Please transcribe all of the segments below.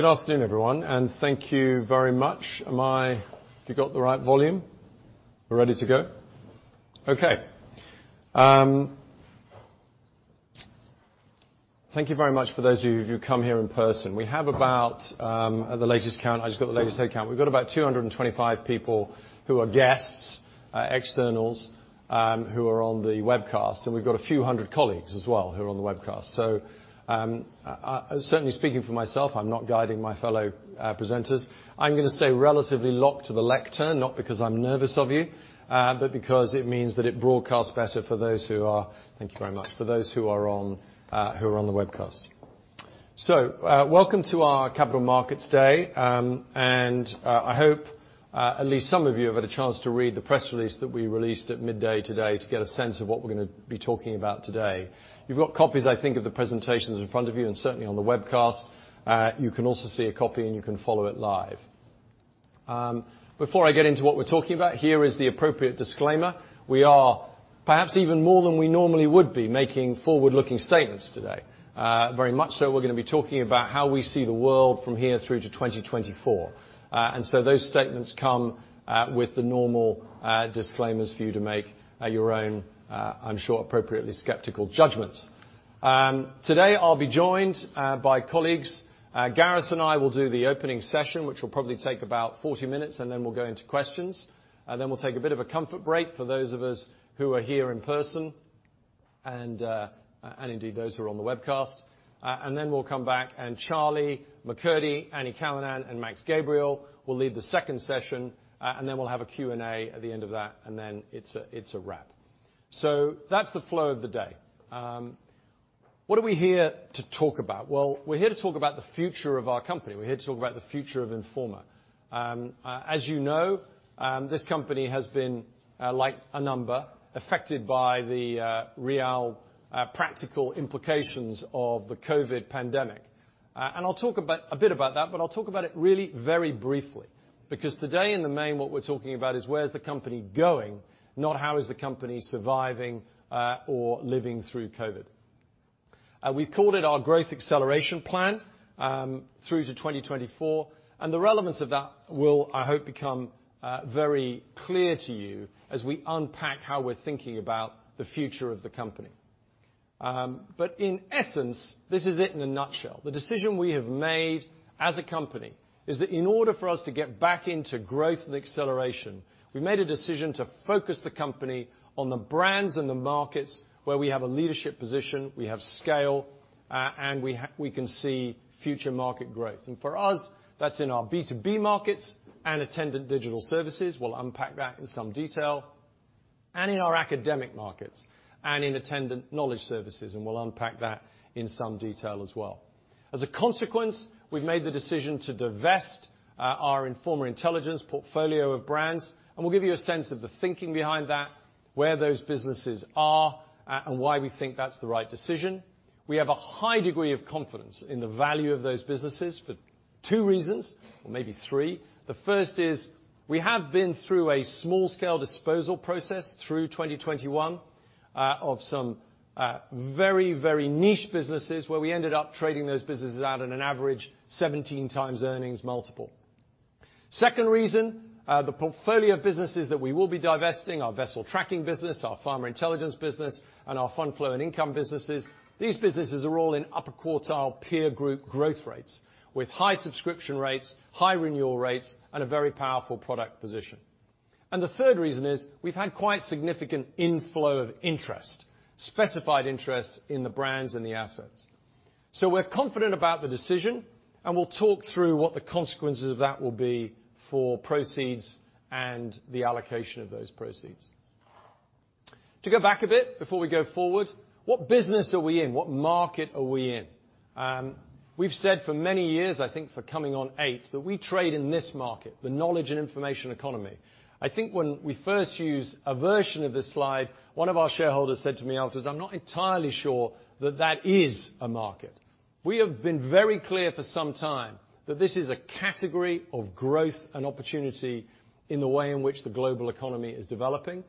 Good afternoon, everyone, and thank you very much. Have you got the right volume? We're ready to go? Okay. Thank you very much for those of you who've come here in person. We have about, at the latest count, I just got the latest head count. We've got about 225 people who are guests, externals, who are on the webcast, and we've got a few hundred colleagues as well who are on the webcast. Certainly speaking for myself, I'm not egging my fellow presenters. I'm gonna stay relatively locked to the lectern, not because I'm nervous of you, but because it means that it broadcasts better for those who are on the webcast. Thank you very much. Welcome to our Capital Markets Day. I hope at least some of you have had a chance to read the press release that we released at midday today to get a sense of what we're gonna be talking about today. You've got copies, I think, of the presentations in front of you and certainly on the webcast. You can also see a copy, and you can follow it live. Before I get into what we're talking about, here is the appropriate disclaimer. We are perhaps even more than we normally would be making forward-looking statements today. Very much so we're gonna be talking about how we see the world from here through to 2024. Those statements come with the normal disclaimers for you to make at your own, I'm sure, appropriately skeptical judgments. Today, I'll be joined by colleagues. Gareth and I will do the opening session, which will probably take about 40 minutes, and then we'll go into questions. Then we'll take a bit of a comfort break for those of us who are here in person and indeed those who are on the webcast. Then we'll come back, and Charlie McCurdy, Annie Callanan, and Max Gabriel will lead the second session, and then we'll have a Q&A at the end of that, and then it's a wrap. That's the flow of the day. What are we here to talk about? Well, we're here to talk about the future of our company. We're here to talk about the future of Informa. As you know, this company has been, like many, affected by the real practical implications of the COVID pandemic. I'll talk about a bit about that, but I'll talk about it really very briefly. Because today in the main, what we're talking about is where's the company going, not how is the company surviving, or living through COVID. We called it our Growth Acceleration Plan through to 2024, and the relevance of that will, I hope, become very clear to you as we unpack how we're thinking about the future of the company. In essence, this is it in a nutshell. The decision we have made as a company is that in order for us to get back into growth and acceleration, we made a decision to focus the company on the brands and the markets where we have a leadership position, we have scale, and we can see future market growth. For us, that's in our B2B markets and attendant digital services. We'll unpack that in some detail, and in our academic markets and in attendant knowledge services. We'll unpack that in some detail as well. As a consequence, we've made the decision to divest our Informa Intelligence portfolio of brands, and we'll give you a sense of the thinking behind that, where those businesses are, and why we think that's the right decision. We have a high degree of confidence in the value of those businesses for two reasons or maybe three. The first is we have been through a small scale disposal process through 2021 of some very niche businesses where we ended up trading those businesses out at an average 17x earnings multiple. Second reason, the portfolio of businesses that we will be divesting, our vessel tracking business, our Pharma Intelligence business, and our fund flow and income businesses. These businesses are all in upper quartile peer group growth rates with high subscription rates, high renewal rates, and a very powerful product position. The third reason is we've had quite significant inflow of interest, specific interest in the brands and the assets. We're confident about the decision, and we'll talk through what the consequences of that will be for proceeds and the allocation of those proceeds. To go back a bit before we go forward, what business are we in? What market are we in? We've said for many years, I think for coming on eight, that we trade in this market, the knowledge and information economy. I think when we first used a version of this slide, one of our shareholders said to me, "Altus, I'm not entirely sure that that is a market." We have been very clear for some time that this is a category of growth and opportunity in the way in which the global economy is developing.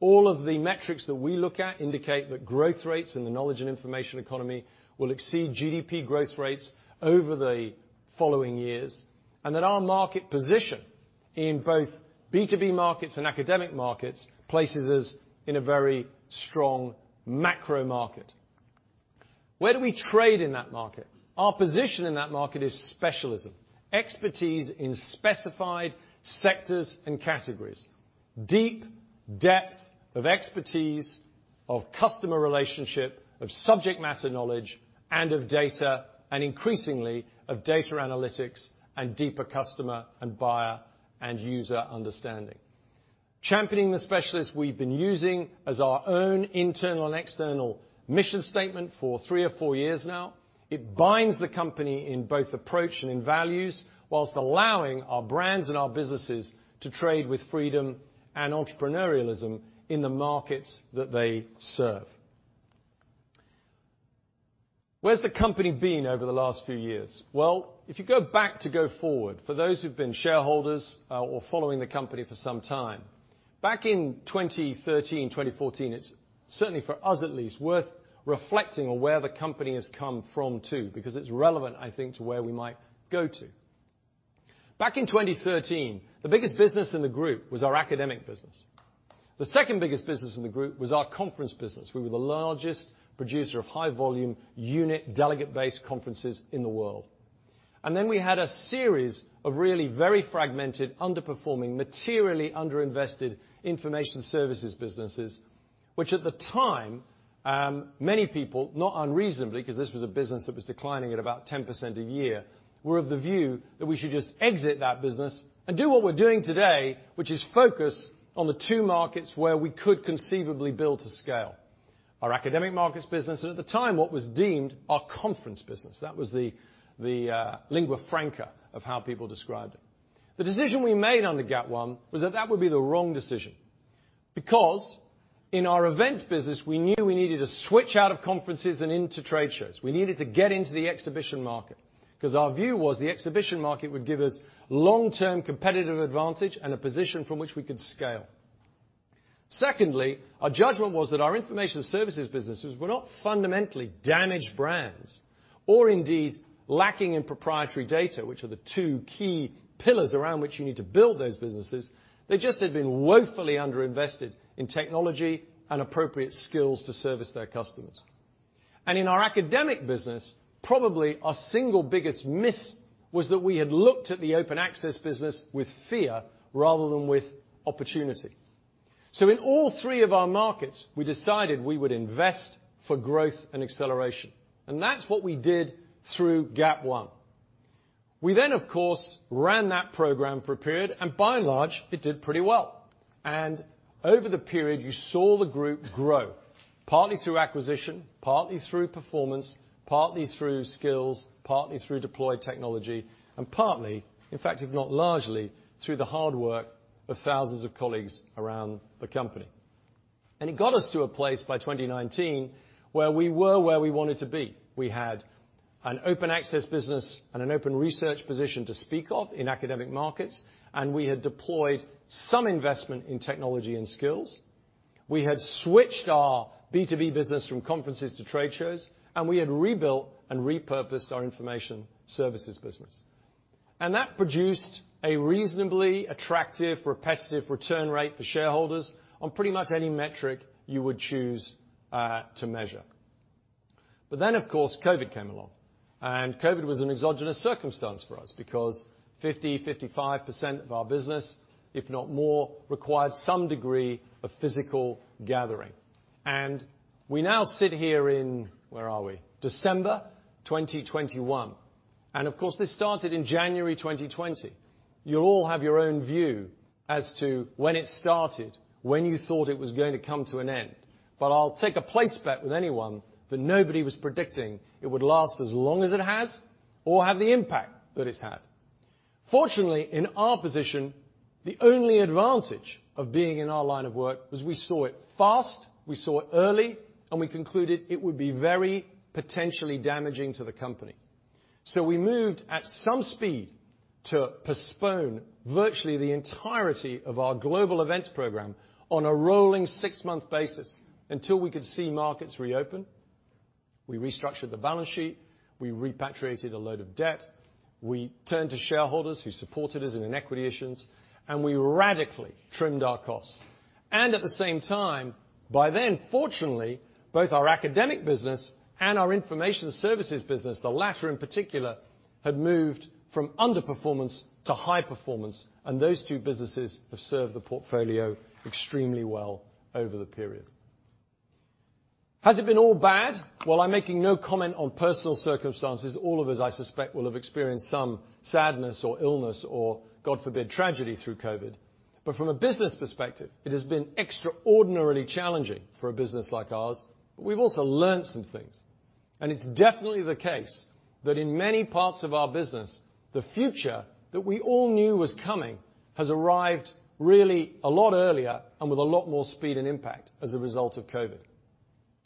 All of the metrics that we look at indicate that growth rates in the knowledge and information economy will exceed GDP growth rates over the following years, and that our market position in both B2B markets and academic markets places us in a very strong macro market. Where do we trade in that market? Our position in that market is specialism, expertise in specified sectors and categories, deep depth of expertise, of customer relationship, of subject matter knowledge, and of data, and increasingly of data analytics and deeper customer and buyer and user understanding. Championing the specialist we've been using as our own internal and external mission statement for three or four years now. It binds the company in both approach and in values while allowing our brands and our businesses to trade with freedom and entrepreneurialism in the markets that they serve. Where's the company been over the last few years? Well, if you go back to go forward, for those who've been shareholders or following the company for some time. Back in 2013, 2014, it's certainly, for us at least, worth reflecting on where the company has come from too, because it's relevant, I think, to where we might go to. Back in 2013, the biggest business in the group was our academic business. The second biggest business in the group was our conference business. We were the largest producer of high-volume unit delegate-based conferences in the world. We had a series of really very fragmented, underperforming, materially underinvested information services businesses, which at the time, many people, not unreasonably, 'cause this was a business that was declining at about 10% a year, were of the view that we should just exit that business and do what we're doing today, which is focus on the two markets where we could conceivably build to scale. Our academic markets business was, at the time, what was deemed our conference business. That was the lingua franca of how people described it. The decision we made under GAP I was that that would be the wrong decision, because in our events business, we knew we needed to switch out of conferences and into trade shows. We needed to get into the exhibition market, 'cause our view was the exhibition market would give us long-term competitive advantage and a position from which we could scale. Secondly, our judgment was that our information services businesses were not fundamentally damaged brands or indeed lacking in proprietary data, which are the two key pillars around which you need to build those businesses. They just had been woefully underinvested in technology and appropriate skills to service their customers. In our academic business, probably our single biggest miss was that we had looked at the open access business with fear rather than with opportunity. In all three of our markets, we decided we would invest for growth and acceleration. That's what we did through GAP I. We then, of course, ran that program for a period, and by and large, it did pretty well. Over the period, you saw the group grow, partly through acquisition, partly through performance, partly through skills, partly through deployed technology, and partly, in fact if not largely, through the hard work of thousands of colleagues around the company. It got us to a place by 2019 where we were where we wanted to be. We had an open access business and an open research position to speak of in academic markets, and we had deployed some investment in technology and skills. We had switched our B2B business from conferences to trade shows, and we had rebuilt and repurposed our information services business. That produced a reasonably attractive, repetitive return rate for shareholders on pretty much any metric you would choose to measure. Then, of course, COVID came along. COVID was an exogenous circumstance for us because 50%-55% of our business, if not more, required some degree of physical gathering. We now sit here in December 2021. Of course, this started in January 2020. You'll all have your own view as to when it started, when you thought it was going to come to an end. I'll place a bet with anyone that nobody was predicting it would last as long as it has or have the impact that it's had. Fortunately, in our position, the only advantage of being in our line of work was we saw it fast, we saw it early, and we concluded it would be very potentially damaging to the company. We moved at some speed to postpone virtually the entirety of our global events program on a rolling six-month basis until we could see markets reopen. We restructured the balance sheet, we repatriated a load of debt, we turned to shareholders who supported us in equity issues, and we radically trimmed our costs. At the same time, by then, fortunately, both our academic business and our information services business, the latter in particular, had moved from underperformance to high performance, and those two businesses have served the portfolio extremely well over the period. Has it been all bad? While I'm making no comment on personal circumstances, all of us, I suspect, will have experienced some sadness or illness or, God forbid, tragedy through COVID. From a business perspective, it has been extraordinarily challenging for a business like ours, but we've also learned some things. It's definitely the case that in many parts of our business, the future that we all knew was coming has arrived really a lot earlier and with a lot more speed and impact as a result of COVID.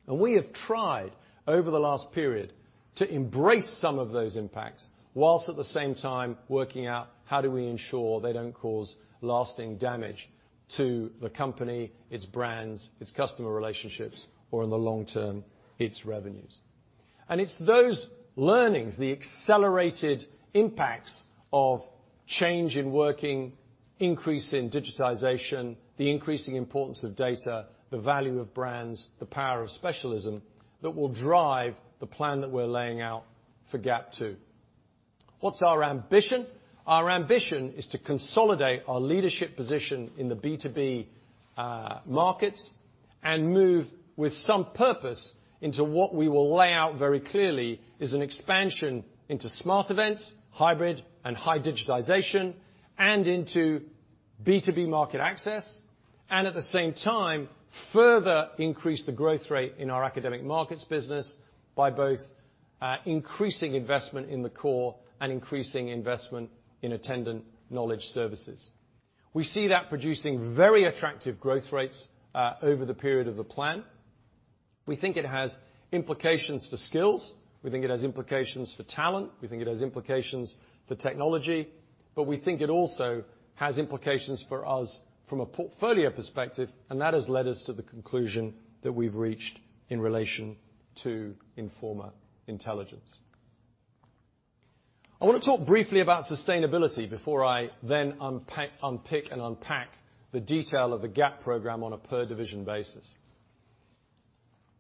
We have tried over the last period to embrace some of those impacts while at the same time working out how do we ensure they don't cause lasting damage to the company, its brands, its customer relationships, or in the long term, its revenues. It's those learnings, the accelerated impacts of change in working, increase in digitization, the increasing importance of data, the value of brands, the power of specialism that will drive the plan that we're laying out for GAP II. What's our ambition? Our ambition is to consolidate our leadership position in the B2B markets and move with some purpose into what we will lay out very clearly is an expansion into smart events, hybrid and high digitization, and into B2B market access, and at the same time, further increase the growth rate in our academic markets business by both increasing investment in the core and increasing investment in attendant knowledge services. We see that producing very attractive growth rates over the period of the plan. We think it has implications for skills. We think it has implications for talent. We think it has implications for technology. We think it also has implications for us from a portfolio perspective, and that has led us to the conclusion that we've reached in relation to Informa Intelligence. I wanna talk briefly about sustainability before I then unpick and unpack the detail of the GAP program on a per division basis.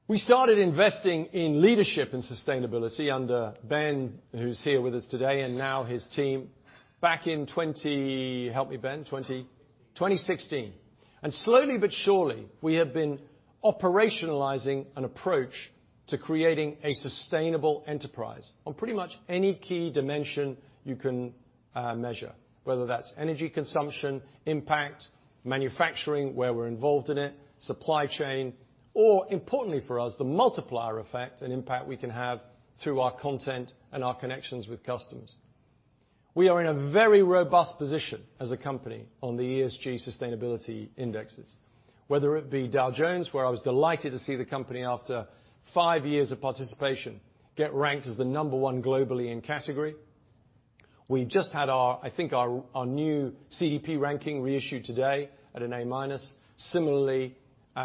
We started investing in leadership and sustainability under Ben, who's here with us today, and now his team back in 20. Help me, Ben, 20 2016. Slowly but surely, we have been operationalizing an approach to creating a sustainable enterprise on pretty much any key dimension you can measure, whether that's energy consumption, impact, manufacturing, where we're involved in it, supply chain, or importantly for us, the multiplier effect and impact we can have through our content and our connections with customers. We are in a very robust position as a company on the ESG sustainability indexes. Whether it be Dow Jones, where I was delighted to see the company after five years of participation get ranked as the number one globally in category. We just had our new CDP ranking reissued today at an A-minus. Similarly,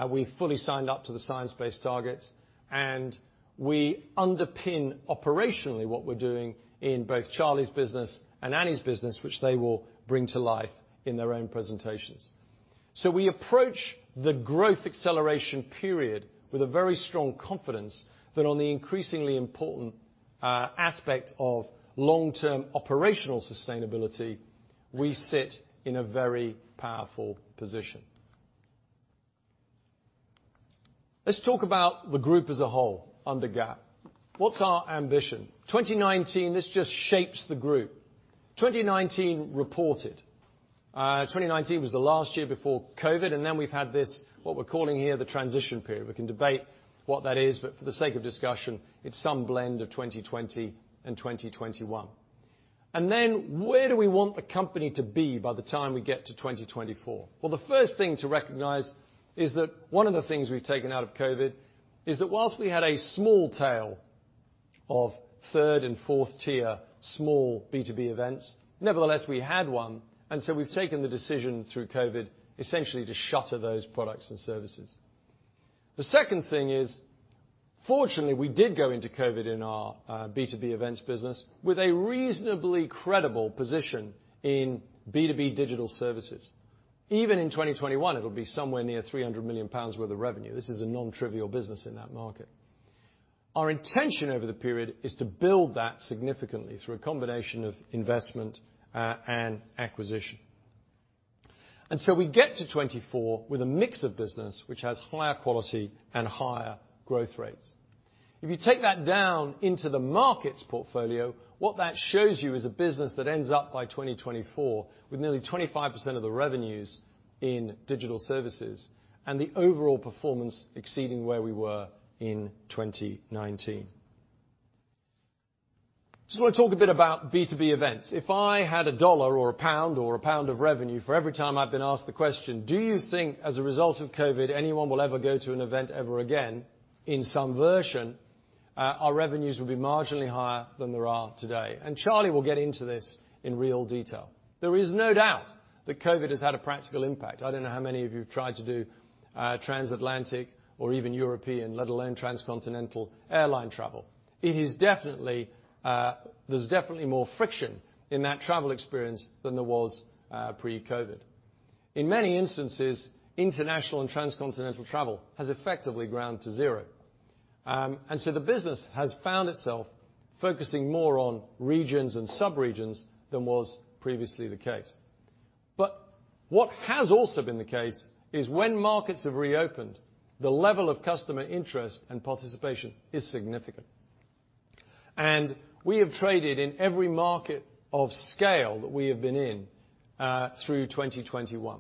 we fully signed up to the science-based targets, and we underpin operationally what we're doing in both Charlie's business and Annie's business, which they will bring to life in their own presentations. We approach the growth acceleration period with a very strong confidence that on the increasingly important aspect of long-term operational sustainability, we sit in a very powerful position. Let's talk about the group as a whole under GAP. What's our ambition? 2019, this just shapes the group. 2019 reported. 2019 was the last year before COVID, and then we've had this, what we're calling here the transition period. We can debate what that is, but for the sake of discussion, it's some blend of 2020 and 2021. Where do we want the company to be by the time we get to 2024? Well, the first thing to recognize is that one of the things we've taken out of COVID is that whilst we had a small tail of third and fourth tier small B2B events, nevertheless we had one, and so we've taken the decision through COVID essentially to shutter those products and services. The second thing is, fortunately, we did go into COVID in our B2B events business with a reasonably credible position in B2B digital services. Even in 2021, it'll be somewhere near 300 million pounds worth of revenue. This is a non-trivial business in that market. Our intention over the period is to build that significantly through a combination of investment and acquisition. We get to 2024 with a mix of business which has higher quality and higher growth rates. If you take that down into the markets portfolio, what that shows you is a business that ends up by 2024 with nearly 25% of the revenues in digital services and the overall performance exceeding where we were in 2019. Just wanna talk a bit about B2B events. If I had a dollar or a pound or a pound of revenue for every time I've been asked the question, do you think as a result of COVID, anyone will ever go to an event ever again? In some version, our revenues will be marginally higher than there are today. Charlie will get into this in real detail. There is no doubt that COVID has had a practical impact. I don't know how many of you have tried to do, transatlantic or even European, let alone transcontinental airline travel. It is definitely, there's definitely more friction in that travel experience than there was, pre-COVID. In many instances, international and transcontinental travel has effectively ground to zero. The business has found itself focusing more on regions and sub-regions than was previously the case. What has also been the case is when markets have reopened, the level of customer interest and participation is significant. We have traded in every market of scale that we have been in, through 2021.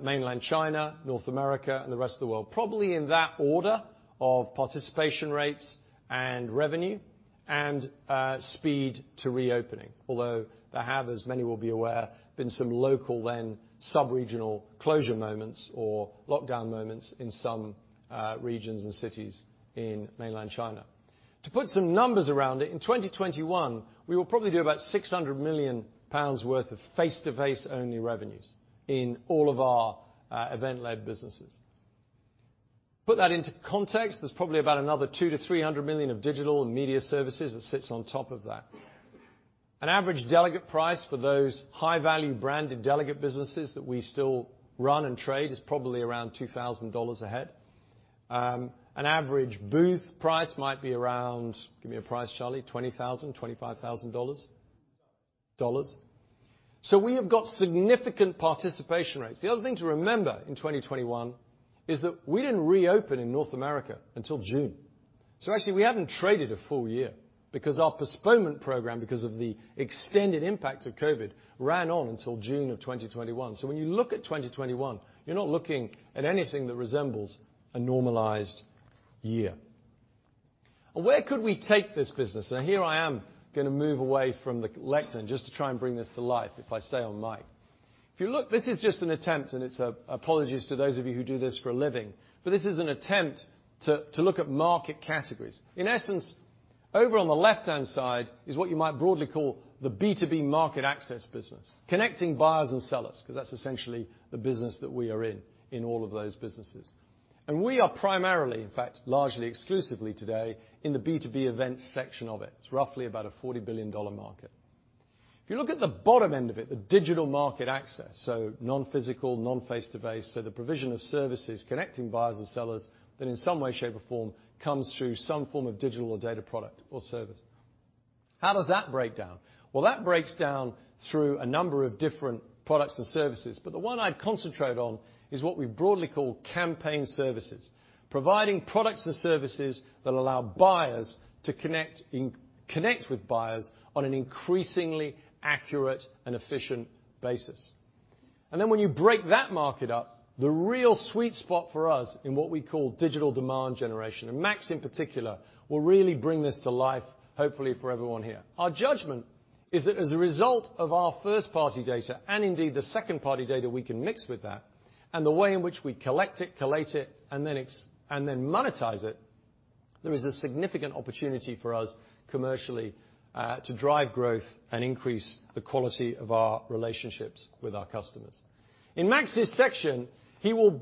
Mainland China, North America, and the rest of the world, probably in that order of participation rates and revenue and, speed to reopening. Although there have, as many will be aware, been some local then sub-regional closure moments or lockdown moments in some, regions and cities in Mainland China. To put some numbers around it, in 2021, we will probably do about 600 million pounds worth of face-to-face only revenues in all of our event-led businesses. Put that into context, there's probably about another 200 million-300 million of digital and media services that sits on top of that. An average delegate price for those high-value branded delegate businesses that we still run and trade is probably around $2,000 a head. An average booth price might be around, give me a price, Charlie. $20,000-$25,000 We have got significant participation rates. The other thing to remember in 2021 is that we didn't reopen in North America until June. Actually, we haven't traded a full year because our postponement program, because of the extended impact of COVID, ran on until June of 2021. When you look at 2021, you're not looking at anything that resembles a normalized year. Where could we take this business? Now here I am gonna move away from the lectern just to try and bring this to life, if I stay on mic. If you look, this is just an attempt, and it's apologies to those of you who do this for a living, but this is an attempt to look at market categories. In essence, over on the left-hand side is what you might broadly call the B2B market access business, connecting buyers and sellers, 'cause that's essentially the business that we are in all of those businesses. We are primarily, in fact, largely exclusively today in the B2B event section of it. It's roughly about a $40 billion market. If you look at the bottom end of it, the digital market access, so non-physical, non-face-to-face, so the provision of services connecting buyers and sellers that in some way, shape, or form comes through some form of digital or data product or service. How does that break down? Well, that breaks down through a number of different products and services, but the one I'd concentrate on is what we broadly call campaign services, providing products and services that allow buyers to connect in, connect with buyers on an increasingly accurate and efficient basis. Then when you break that market up, the real sweet spot focus in what we call digital demand generation, and Max in particular will really bring this to life, hopefully for everyone here. Our judgment is that as a result of our first-party data, and indeed the second-party data we can mix with that, and the way in which we collect it, collate it, and then monetize it, there is a significant opportunity for us commercially, to drive growth and increase the quality of our relationships with our customers. In Max's section, he will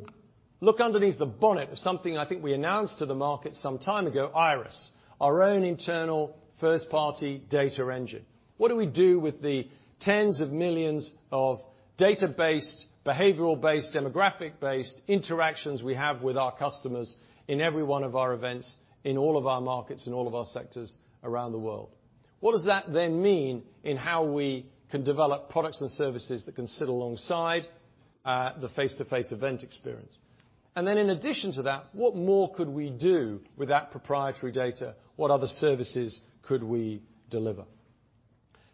look underneath the bonnet of something I think we announced to the market some time ago, IIRIS, our own internal first-party data engine. What do we do with the tens of millions of data-based, behavioral-based, demographic-based interactions we have with our customers in every one of our events, in all of our markets, in all of our sectors around the world? What does that then mean in how we can develop products and services that can sit alongside the face-to-face event experience? In addition to that, what more could we do with that proprietary data? What other services could we deliver?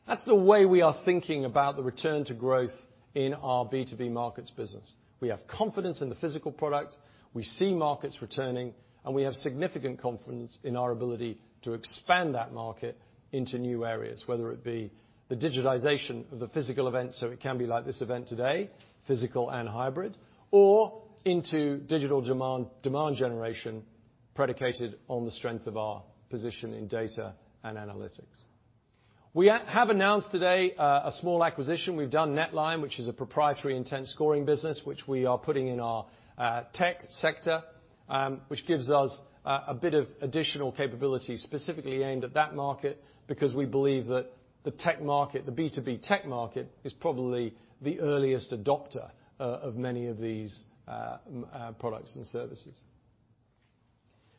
That's the way we are thinking about the return to growth in our B2B markets business. We have confidence in the physical product. We see markets returning, and we have significant confidence in our ability to expand that market into new areas, whether it be the digitization of the physical event, so it can be like this event today, physical and hybrid, or into digital demand generation predicated on the strength of our position in data and analytics. We have announced today a small acquisition. We've done NetLine, which is a proprietary intent scoring business, which we are putting in our tech sector, which gives us a bit of additional capability specifically aimed at that market because we believe that the tech market, the B2B tech market, is probably the earliest adopter of many of these products and services.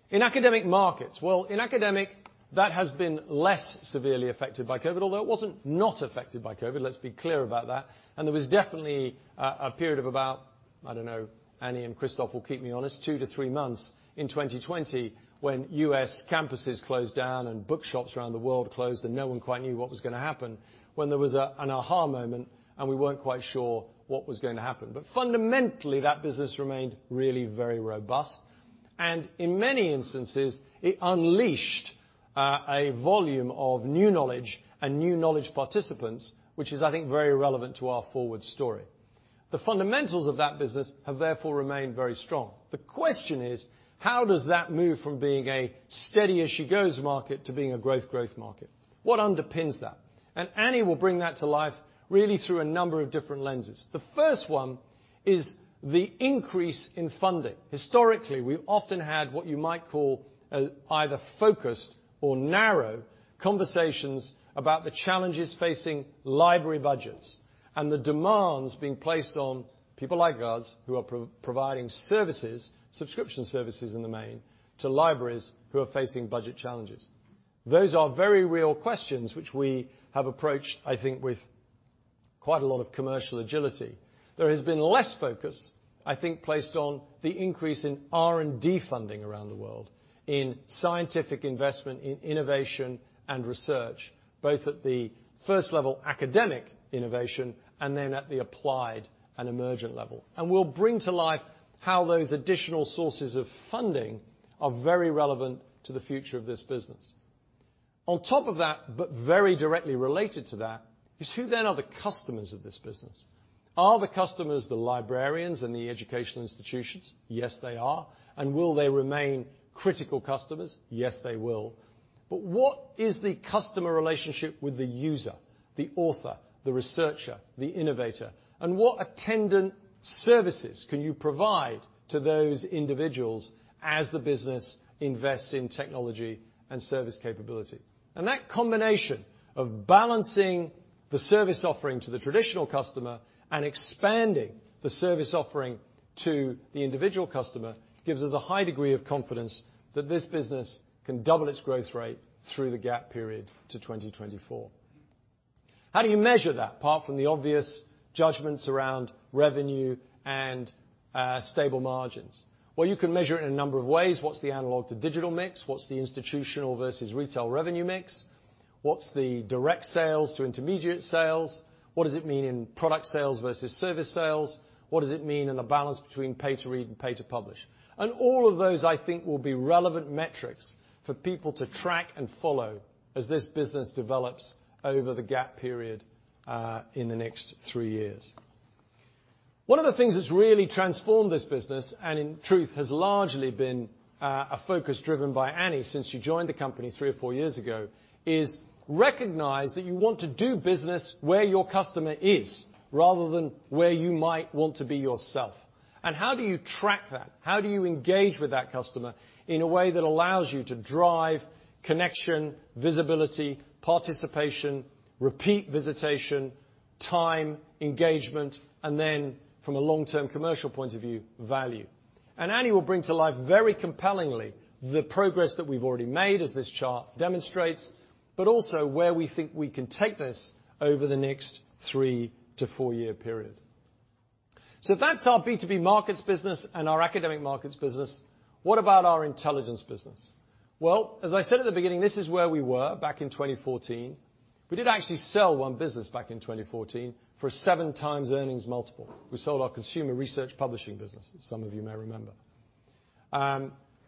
In academic markets, well, in academic, that has been less severely affected by COVID, although it wasn't not affected by COVID, let's be clear about that. There was definitely a period of about, I don't know, Annie and Christoph will keep me honest, 2-3 months in 2020 when U.S. campuses closed down and bookstores around the world closed, and no one quite knew what was gonna happen when there was an aha moment, and we weren't quite sure what was going to happen. Fundamentally, that business remained really very robust. In many instances, it unleashed a volume of new knowledge and new knowledge participants, which is, I think, very relevant to our forward story. The fundamentals of that business have therefore remained very strong. The question is, how does that move from being a steady as she goes market to being a growth market? What underpins that? Annie will bring that to life really through a number of different lenses. The first one is the increase in funding. Historically, we've often had what you might call, either focused or narrow conversations about the challenges facing library budgets and the demands being placed on people like us who are providing services, subscription services in the main, to libraries who are facing budget challenges. Those are very real questions which we have approached, I think, with quite a lot of commercial agility. There has been less focus, I think, placed on the increase in R&D funding around the world, in scientific investment, in innovation and research, both at the first-level academic innovation and then at the applied and emergent level. We'll bring to life how those additional sources of funding are very relevant to the future of this business. On top of that, but very directly related to that, is who then are the customers of this business? Are the customers the librarians and the educational institutions? Yes, they are. Will they remain critical customers? Yes, they will. What is the customer relationship with the user, the author, the researcher, the innovator? What attendant services can you provide to those individuals as the business invests in technology and service capability? That combination of balancing the service offering to the traditional customer and expanding the service offering to the individual customer gives us a high degree of confidence that this business can double its growth rate through the gap period to 2024. How do you measure that, apart from the obvious judgments around revenue and stable margins? Well, you can measure it in a number of ways. What's the analog to digital mix? What's the institutional versus retail revenue mix? What's the direct sales to intermediate sales? What does it mean in product sales versus service sales? What does it mean in the balance between pay-to-read and pay-to-publish? All of those, I think, will be relevant metrics for people to track and follow as this business develops over the gap period in the next three years. One of the things that's really transformed this business, and in truth has largely been a focus driven by Annie since she joined the company three or four years ago, is recognize that you want to do business where your customer is, rather than where you might want to be yourself. How do you track that? How do you engage with that customer in a way that allows you to drive connection, visibility, participation, repeat visitation, time, engagement, and then from a long-term commercial point of view, value? Annie will bring to life very compellingly the progress that we've already made as this chart demonstrates, but also where we think we can take this over the next 3-4 year period. That's our B2B markets business and our academic markets business. What about our intelligence business? Well, as I said at the beginning, this is where we were back in 2014. We did actually sell one business back in 2014 for 7x earnings multiple. We sold our consumer research publishing business, as some of you may remember.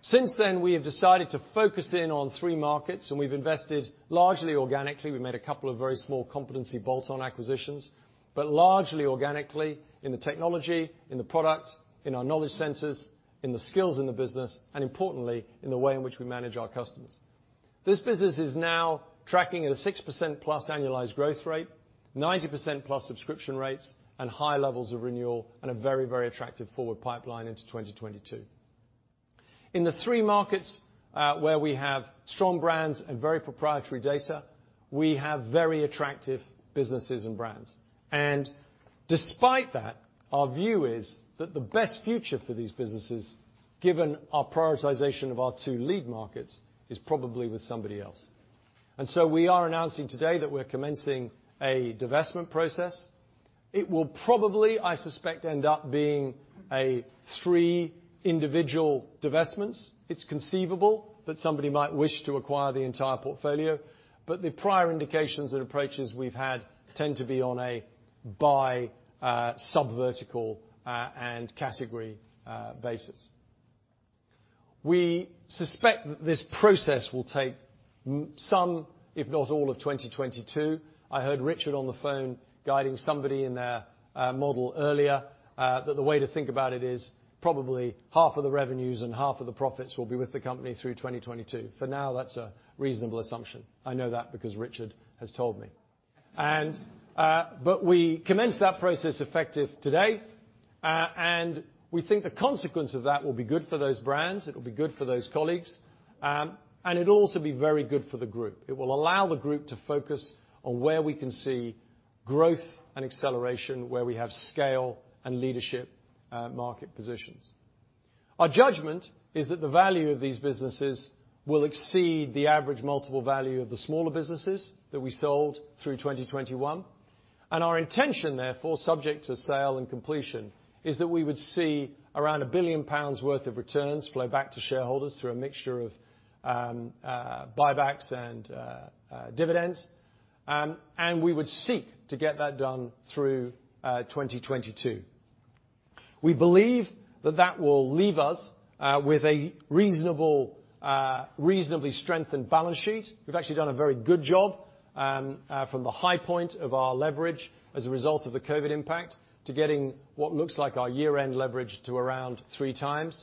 Since then, we have decided to focus in on three markets, and we've invested largely organically. We made a couple of very small competency bolt-on acquisitions, but largely organically in the technology, in the product, in our knowledge centers, in the skills in the business, and importantly, in the way in which we manage our customers. This business is now tracking at a 6%+ annualized growth rate, 90%+ subscription rates, and high levels of renewal, and a very, very attractive forward pipeline into 2022. In the three markets where we have strong brands and very proprietary data, we have very attractive businesses and brands. Despite that, our view is that the best future for these businesses, given our prioritization of our two lead markets, is probably with somebody else. We are announcing today that we're commencing a divestment process. It will probably, I suspect, end up being three individual divestments. It's conceivable that somebody might wish to acquire the entire portfolio. The prior indications and approaches we've had tend to be on a buy sub-vertical and category basis. We suspect that this process will take some, if not all, of 2022. I heard Richard on the phone guiding somebody in their model earlier that the way to think about it is probably half of the revenues and half of the profits will be with the company through 2022. For now, that's a reasonable assumption. I know that because Richard has told me. We commenced that process effective today and we think the consequence of that will be good for those brands, it'll be good for those colleagues, and it'll also be very good for the group. It will allow the group to focus on where we can see growth and acceleration, where we have scale and leadership, market positions. Our judgment is that the value of these businesses will exceed the average multiple value of the smaller businesses that we sold through 2021. Our intention, therefore, subject to sale and completion, is that we would see around 1 billion pounds worth of returns flow back to shareholders through a mixture of buybacks and dividends. We would seek to get that done through 2022. We believe that that will leave us with a reasonable, reasonably strengthened balance sheet. We've actually done a very good job from the high point of our leverage as a result of the COVID impact to getting what looks like our year-end leverage to around 3x.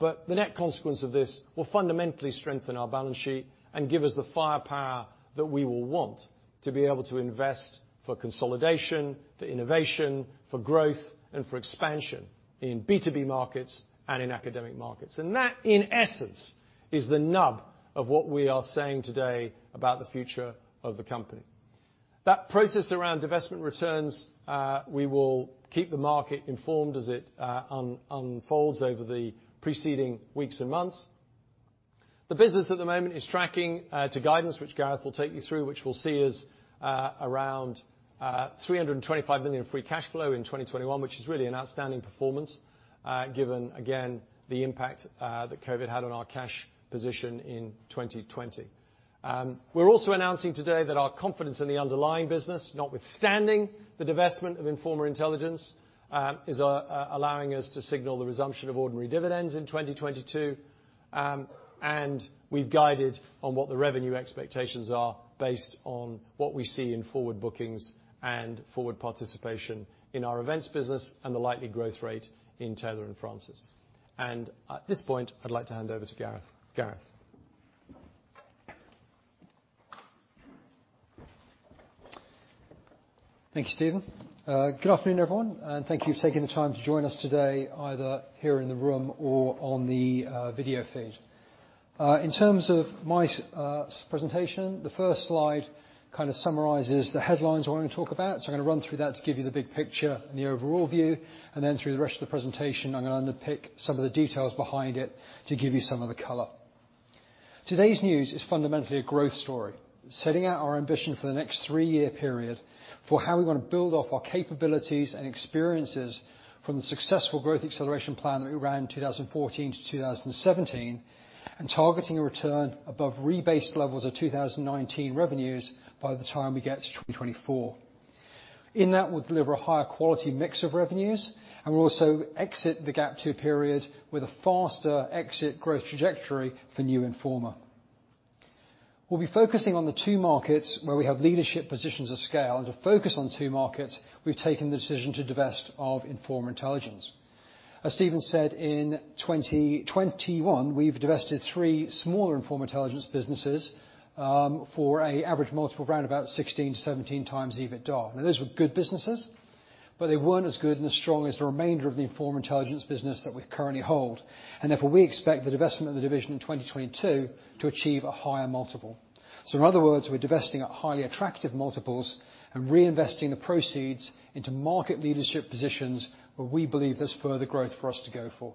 The net consequence of this will fundamentally strengthen our balance sheet and give us the firepower that we will want to be able to invest for consolidation, for innovation, for growth, and for expansion in B2B markets and in academic markets. That, in essence, is the nub of what we are saying today about the future of the company. That process around divestment returns, we will keep the market informed as it unfolds over the preceding weeks and months. The business at the moment is tracking to guidance, which Gareth will take you through, which we'll see is around 325 million free cash flow in 2021, which is really an outstanding performance, given, again, the impact that COVID had on our cash position in 2020. We're also announcing today that our confidence in the underlying business, notwithstanding the divestment of Informa Intelligence, is allowing us to signal the resumption of ordinary dividends in 2022. We've guided on what the revenue expectations are based on what we see in forward bookings and forward participation in our events business and the likely growth rate in Taylor & Francis. At this point, I'd like to hand over to Gareth. Gareth? Thank you, Stephen. Good afternoon, everyone. Thank you for taking the time to join us today, either here in the room or on the video feed. In terms of my presentation, the first slide kind of summarizes the headlines I wanna talk about. I'm gonna run through that to give you the big picture and the overall view. Through the rest of the presentation, I'm gonna unpick some of the details behind it to give you some of the color. Today's news is fundamentally a growth story, setting out our ambition for the next three-year period for how we wanna build off our capabilities and experiences from the successful growth acceleration plan that we ran in 2014 to 2017 and targeting a return above rebased levels of 2019 revenues by the time we get to 2024. In that, we'll deliver a higher quality mix of revenues, and we'll also exit the GAP II period with a faster exit growth trajectory for new Informa. We'll be focusing on the two markets where we have leadership positions of scale. To focus on two markets, we've taken the decision to divest of Informa Intelligence. As Stephen said, in 2021, we've divested three smaller Informa Intelligence businesses for an average multiple of around about 16-17x EBITDA. Now, those were good businesses, but they weren't as good and as strong as the remainder of the Informa Intelligence business that we currently hold. Therefore, we expect the divestment of the division in 2022 to achieve a higher multiple. In other words, we're divesting at highly attractive multiples and reinvesting the proceeds into market leadership positions where we believe there's further growth for us to go for.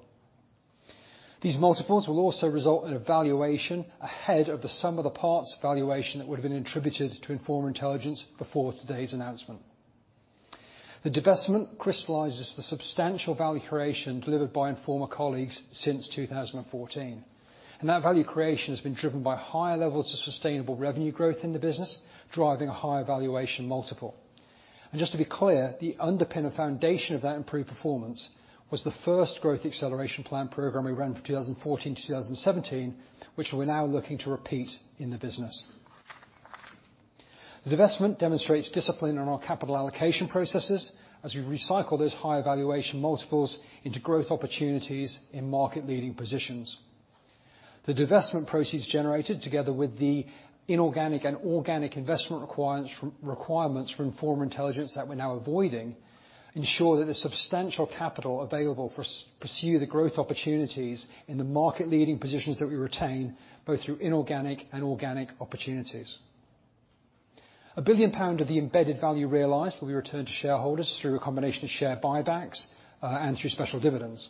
These multiples will also result in a valuation ahead of the sum of the parts valuation that would have been attributed to Informa Intelligence before today's announcement. The divestment crystallizes the substantial value creation delivered by Informa colleagues since 2014, and that value creation has been driven by higher levels of sustainable revenue growth in the business, driving a higher valuation multiple. Just to be clear, the underpinning and foundation of that improved performance was the first Growth Acceleration Plan program we ran from 2014 to 2017, which we're now looking to repeat in the business. The divestment demonstrates discipline around capital allocation processes as we recycle those higher valuation multiples into growth opportunities in market-leading positions. The divestment proceeds generated together with the inorganic and organic investment requirements from Informa Intelligence that we're now avoiding ensure that there's substantial capital available to pursue the growth opportunities in the market-leading positions that we retain, both through inorganic and organic opportunities. 1 billion pound of the embedded value realized will be returned to shareholders through a combination of share buybacks and through special dividends.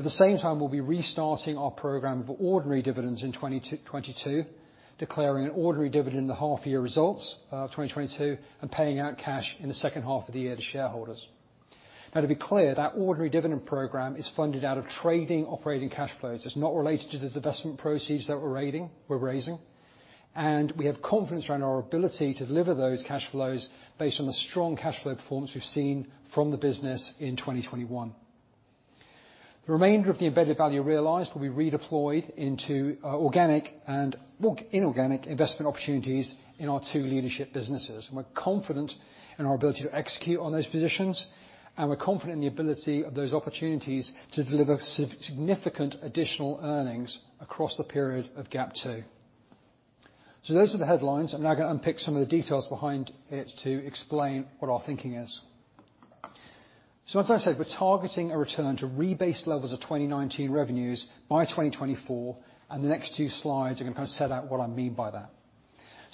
At the same time, we'll be restarting our program of ordinary dividends in 2022, declaring an ordinary dividend in the half-year results of 2022, and paying out cash in the second half of the year to shareholders. Now, to be clear, that ordinary dividend program is funded out of trading operating cash flows. It's not related to the divestment proceeds that we're raising, and we have confidence around our ability to deliver those cash flows based on the strong cash flow performance we've seen from the business in 2021. The remainder of the embedded value realized will be redeployed into organic and inorganic investment opportunities in our two leadership businesses. We're confident in our ability to execute on those positions, and we're confident in the ability of those opportunities to deliver significant additional earnings across the period of GAP II. Those are the headlines. I'm now gonna unpick some of the details behind it to explain what our thinking is. As I said, we're targeting a return to rebased levels of 2019 revenues by 2024, and the next two slides are gonna kind of set out what I mean by that.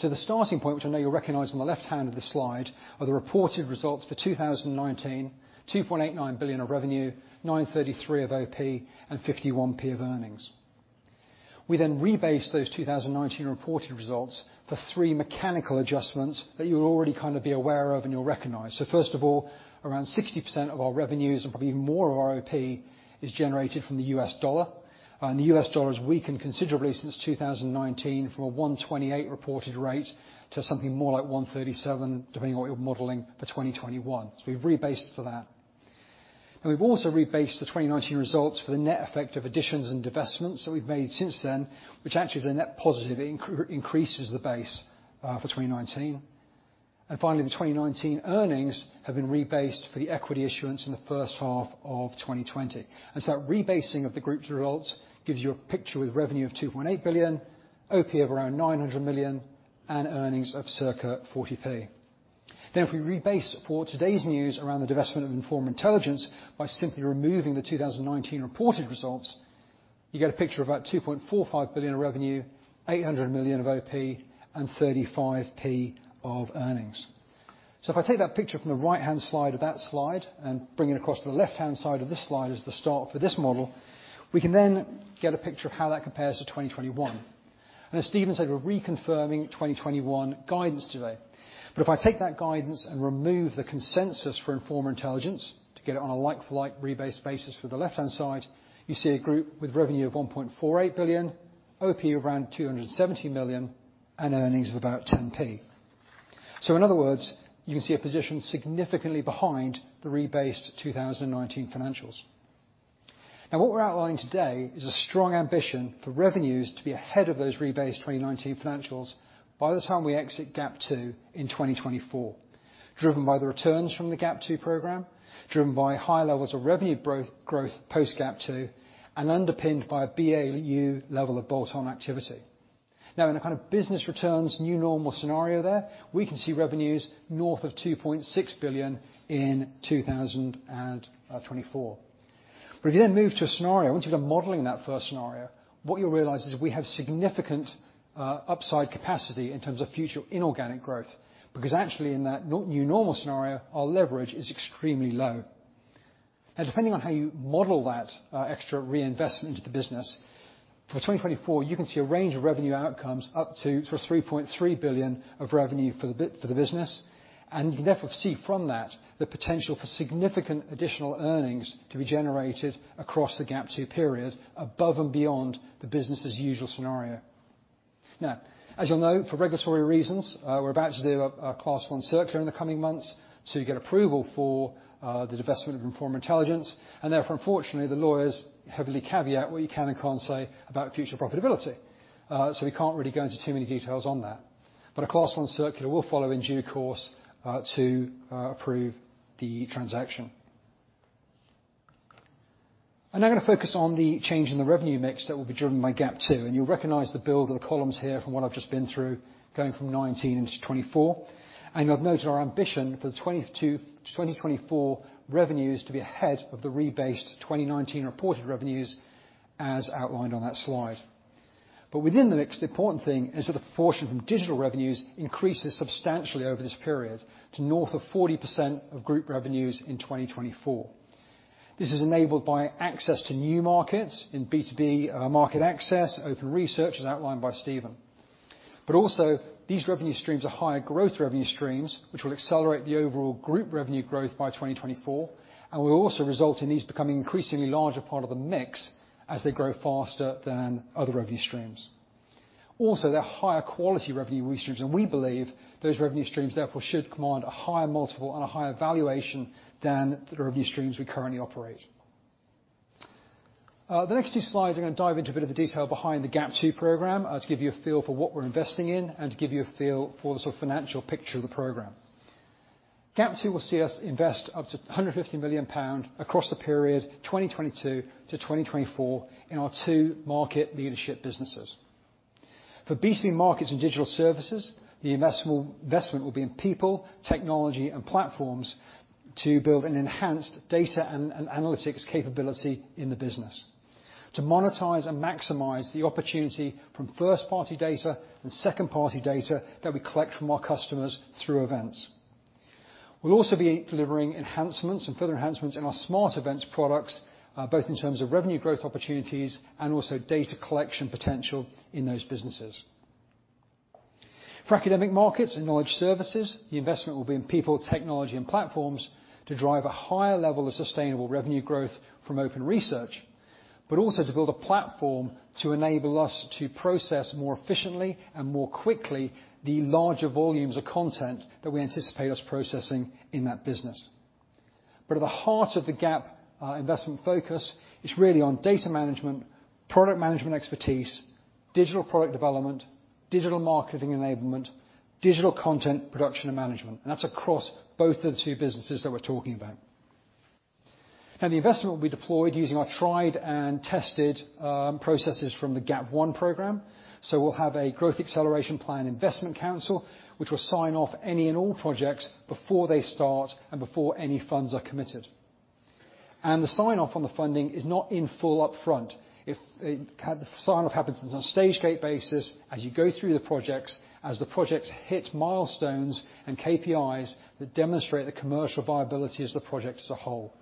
The starting point, which I know you'll recognize on the left hand of the slide, are the reported results for 2019, 2.89 billion of revenue, 933 of OP, and 51p of earnings. We then rebase those 2019 reported results for three mechanical adjustments that you'll already kinda be aware of and you'll recognize. First of all, around 60% of our revenues and probably even more of our OP is generated from the U.S. dollar, and the U.S. dollar has weakened considerably since 2019 from a 1.28 reported rate to something more like 1.37, depending on what you're modeling for 2021. We've rebased for that. Now we've also rebased the 2019 results for the net effect of additions and divestments that we've made since then, which actually is a net positive. It increases the base for 2019. Finally, the 2019 earnings have been rebased for the equity issuance in the first half of 2020. That rebasing of the group's results gives you a picture with revenue of 2.8 billion, OP of around 900 million, and earnings of circa 40p. If we rebase for today's news around the divestment of Informa Intelligence by simply removing the 2019 reported results, you get a picture of about 2.45 billion of revenue, 800 million of OP, and 35p of earnings. If I take that picture from the right-hand side of that slide and bring it across to the left-hand side of this slide as the start for this model, we can then get a picture of how that compares to 2021. As Stephen said, we're reconfirming 2021 guidance today. If I take that guidance and remove the consensus for Informa Intelligence to get it on a like-for-like rebased basis for the left-hand side, you see a group with revenue of 1.48 billion, OP of around 270 million, and earnings of about 10p. In other words, you can see a position significantly behind the rebased 2019 financials. Now, what we're outlining today is a strong ambition for revenues to be ahead of those rebased 2019 financials by the time we exit GAP II in 2024, driven by the returns from the GAP II program, driven by high levels of revenue growth post GAP II, and underpinned by a BAU level of bolt-on activity. Now, in a kind of business returns new normal scenario there, we can see revenues north of 2.6 billion in 2024. If you then move to a scenario, once you've done modeling that first scenario, what you'll realize is we have significant upside capacity in terms of future inorganic growth, because actually, in that new normal scenario, our leverage is extremely low. Depending on how you model that extra reinvestment into the business, for 2024, you can see a range of revenue outcomes up to sort of 3.3 billion of revenue for the business. You can therefore see from that the potential for significant additional earnings to be generated across the GAP II period above and beyond the business' usual scenario. As you'll know, for regulatory reasons, we're about to do a Class 1 circular in the coming months to get approval for the divestment of Informa Intelligence. Therefore, unfortunately, the lawyers heavily caveat what you can and can't say about future profitability. So we can't really go into too many details on that. A Class 1 circular will follow in due course to approve the transaction. I'm now gonna focus on the change in the revenue mix that will be driven by GAP II, and you'll recognize the build of the columns here from what I've just been through, going from 2019 into 2024. You'll have noted our ambition for the 2022 to 2024 revenues to be ahead of the rebased 2019 reported revenues as outlined on that slide. Within the mix, the important thing is that the portion from digital revenues increases substantially over this period to north of 40% of group revenues in 2024. This is enabled by access to new markets in B2B, market access, open research, as outlined by Stephen. Also, these revenue streams are higher growth revenue streams, which will accelerate the overall group revenue growth by 2024, and will also result in these becoming an increasingly larger part of the mix as they grow faster than other revenue streams. Also, they're higher quality revenue streams, and we believe those revenue streams therefore should command a higher multiple and a higher valuation than the revenue streams we currently operate. The next two slides are gonna dive into a bit of the detail behind the GAP II program to give you a feel for what we're investing in and to give you a feel for the sort of financial picture of the program. GAP II will see us invest up to 150 million pound across the period 2022 to 2024 in our two market leadership businesses. For B2B markets and digital services, the investable investment will be in people, technology, and platforms to build an enhanced data and analytics capability in the business to monetize and maximize the opportunity from first-party data and second-party data that we collect from our customers through events. We'll also be delivering enhancements and further enhancements in our smart events products, both in terms of revenue growth opportunities and also data collection potential in those businesses. For academic markets and knowledge services, the investment will be in people, technology, and platforms to drive a higher level of sustainable revenue growth from open research, but also to build a platform to enable us to process more efficiently and more quickly the larger volumes of content that we anticipate processing in that business. At the heart of the GAP investment focus is really on data management, product management expertise, digital product development, digital marketing enablement, digital content production and management. That's across both of the two businesses that we're talking about. Now the investment will be deployed using our tried and tested processes from the GAP 1 program. We'll have a Growth Acceleration Plan investment council, which will sign off any and all projects before they start and before any funds are committed. The sign-off on the funding is not in full up front, it kind of happens on a stage gate basis as you go through the projects, as the projects hit milestones and KPIs that demonstrate the commercial viability of the project as a whole.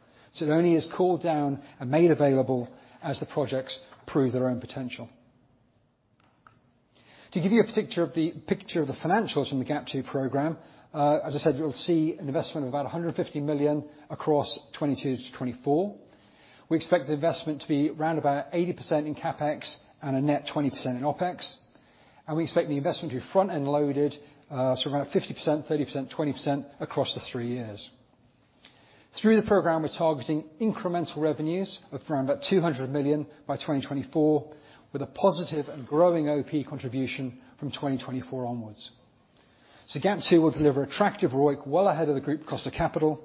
It only is called down and made available as the projects prove their own potential. To give you a picture of the financials from the GAP II program, as I said, you'll see an investment of about 150 million across 2022 to 2024. We expect the investment to be around about 80% in CapEx and a net 20% in OpEx. We expect the investment to be front-end loaded, so around 50%, 30%, 20% across the three years. Through the program, we're targeting incremental revenues of around about 200 million by 2024, with a positive and growing OP contribution from 2024 onwards. GAP II will deliver attractive ROIC well ahead of the group cost of capital.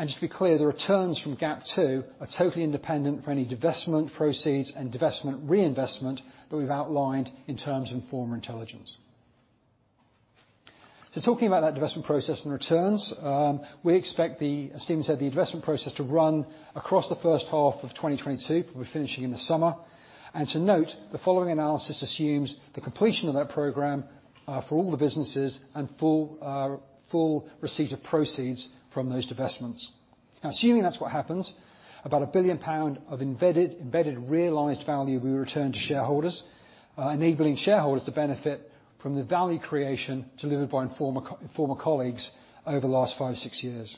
Just to be clear, the returns from GAP II are totally independent of any divestment proceeds and divestment reinvestment that we've outlined in terms of Informa Intelligence. Talking about that divestment process and returns, we expect the, as Stephen said, the investment process to run across the first half of 2022, probably finishing in the summer. To note, the following analysis assumes the completion of that program for all the businesses and full receipt of proceeds from those divestments. Now assuming that's what happens, about 1 billion pound of embedded realized value will be returned to shareholders, enabling shareholders to benefit from the value creation delivered by Informa colleagues over the last five, six years.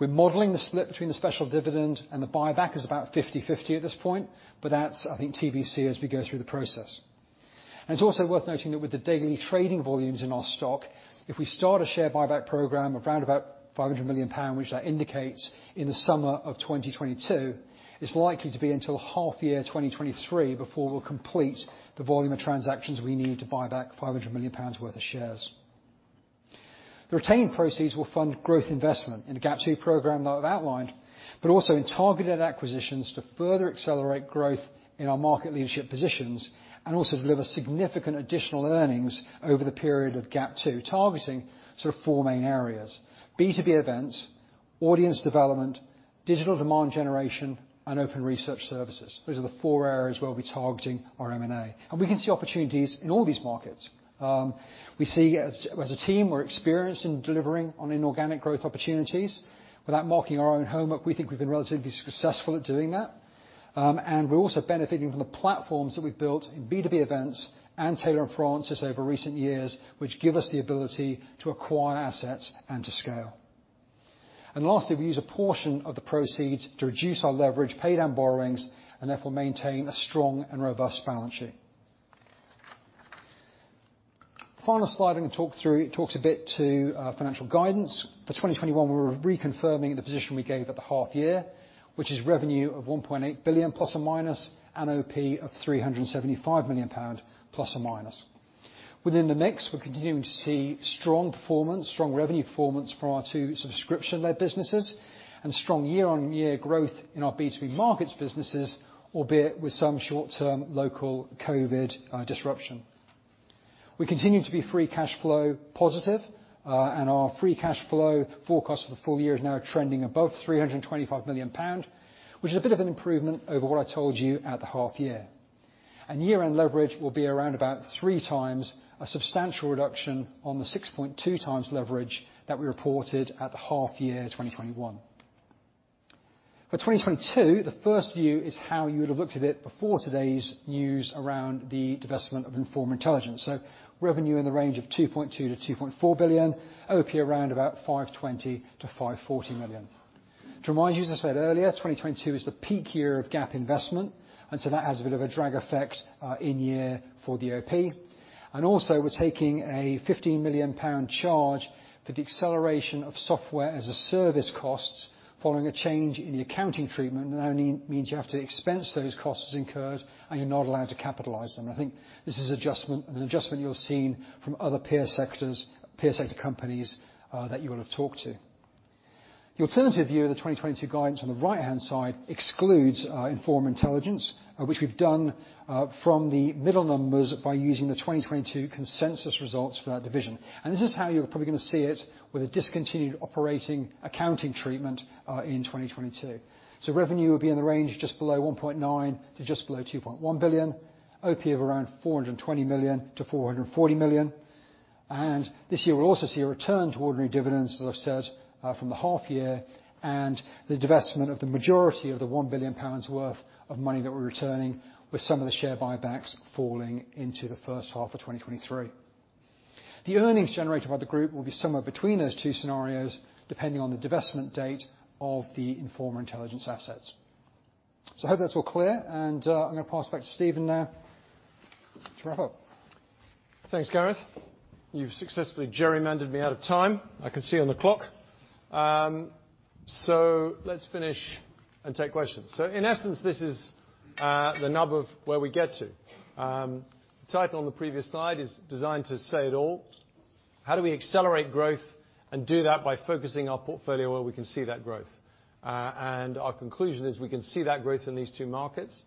We're modeling the split between the special dividend and the buyback is about 50/50 at this point, but that's, I think, TBC as we go through the process. It's also worth noting that with the daily trading volumes in our stock, if we start a share buyback program of around about 500 million pound, which indicates in the summer of 2022, it's likely to be until half year 2023 before we'll complete the volume of transactions we need to buy back 500 million pounds worth of shares. The retained proceeds will fund growth investment in the GAP II program that I've outlined, but also in targeted acquisitions to further accelerate growth in our market leadership positions and also deliver significant additional earnings over the period of GAP II, targeting sort of four main areas, B2B events, audience development, digital demand generation, and open research services. Those are the four areas where we'll be targeting our M&A. We can see opportunities in all these markets. We see, as a team, we're experienced in delivering on inorganic growth opportunities. Without marking our own homework, we think we've been relatively successful at doing that. We're also benefiting from the platforms that we've built in B2B events and Taylor & Francis over recent years, which give us the ability to acquire assets and to scale. Lastly, we use a portion of the proceeds to reduce our leverage, pay down borrowings, and therefore maintain a strong and robust balance sheet. Final slide I'm gonna talk through. It talks a bit to financial guidance. For 2021, we're reconfirming the position we gave at the half year, which is revenue of 1.8 billion ± and OP of 375 million pound ±. Within the mix, we're continuing to see strong performance, strong revenue performance for our two subscription-led businesses, and strong year-on-year growth in our B2B Markets businesses, albeit with some short-term local COVID disruption. We continue to be free cashflow positive, and our free cashflow forecast for the full year is now trending above 325 million pound, which is a bit of an improvement over what I told you at the half-year. Year-end leverage will be around about 3x, a substantial reduction on the 6.2x leverage that we reported at the half-year 2021. For 2022, the first view is how you would have looked at it before today's news around the divestment of Informa Intelligence. Revenue in the range of 2.2 billion-2.4 billion, OP around about 520 million-540 million. To remind you, as I said earlier, 2022 is the peak year of GAP investment, and so that has a bit of a drag effect in year for the OP. Also we're taking a 15 million pound charge for the acceleration of software as a service costs following a change in the accounting treatment. That only means you have to expense those costs incurred, and you're not allowed to capitalize them. I think this is an adjustment you'll have seen from other peer sectors, peer sector companies that you will have talked to. The alternative view of the 2022 guidance on the right-hand side excludes Informa Intelligence, which we've done from the middle numbers by using the 2022 consensus results for that division. This is how you're probably gonna see it with a discontinued operating accounting treatment in 2022. Revenue will be in the range just below 1.9 billion to just below 2.1 billion, OP of around 420 million-440 million. This year, we'll also see a return to ordinary dividends, as I've said, from the half year, and the divestment of the majority of the 1 billion pounds worth of money that we're returning, with some of the share buybacks falling into the first half of 2023. The earnings generated by the group will be somewhere between those two scenarios, depending on the divestment date of the Informa Intelligence assets. I hope that's all clear, and, I'm gonna pass back to Stephen now to wrap up. Thanks, Gareth. You've successfully gerrymandered me out of time. I can see on the clock. Let's finish and take questions. In essence, this is the nub of where we get to. The title on the previous slide is designed to say it all. How do we accelerate growth and do that by focusing our portfolio where we can see that growth? Our conclusion is we can see that growth in these two markets.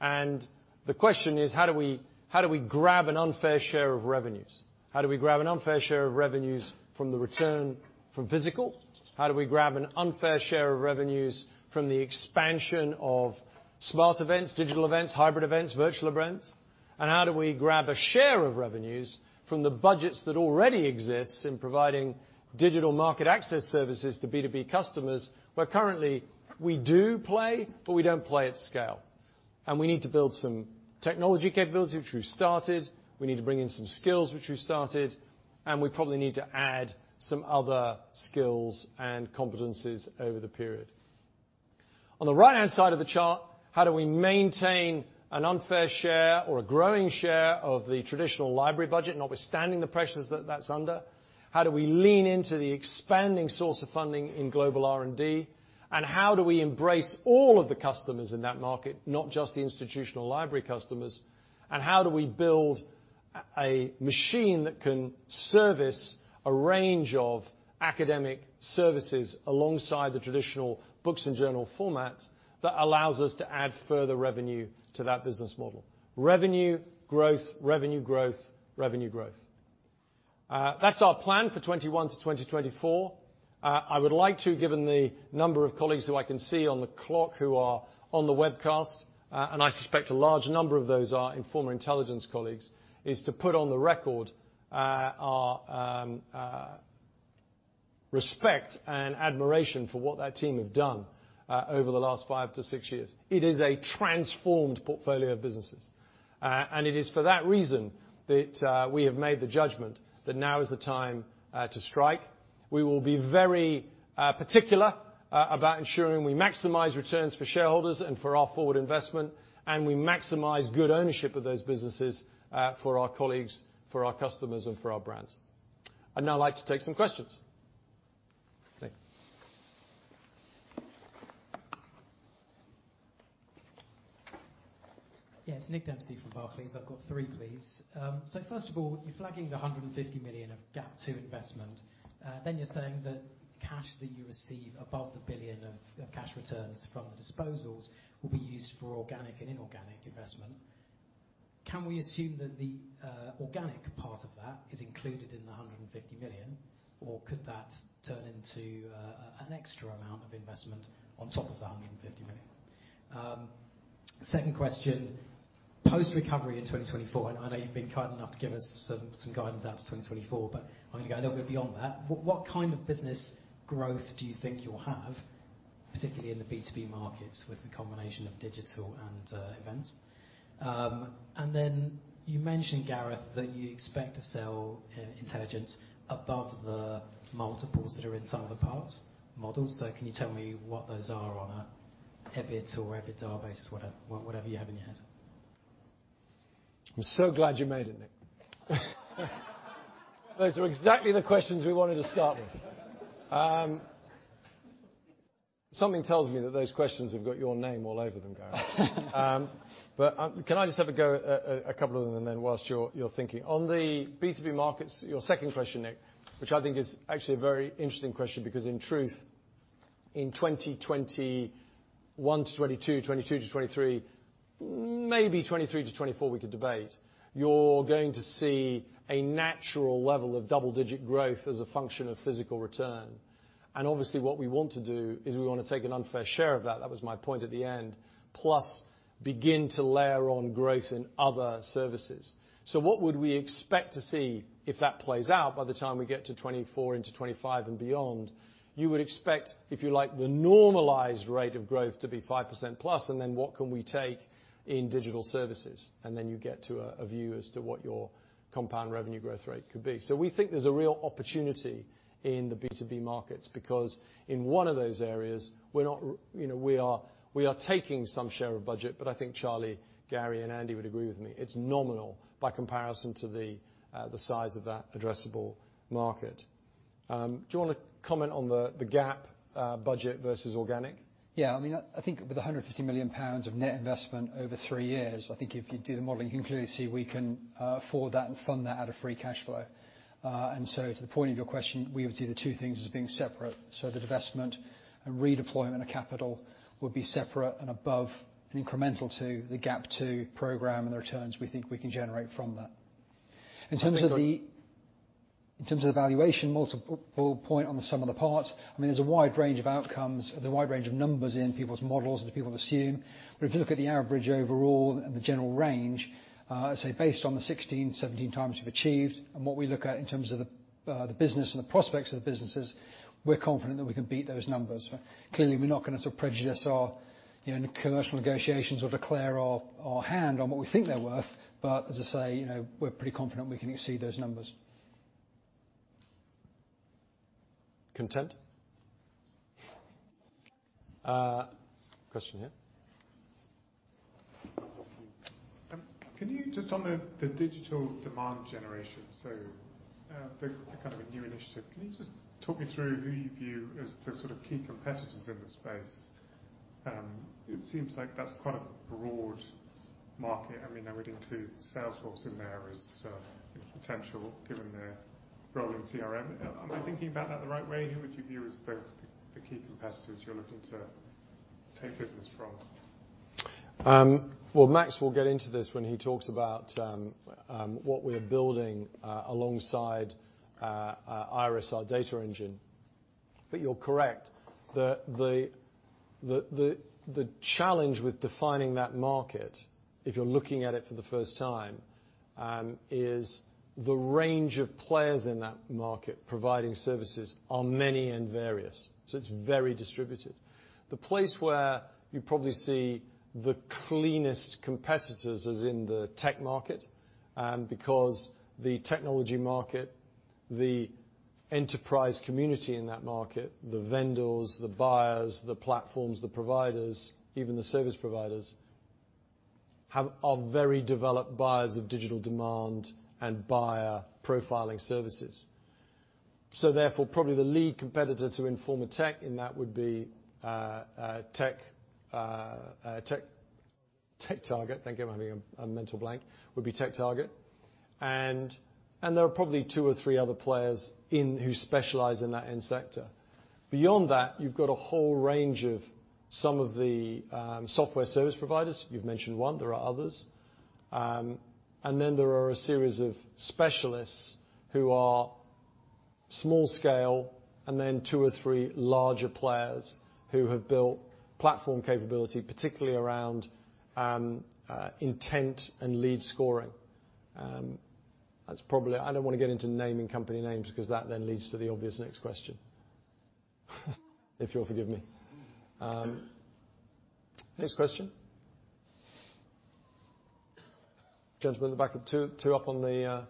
The question is, how do we grab an unfair share of revenues? How do we grab an unfair share of revenues from the return from physical? How do we grab an unfair share of revenues from the expansion of smart events, digital events, hybrid events, virtual events? How do we grab a share of revenues from the budgets that already exist in providing digital market access services to B2B customers, where currently we do play, but we don't play at scale. We need to build some technology capability, which we've started. We need to bring in some skills, which we've started. We probably need to add some other skills and competencies over the period. On the right-hand side of the chart, how do we maintain an unfair share or a growing share of the traditional library budget, notwithstanding the pressures that that's under? How do we lean into the expanding source of funding in global R&D? How do we embrace all of the customers in that market, not just the institutional library customers? How do we build a machine that can service a range of academic services alongside the traditional books and journal formats that allows us to add further revenue to that business model? Revenue growth. That's our plan for 2021-2024. I would like to, given the number of colleagues who I can see on the call who are on the webcast, and I suspect a large number of those are Informa Intelligence colleagues, put on the record our respect and admiration for what that team have done over the last five to six years. It is a transformed portfolio of businesses. It is for that reason that we have made the judgment that now is the time to strike. We will be very particular about ensuring we maximize returns for shareholders and for our forward investment, and we maximize good ownership of those businesses, for our colleagues, for our customers, and for our brands. I'd now like to take some questions. Nick Dempsey. Yeah. It's Nick Dempsey from Barclays. I've got three, please. So first of all, you're flagging the 150 million of GAP II investment. Then you're saying the cash that you receive above the 1 billion of cash returns from the disposals will be used for organic and inorganic investment. Can we assume that the organic part of that is included in the 150 million, or could that turn into an extra amount of investment on top of the 150 million? Second question, post-recovery in 2024, and I know you've been kind enough to give us some guidance out to 2024, but I'm gonna go a little bit beyond that. What kind of business growth do you think you'll have? Particularly in the B2B markets with the combination of digital and events. You mentioned, Gareth, that you expect to sell Informa Intelligence above the multiples that are in some of the comps models. Can you tell me what those are on a EBIT or EBITDA basis, whatever you have in your head? I'm so glad you made it, Nick. Those are exactly the questions we wanted to start with. Something tells me that those questions have got your name all over them, Gareth. Can I just have a go at a couple of them then while you're thinking? On the B2B markets, your second question, Nick, which I think is actually a very interesting question because in truth, in 2021 to 2022 to 2023, maybe 2023 to 2024, we could debate, you're going to see a natural level of double digit growth as a function of physical return. Obviously what we want to do is we wanna take an unfair share of that. That was my point at the end. Plus begin to layer on growth in other services. What would we expect to see if that plays out by the time we get to 2024 into 2025 and beyond? You would expect, if you like, the normalized rate of growth to be 5%+, and then what can we take in digital services? Then you get to a view as to what your compound revenue growth rate could be. We think there's a real opportunity in the B2B markets because in one of those areas we're not—you know, we are taking some share of budget, but I think Charlie, Gary and Andy would agree with me, it's nominal by comparison to the size of that addressable market. Do you wanna comment on the gap, budget versus organic? Yeah. I mean, I think with the 150 million pounds of net investment over three years, I think if you do the modeling, you can clearly see we can afford that and fund that out of free cashflow. To the point of your question, we would see the two things as being separate. The divestment and redeployment of capital would be separate and above and incremental to the GAP II program and the returns we think we can generate from that. In terms of the- I think. In terms of the valuation multiple point on the sum of the parts, I mean, there's a wide range of outcomes, the wide range of numbers in people's models that people assume. If you look at the average overall and the general range, say based on the 16x-17x we've achieved and what we look at in terms of the business and the prospects of the businesses, we're confident that we can beat those numbers. Clearly we're not gonna sort of prejudice our, you know, commercial negotiations or declare our hand on what we think they're worth, but as I say, you know, we're pretty confident we can exceed those numbers. Content? Question here. Thank you. Can you just on the digital demand generation, kind of a new initiative, talk me through who you view as the sort of key competitors in the space? It seems like that's quite a broad market. I mean, I would include Salesforce in there as potential given their role in CRM. Am I thinking about that the right way? Who would you view as the key competitors you're looking to take business from? Well, Max will get into this when he talks about what we are building alongside IIRIS, our data engine. You're correct. The challenge with defining that market, if you're looking at it for the first time, is the range of players in that market providing services are many and various. It's very distributed. The place where you probably see the cleanest competitors is in the tech market, because the technology market, the enterprise community in that market, the vendors, the buyers, the platforms, the providers, even the service providers, are very developed buyers of digital demand and buyer profiling services. Therefore, probably the lead competitor to Informa Tech in that would be TechTarget, thank you. I'm having a mental blank, would be TechTarget. There are probably two or three other players in who specialize in that end sector. Beyond that, you've got a whole range of some of the software service providers. You've mentioned one, there are others. Then there are a series of specialists who are small scale and then two or three larger players who have built platform capability, particularly around intent and lead scoring. That's probably. I don't wanna get into naming company names 'cause that then leads to the obvious next question. If you'll forgive me. Next question. Gentlemen at the back up. Two up on the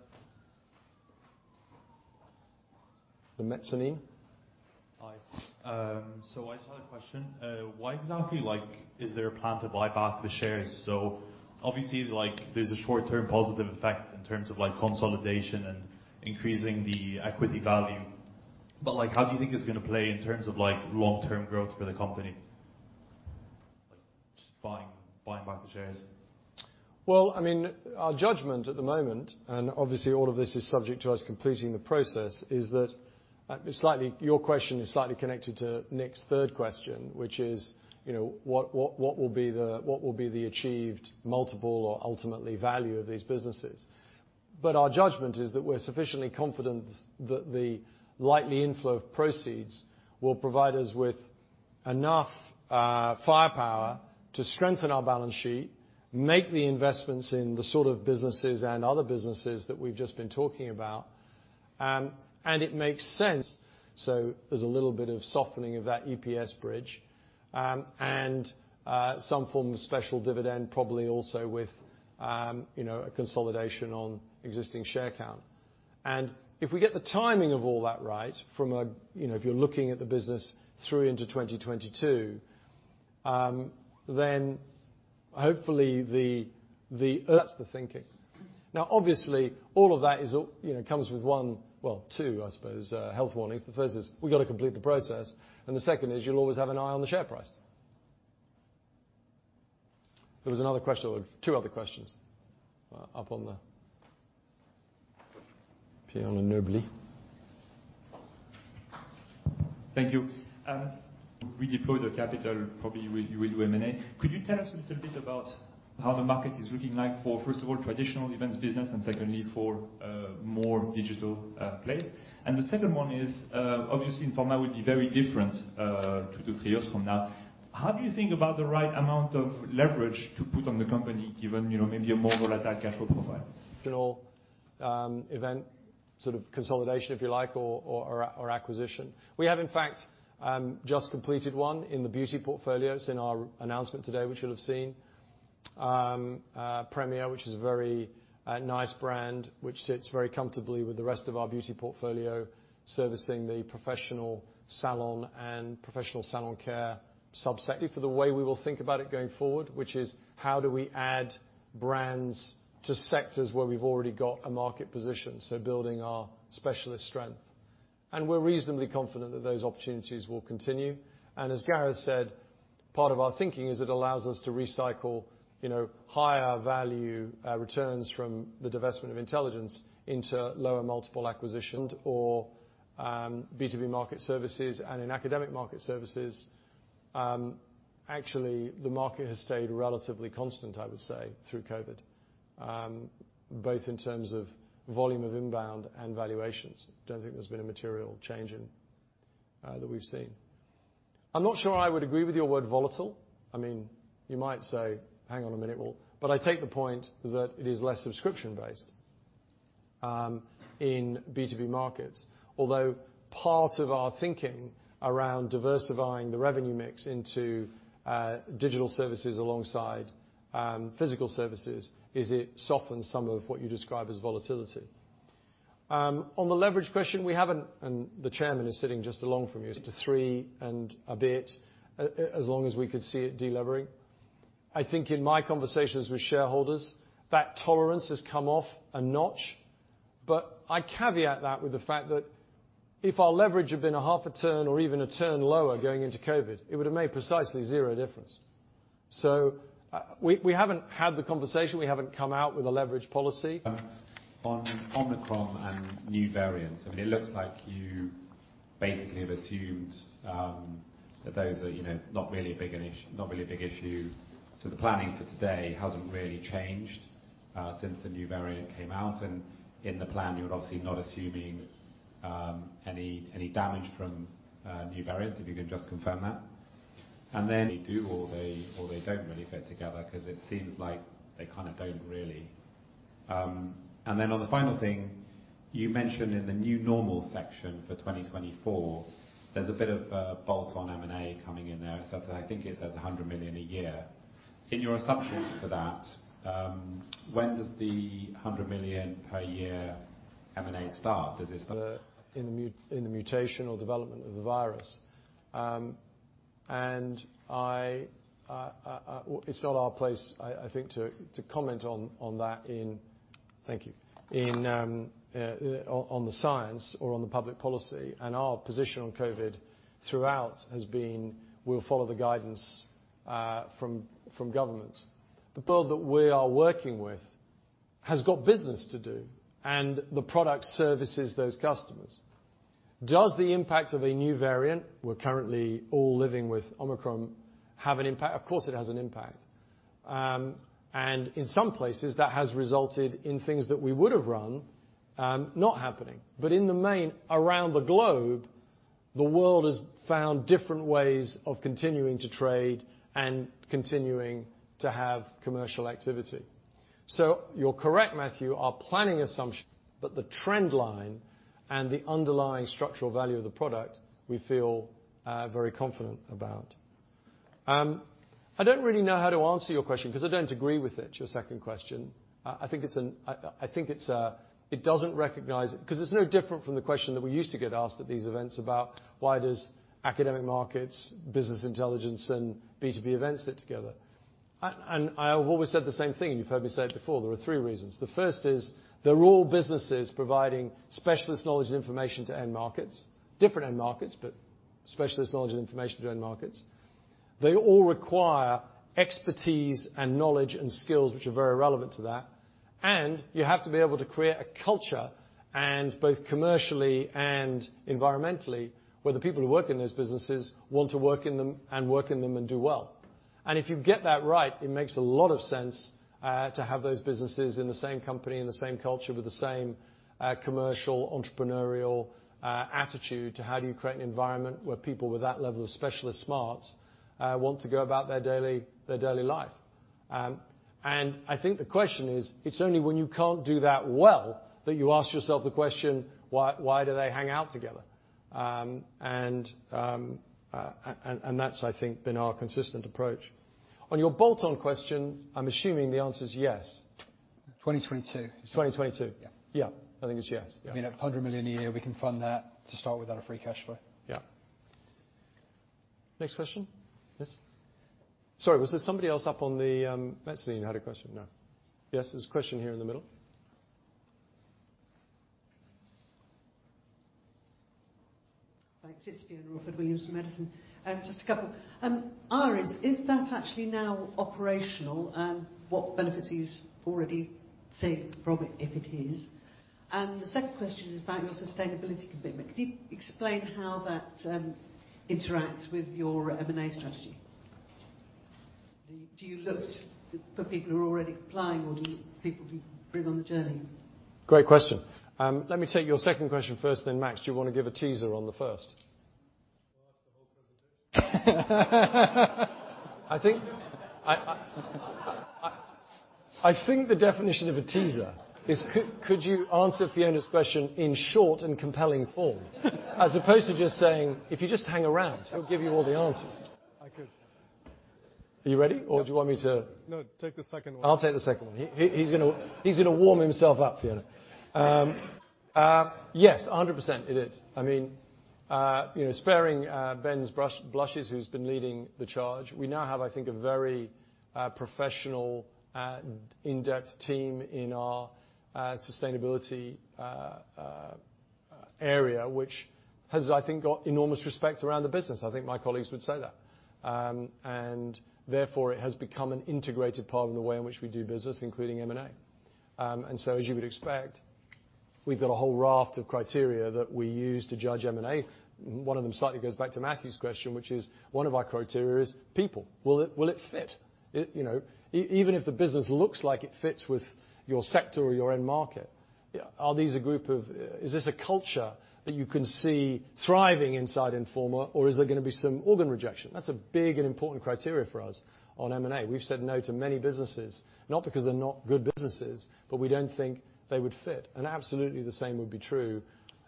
mezzanine. Hi. I just had a question. Why exactly, like, is there a plan to buy back the shares? Obviously, like there's a short-term positive effect in terms of like consolidation and increasing the equity value, but like, how do you think it's gonna play in terms of like long-term growth for the company? Like just buying back the shares. Well, I mean, our judgment at the moment, and obviously all of this is subject to us completing the process, is that it's slightly. Your question is slightly connected to Nick's third question, which is, you know, what will be the achieved multiple or ultimately value of these businesses. But our judgment is that we're sufficiently confident that the likely inflow of proceeds will provide us with enough firepower to strengthen our balance sheet, make the investments in the sort of businesses and other businesses that we've just been talking about, and it makes sense. There's a little bit of softening of that EPS bridge, and some form of special dividend probably also with, you know, a consolidation on existing share count. If we get the timing of all that right, from a, you know, if you're looking at the business through into 2022, then hopefully that's the thinking. Now, obviously, all of that is, you know, comes with one, well, two, I suppose, health warnings. The first is we've got to complete the process, and the second is you'll always have an eye on the share price. There was another question. Two other questions up on the Pierre Noobly. Thank you. We deployed the capital. Probably you will do M&A. Could you tell us a little bit about how the market is looking like for, first of all, traditional events business, and secondly, for more digital play? The second one is, obviously, Informa would be very different 2-3 years from now. How do you think about the right amount of leverage to put on the company given, you know, maybe a more volatile cash flow profile? You know, event sort of consolidation, if you like, or acquisition. We have in fact just completed one in the beauty portfolio. It's in our announcement today, which you'll have seen. Premiere, which is a very nice brand, which sits very comfortably with the rest of our beauty portfolio, servicing the professional salon and professional salon care sub-sector. For the way we will think about it going forward, which is how do we add brands to sectors where we've already got a market position? Building our specialist strength. We're reasonably confident that those opportunities will continue. As Gareth said, part of our thinking is it allows us to recycle, you know, higher value returns from the divestment of intelligence into lower multiple acquisitions. B2B market services and in academic market services, actually, the market has stayed relatively constant, I would say, through COVID, both in terms of volume of inbound and valuations. Don't think there's been a material change in, that we've seen. I'm not sure I would agree with your word volatile. I mean, you might say, hang on a minute, well. I take the point that it is less subscription-based, in B2B markets. Although part of our thinking around diversifying the revenue mix into, digital services alongside, physical services is it softens some of what you describe as volatility. On the leverage question, we haven't, and the chairman is sitting just along from you. Two to three and a bit, as long as we could see it de-levering. I think in my conversations with shareholders, that tolerance has come off a notch. I caveat that with the fact that if our leverage had been a half a turn or even a turn lower going into COVID, it would have made precisely zero difference. We haven't had the conversation, we haven't come out with a leverage policy. On Omicron and new variants, I mean, it looks like you basically have assumed that those are, you know, not really a big issue. The planning for today hasn't really changed since the new variant came out. In the plan, you're obviously not assuming any damage from new variants, if you can just confirm that. Do they, or they don't really fit together because it seems like they kinda don't really. On the final thing, you mentioned in the new normal section for 2024, there's a bit of a bolt on M&A coming in there. I think it says 100 million a year. In your assumptions for that, when does the 100 million per year M&A start? Does it start? In the midst of the mutational development of the virus. It's not our place, I think to comment on that in the science or on the public policy, and our position on COVID throughout has been we'll follow the guidance from governments. The world that we are working with has got business to do, and the products and services those customers. Does the impact of a new variant, we're currently all living with Omicron, have an impact? Of course, it has an impact. In some places, that has resulted in things that we would have run not happening. In the main, around the globe, the world has found different ways of continuing to trade and continuing to have commercial activity. You're correct, Matthew, our planning assumption, but the trend line and the underlying structural value of the product we feel very confident about. I don't really know how to answer your question 'cause I don't agree with it, your second question. I think it doesn't recognize it 'cause it's no different from the question that we used to get asked at these events about why does academic markets, business intelligence, and B2B events sit together. I've always said the same thing, you've heard me say it before. There are three reasons. The first is they're all businesses providing specialist knowledge and information to end markets. Different end markets, but specialist knowledge and information to end markets. They all require expertise and knowledge and skills, which are very relevant to that. You have to be able to create a culture and both commercially and environmentally, where the people who work in those businesses want to work in them and do well. If you get that right, it makes a lot of sense to have those businesses in the same company, in the same culture, with the same commercial, entrepreneurial attitude to how do you create an environment where people with that level of specialist smarts want to go about their daily life. I think the question is, it's only when you can't do that well that you ask yourself the question, why do they hang out together? And that's, I think, been our consistent approach. On your bolt-on question, I'm assuming the answer is yes. 2022. 2022. Yeah. Yeah. I think it's yes. Yeah. I mean, 100 million a year, we can fund that to start with out of free cash flow. Yeah. Next question? Yes. Sorry, was there somebody else up on the, mezzanine had a question, no. Yes, there's a question here in the middle. Thanks. It's Fiona Orford-Williams from Edison. Just a couple. IIRIS, is that actually now operational? What benefits are you already seeing from it, if it is? The second question is about your sustainability commitment. Can you explain how that interacts with your M&A strategy? Do you look for people who are already complying or do you bring people on the journey? Great question. Let me take your second question first, then Max, do you wanna give a teaser on the first? Well, that's the whole presentation. I think the definition of a teaser is could you answer Fiona's question in short and compelling form? As opposed to just saying, "If you just hang around, we'll give you all the answers. I could. Are you ready? Yeah. Or do you want me to- No, take the second one. I'll take the second one. He's gonna warm himself up, Fiona. Yes, 100% it is. I mean, you know, sparing Ben's blushes, who's been leading the charge, we now have, I think, a very professional and in-depth team in our sustainability area, which has, I think, got enormous respect around the business. I think my colleagues would say that. Therefore, it has become an integrated part in the way in which we do business, including M&A. As you would expect, we've got a whole raft of criteria that we use to judge M&A. One of them slightly goes back to Matthew's question, which is one of our criteria is people. Will it fit? You know, even if the business looks like it fits with your sector or your end market, are these a group of, is this a culture that you can see thriving inside Informa, or is there gonna be some organ rejection? That's a big and important criteria for us on M&A. We've said no to many businesses, not because they're not good businesses, but we don't think they would fit. Absolutely the same would be true.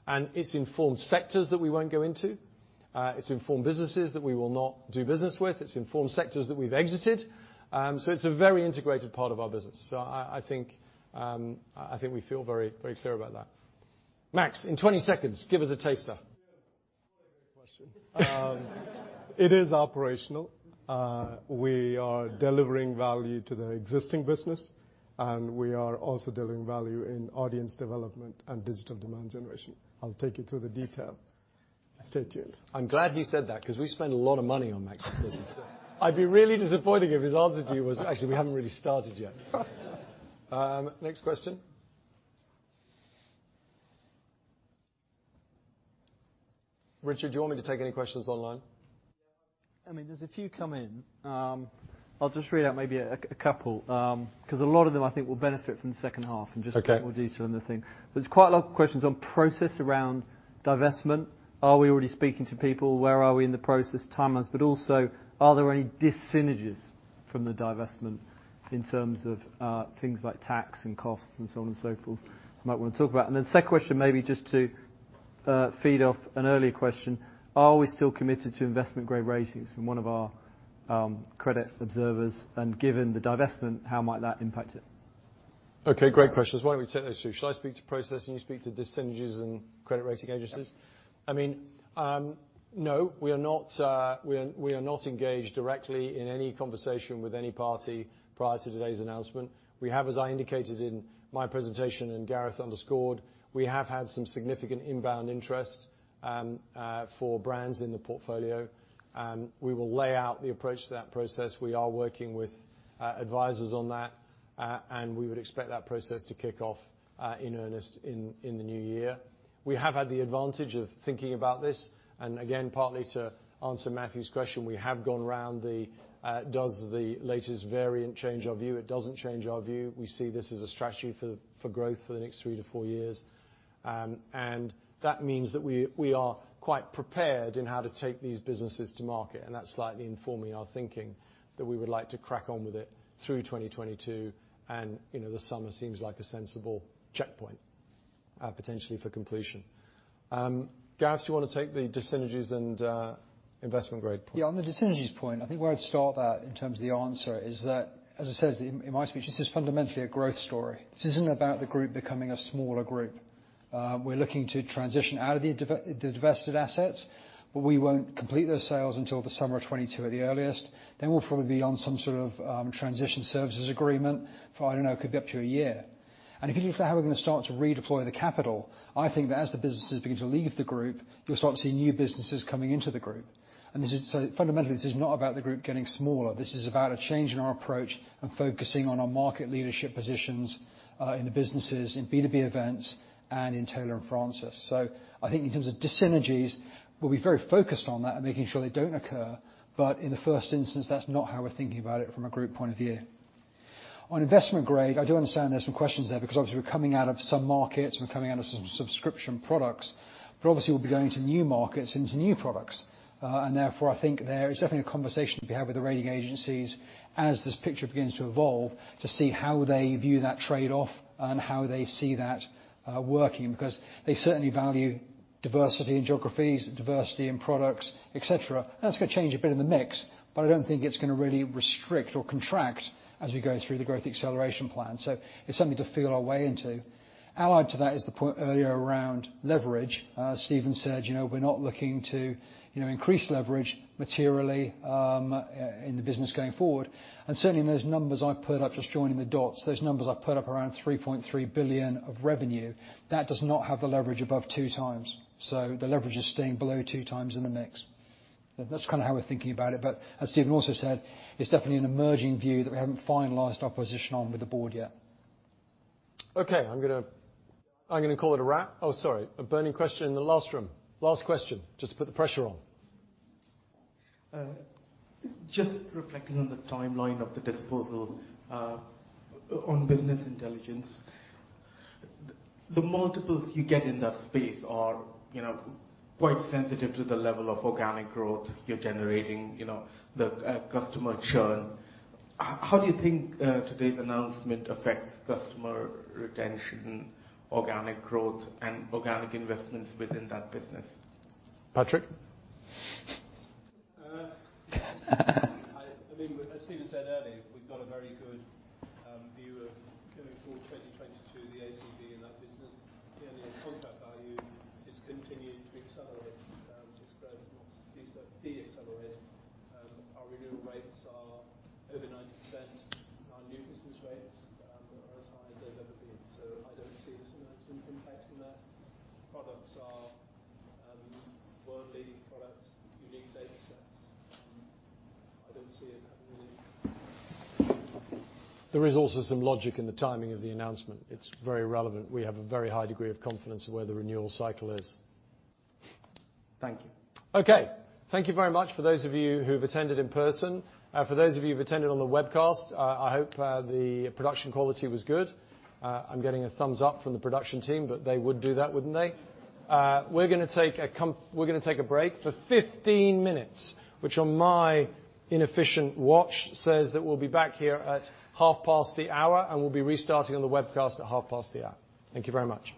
It's informed sectors that we won't go into. It's informed businesses that we will not do business with. It's informed sectors that we've exited. It's a very integrated part of our business. I think we feel very, very clear about that. Max, in 20 seconds, give us a taster. Yeah. What a great question. It is operational. We are delivering value to the existing business, and we are also delivering value in audience development and digital demand generation. I'll take you through the detail. Stay tuned. I'm glad you said that 'cause we spend a lot of money on Max's business. I'd be really disappointed if his answer to you was, "Actually, we haven't really started yet." Next question. Richard, do you want me to take any questions online? I mean, there's a few come in. I'll just read out maybe a couple, 'cause a lot of them, I think, will benefit from the second half and just- Okay A bit more detail another thing. There's quite a lot of questions on process around divestment. Are we already speaking to people? Where are we in the process timelines? Also, are there any dis-synergies from the divestment in terms of things like tax and costs and so on and so forth you might wanna talk about. Then second question maybe just to feed off an earlier question, are we still committed to investment-grade ratings from one of our rating agencies? Given the divestment, how might that impact it? Okay, great questions. Why don't we take those two? Shall I speak to process and you speak to dis-synergies and credit rating agencies? Yeah. I mean, no, we are not engaged directly in any conversation with any party prior to today's announcement. We have, as I indicated in my presentation and Gareth underscored, we have had some significant inbound interest for brands in the portfolio. We will lay out the approach to that process. We are working with advisors on that. We would expect that process to kick off in earnest in the new year. We have had the advantage of thinking about this. Again, partly to answer Matthew's question, we have gone round the does the latest variant change our view? It doesn't change our view. We see this as a strategy for growth for the next 3-4 years. that means that we are quite prepared in how to take these businesses to market, and that's slightly informing our thinking that we would like to crack on with it through 2022. You know, the summer seems like a sensible checkpoint, potentially for completion. Gareth, do you wanna take the dis-synergies and investment grade point? Yeah, on the dis-synergies point, I think where I'd start that in terms of the answer is that, as I said in my speech, this is fundamentally a growth story. This isn't about the group becoming a smaller group. We're looking to transition out of the divested assets, but we won't complete those sales until the summer of 2022 at the earliest. Then we'll probably be on some sort of transition services agreement for, I don't know, could be up to a year. If you look for how we're gonna start to redeploy the capital, I think that as the businesses begin to leave the group, you'll start to see new businesses coming into the group. This is fundamentally not about the group getting smaller. This is about a change in our approach and focusing on our market leadership positions, in the businesses, in B2B events, and in Taylor & Francis. I think in terms of dis-synergies, we'll be very focused on that and making sure they don't occur. In the first instance, that's not how we're thinking about it from a group point of view. On investment grade, I do understand there's some questions there because obviously we're coming out of some markets, we're coming out of some subscription products, but obviously we'll be going to new markets into new products. And therefore, I think there is definitely a conversation to be had with the rating agencies as this picture begins to evolve to see how they view that trade-off and how they see that working. Because they certainly value diversity in geographies, diversity in products, et cetera. That's gonna change a bit in the mix, but I don't think it's gonna really restrict or contract as we go through the Growth Acceleration Plan. It's something to feel our way into. Allied to that is the point earlier around leverage. Stephen said, you know, we're not looking to, you know, increase leverage materially, in the business going forward. Certainly in those numbers I put up, just joining the dots, those numbers I put up around 3.3 billion of revenue, that does not have the leverage above 2x. The leverage is staying below 2x in the mix. That's kind of how we're thinking about it. As Stephen also said, it's definitely an emerging view that we haven't finalized our position on with the board yet. Okay. I'm gonna call it a wrap. Oh, sorry. A burning question in the last room. Last question, just to put the pressure on. Just reflecting on the timeline of the disposal on business intelligence. The multiples you get in that space are, you know, quite sensitive to the level of organic growth you're generating, you know, the customer churn. How do you think today's announcement affects customer retention, organic growth, and organic investments within that business? Patrick? I mean, as Stephen said earlier, we've got a very good view of going forward to 2022, the ACV in that business. The annual contract value is continuing to accelerate. Our renewal rates are over 90%. Our new business rates are as high as they've ever been. So I don't see this announcement impacting that. Products are world-leading products, unique data sets. I don't see it having any. There is also some logic in the timing of the announcement. It's very relevant. We have a very high degree of confidence in where the renewal cycle is. Thank you. Okay. Thank you very much for those of you who've attended in person. For those of you who've attended on the webcast, I hope the production quality was good. I'm getting a thumbs up from the production team, but they would do that, wouldn't they? We're gonna take a break for 15 minutes, which on my inefficient watch says that we'll be back here at half past the hour, and we'll be restarting on the webcast at half past the hour. Thank you very much.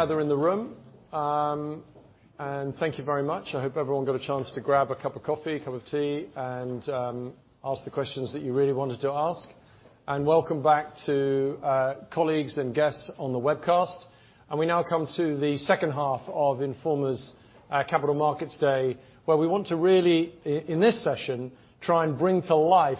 If we can regather in the room. Thank you very much. I hope everyone got a chance to grab a cup of coffee, a cup of tea, and ask the questions that you really wanted to ask. Welcome back to colleagues and guests on the webcast. We now come to the second half of Informa's Capital Markets Day, where we want to really in this session try and bring to life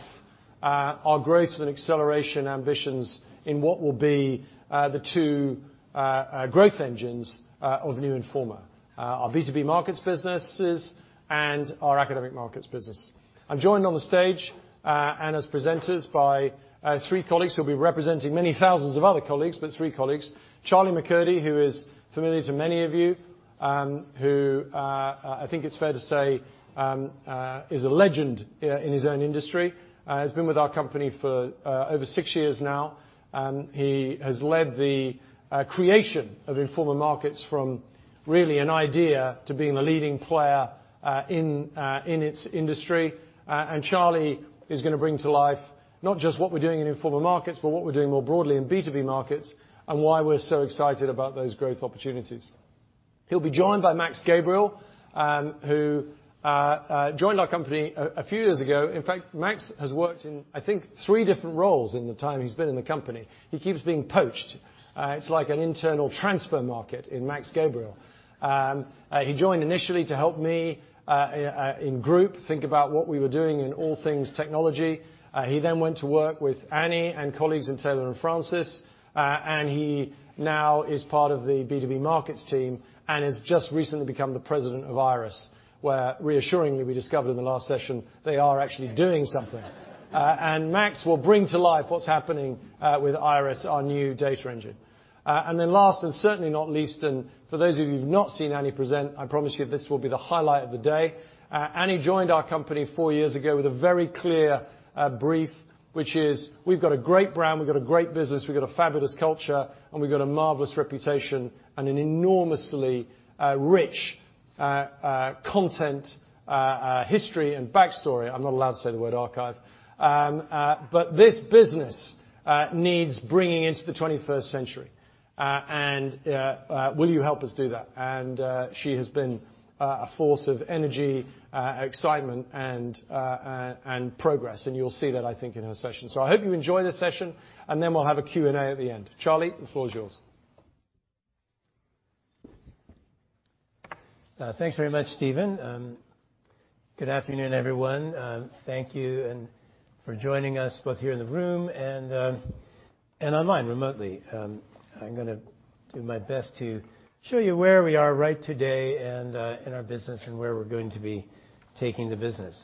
our growth and acceleration ambitions in what will be the two growth engines of new Informa. Our B2B markets businesses and our academic markets business. I'm joined on the stage and as presenters by three colleagues who'll be representing many thousands of other colleagues, but three colleagues. Charlie McCurdy, who is familiar to many of you, who I think it's fair to say is a legend in his own industry, has been with our company for over six years now. He has led the creation of Informa Markets from really an idea to being the leading player in its industry. Charlie is gonna bring to life not just what we're doing in Informa Markets, but what we're doing more broadly in B2B markets, and why we're so excited about those growth opportunities. He'll be joined by Max Gabriel, who joined our company a few years ago. In fact, Max has worked in, I think, three different roles in the time he's been in the company. He keeps being poached. It's like an internal transfer market in Max Gabriel. He joined initially to help me in group think about what we were doing in all things technology. He then went to work with Annie and colleagues in Taylor & Francis. He now is part of the B2B markets team and has just recently become the President of IIRIS, where reassuringly, we discovered in the last session they are actually doing something. Max will bring to life what's happening with IIRIS, our new data engine. Last, and certainly not least, and for those of you who've not seen Annie present, I promise you this will be the highlight of the day. Annie joined our company four years ago with a very clear brief, which is, we've got a great brand, we've got a great business, we've got a fabulous culture, and we've got a marvelous reputation and an enormously rich content history and backstory. I'm not allowed to say the word archive. This business needs bringing into the twenty-first century. Will you help us do that? She has been a force of energy, excitement, and progress. You'll see that, I think, in her session. I hope you enjoy this session, and then we'll have a Q&A at the end. Charlie, the floor is yours. Thanks very much, Stephen. Good afternoon, everyone. Thank you for joining us both here in the room and online remotely. I'm gonna do my best to show you where we are right now and in our business, and where we're going to be taking the business.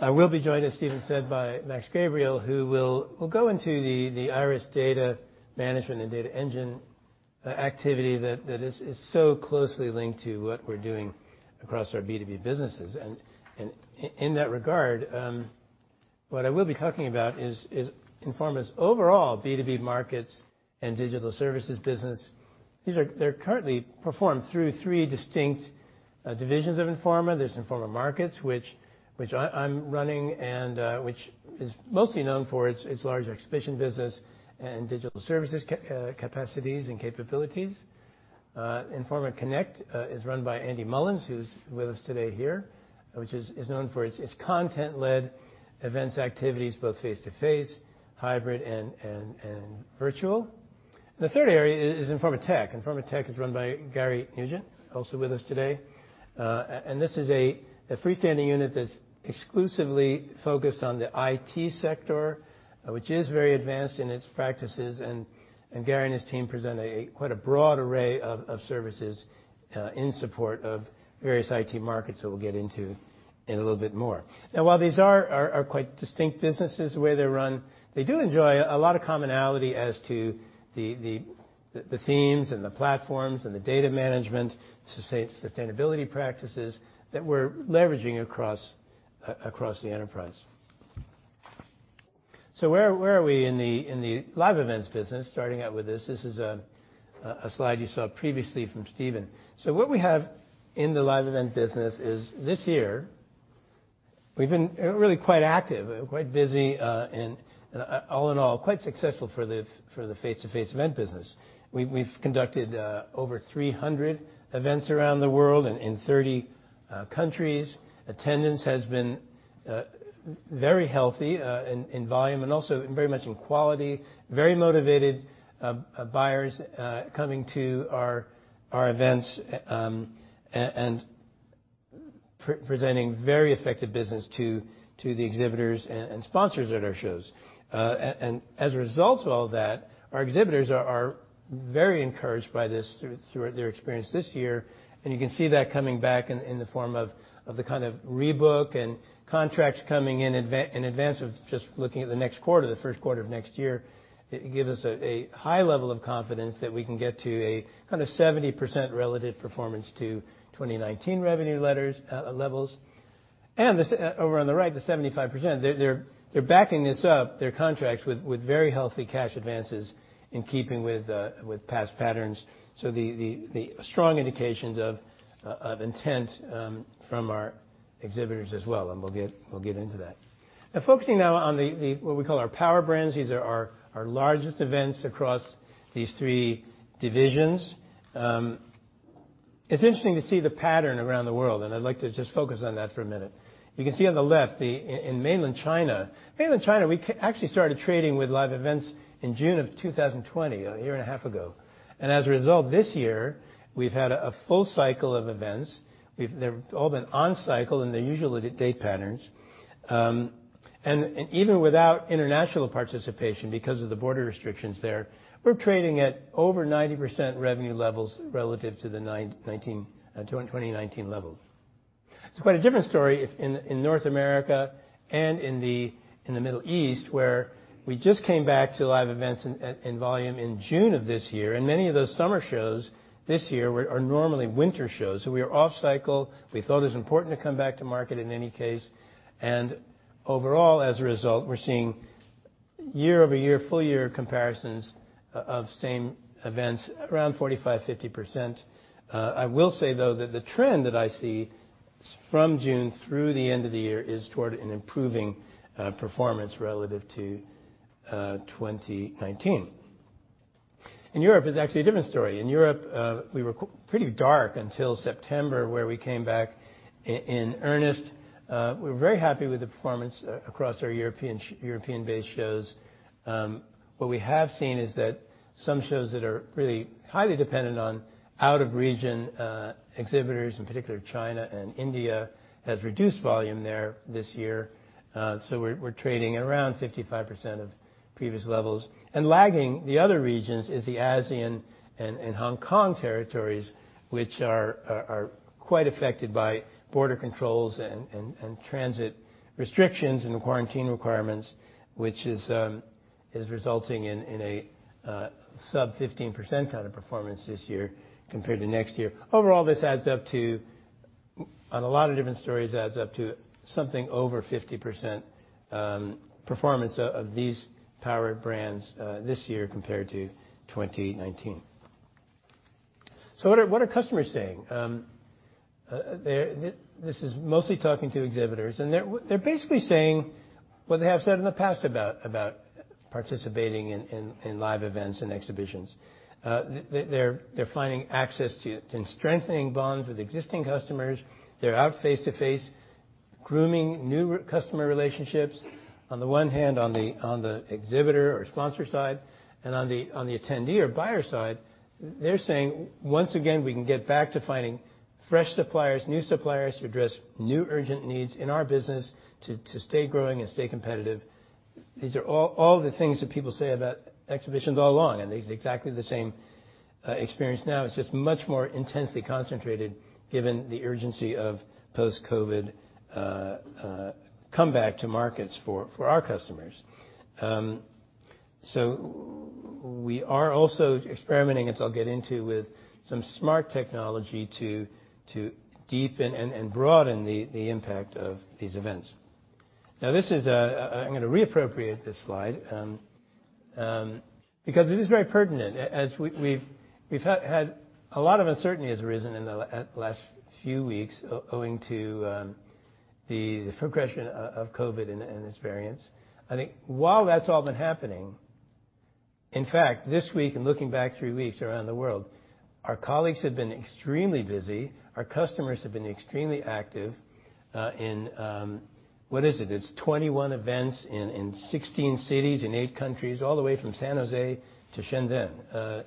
I will be joined, as Stephen said, by Max Gabriel, who will go into the IIRIS data management and data engine activity that is so closely linked to what we're doing across our B2B businesses. In that regard, what I will be talking about is Informa's overall B2B markets and digital services business. These are currently performed through three distinct divisions of Informa. There's Informa Markets, which I run, which is mostly known for its large exhibition business and digital services capacities and capabilities. Informa Connect is run by Andy Mullins, who's with us today here, which is known for its content-led events activities, both face-to-face, hybrid, and virtual. The third area is Informa Tech. Informa Tech is run by Gary Nugent, also with us today. This is a freestanding unit that's exclusively focused on the IT sector, which is very advanced in its practices, and Gary and his team present quite a broad array of services in support of various IT markets that we'll get into in a little bit more. Now, while these are quite distinct businesses, the way they're run, they do enjoy a lot of commonality as to the themes and the platforms and the data management, sustainability practices that we're leveraging across the enterprise. Where are we in the live events business? Starting out with this. This is a slide you saw previously from Stephen. What we have in the live event business is this year we've been, you know, really quite active, quite busy, and all in all, quite successful for the face-to-face event business. We've conducted over 300 events around the world in 30 countries. Attendance has been very healthy in volume and also very much in quality. Very motivated buyers coming to our events and presenting very effective business to the exhibitors and sponsors at our shows. As a result of all that, our exhibitors are very encouraged by this through their experience this year, and you can see that coming back in the form of the kind of rebook and contracts coming in advance of just looking at the next quarter, the first quarter of next year. It gives us a high level of confidence that we can get to a kind of 70% relative performance to 2019 revenue levels. This, over on the right, the 75%, they're backing this up with very healthy cash advances in keeping with past patterns. The strong indications of intent from our exhibitors as well, and we'll get into that. Now, focusing on what we call our power brands. These are our largest events across these three divisions. It's interesting to see the pattern around the world, and I'd like to just focus on that for a minute. You can see on the left, in Mainland China. Mainland China, we actually started trading with live events in June of 2020, a year and a half ago. As a result, this year, we've had a full cycle of events. They've all been on cycle in their usual date patterns. Even without international participation because of the border restrictions there, we're trading at over 90% revenue levels relative to the 2019 levels. It's quite a different story in North America and in the Middle East, where we just came back to live events in volume in June of this year, and many of those summer shows this year are normally winter shows. We are off cycle. We thought it was important to come back to market in any case, and overall, as a result, we're seeing year-over-year full year comparisons of same events around 45%-50%. I will say, though, that the trend that I see from June through the end of the year is toward an improving performance relative to 2019. In Europe, it's actually a different story. In Europe, we were pretty dark until September, where we came back in earnest. We're very happy with the performance across our European-based shows. What we have seen is that some shows that are really highly dependent on out-of-region exhibitors, in particular China and India, has reduced volume there this year. So we're trading at around 55% of previous levels. Lagging the other regions is the ASEAN and Hong Kong territories, which are quite affected by border controls and transit restrictions and quarantine requirements, which is resulting in a sub 15% kind of performance this year compared to next year. Overall, this adds up to, on a lot of different stories, adds up to something over 50% performance of these power brands this year compared to 2019. What are customers saying? This is mostly talking to exhibitors, and they're basically saying what they have said in the past about participating in live events and exhibitions. They're finding access to and strengthening bonds with existing customers. They're out face to face grooming new customer relationships, on the one hand, on the exhibitor or sponsor side. On the attendee or buyer side, they're saying, "Once again, we can get back to finding fresh suppliers, new suppliers, to address new urgent needs in our business to stay growing and stay competitive." These are all the things that people say about exhibitions all along, and it's exactly the same experience now. It's just much more intensely concentrated given the urgency of post-COVID comeback to markets for our customers. We are also experimenting, as I'll get into, with some smart technology to deepen and broaden the impact of these events. Now this is, I'm gonna reappropriate this slide, because it is very pertinent as we've had a lot of uncertainty has arisen in the last few weeks owing to the progression of COVID and its variants. I think while that's all been happening. In fact, this week and looking back three weeks around the world, our colleagues have been extremely busy, our customers have been extremely active in. What is it? It's 21 events in 16 cities in eight countries, all the way from San Jose to Shenzhen.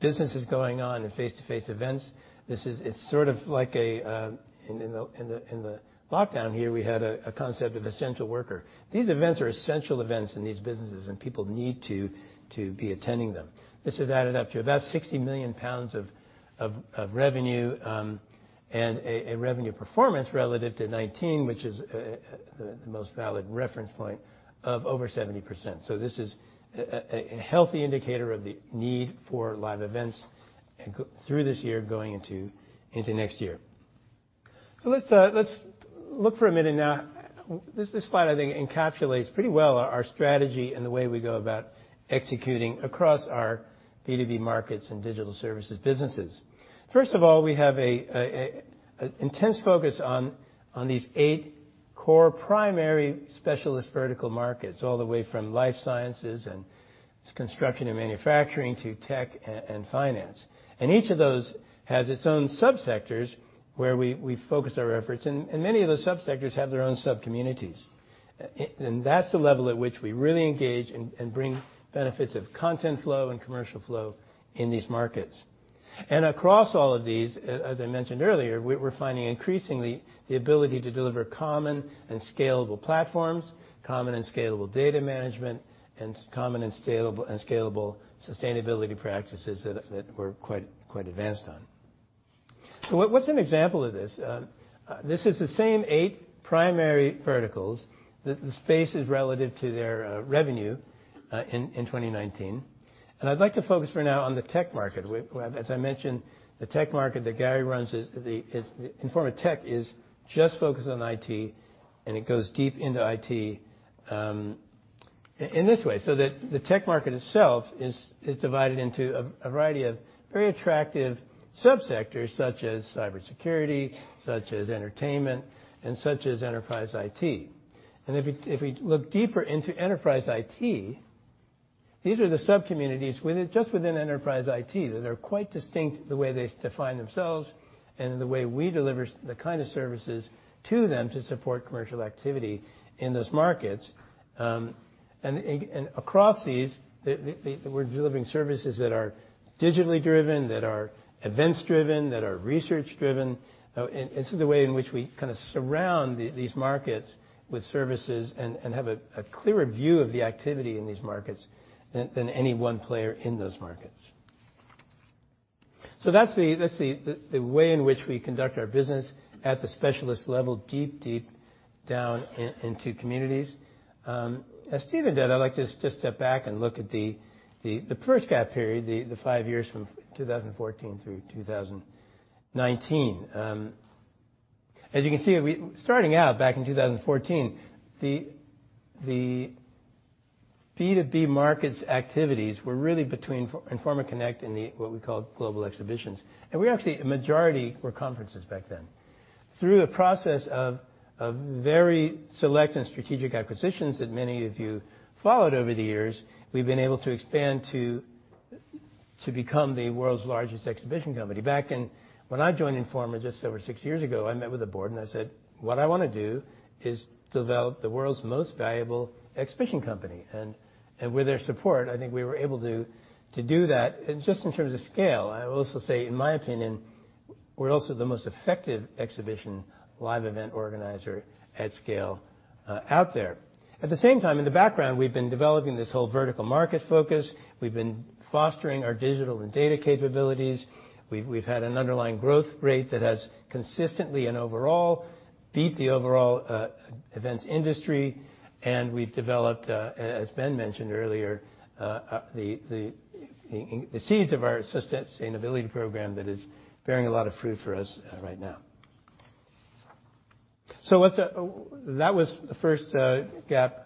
Business is going on in face-to-face events. This is it's sort of like a in the lockdown here, we had a concept of essential worker. These events are essential events in these businesses, and people need to be attending them. This has added up to about 60 million pounds of revenue and a revenue performance relative to 2019, which is the most valid reference point of over 70%. This is a healthy indicator of the need for live events and through this year going into next year. Let's look for a minute now. This slide, I think, encapsulates pretty well our strategy and the way we go about executing across our B2B markets and digital services businesses. First of all, we have a intense focus on these eight core primary specialist vertical markets, all the way from life sciences and construction and manufacturing to tech and finance. Each of those has its own subsectors where we focus our efforts, and many of those subsectors have their own sub-communities. That's the level at which we really engage and bring benefits of content flow and commercial flow in these markets. Across all of these, as I mentioned earlier, we're finding increasingly the ability to deliver common and scalable platforms, common and scalable data management, and common and scalable sustainability practices that we're quite advanced on. What's an example of this? This is the same eight primary verticals. The space is relative to their revenue in 2019. I'd like to focus for now on the tech market. As I mentioned, the tech market that Gary runs is Informa Tech is just focused on IT, and it goes deep into IT, in this way, so that the tech market itself is divided into a variety of very attractive subsectors such as cybersecurity, such as entertainment, and such as enterprise IT. If we look deeper into enterprise IT, these are the subcommunities just within enterprise IT. They're quite distinct, the way they define themselves and in the way we deliver the kind of services to them to support commercial activity in those markets. Across these, we're delivering services that are digitally driven, that are events driven, that are research driven. This is the way in which we kinda surround these markets with services and have a clearer view of the activity in these markets than any one player in those markets. That's the way in which we conduct our business at the specialist level, deep down into communities. As Stephen did, I'd like to just step back and look at the first GAP period, the five years from 2014 through 2019. As you can see, starting out back in 2014, the B2B markets activities were really between Informa Connect and what we call global exhibitions, and majority were conferences back then. Through a process of very select and strategic acquisitions that many of you followed over the years, we've been able to expand to become the world's largest exhibition company. When I joined Informa just over six years ago, I met with the board and I said, "What I wanna do is develop the world's most valuable exhibition company." With their support, I think we were able to do that. Just in terms of scale, I will also say, in my opinion, we're also the most effective exhibition live event organizer at scale out there. At the same time, in the background, we've been developing this whole vertical market focus. We've been fostering our digital and data capabilities. We've had an underlying growth rate that has consistently and overall beat the overall events industry, and we've developed, as Ben mentioned earlier, the seeds of our sustainability program that is bearing a lot of fruit for us right now. That was the first GAP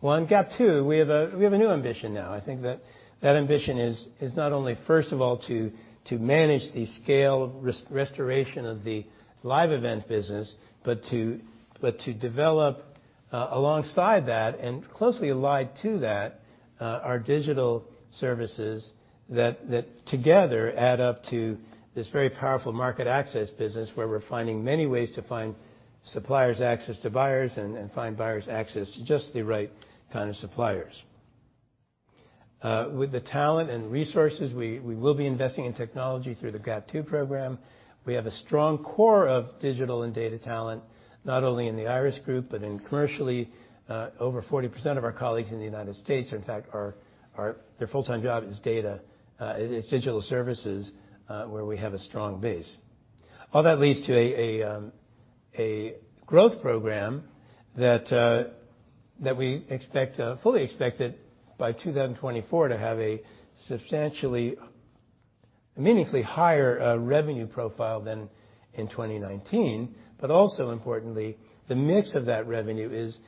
one. GAP two, we have a new ambition now. I think that ambition is not only, first of all, to manage the scale restoration of the live event business, but to develop alongside that and closely allied to that our digital services that together add up to this very powerful market access business where we're finding many ways to find suppliers access to buyers and find buyers access to just the right kind of suppliers. With the talent and resources, we will be investing in technology through the GAP II program. We have a strong core of digital and data talent, not only in the IIRIS Group, but commercially, over 40% of our colleagues in the United States are in fact their full-time job is digital services, where we have a strong base. All that leads to a growth program that we fully expect by 2024 to have a substantially, meaningfully higher revenue profile than in 2019. Also importantly, the mix of that revenue is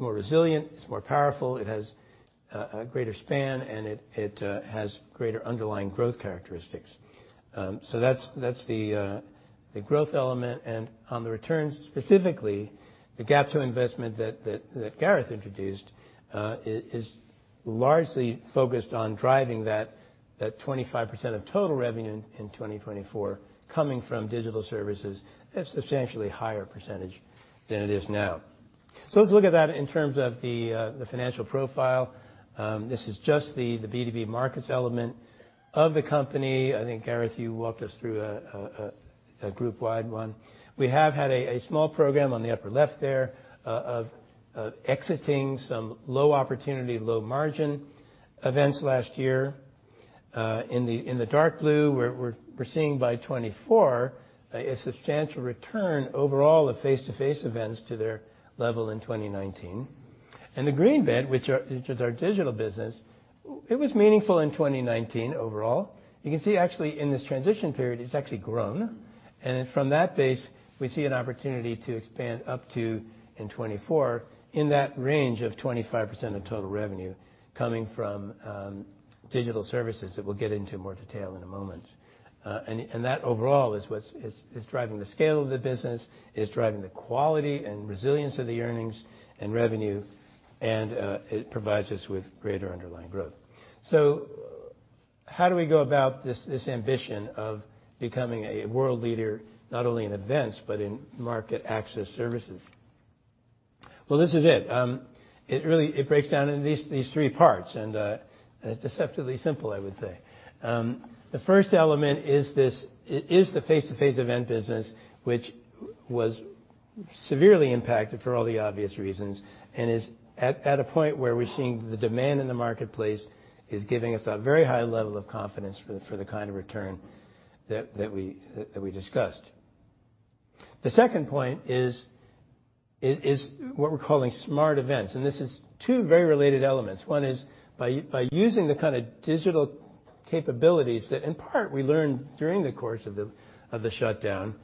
more resilient, it's more powerful, it has a greater span, and it has greater underlying growth characteristics. That's the growth element. On the returns, specifically, the GAP II investment that Gareth introduced is largely focused on driving that 25% of total revenue in 2024 coming from digital services at a substantially higher percentage than it is now. Let's look at that in terms of the financial profile. This is just the Informa Markets element of the company. I think, Gareth, you walked us through a group-wide one. We have had a small program on the upper left there of exiting some low opportunity, low margin events last year. In the dark blue, we're seeing by 2024 a substantial return overall of face-to-face events to their level in 2019. The green bit, which is our digital business, it was meaningful in 2019 overall. You can see actually in this transition period, it's actually grown. From that base, we see an opportunity to expand up to, in 2024, in that range of 25% of total revenue coming from digital services, that we'll get into more detail in a moment. And that overall is what's driving the scale of the business, is driving the quality and resilience of the earnings and revenue, and it provides us with greater underlying growth. How do we go about this ambition of becoming a world leader, not only in events, but in market access services? This is it. It really breaks down into these three parts, and deceptively simple, I would say. The first element is the face-to-face event business, which was severely impacted for all the obvious reasons, and is at a point where we're seeing the demand in the marketplace is giving us a very high level of confidence for the kind of return that we discussed. The second point is what we're calling smart events, and this is two very related elements. One is by using the kind of digital capabilities that in part we learned during the course of the shutdown,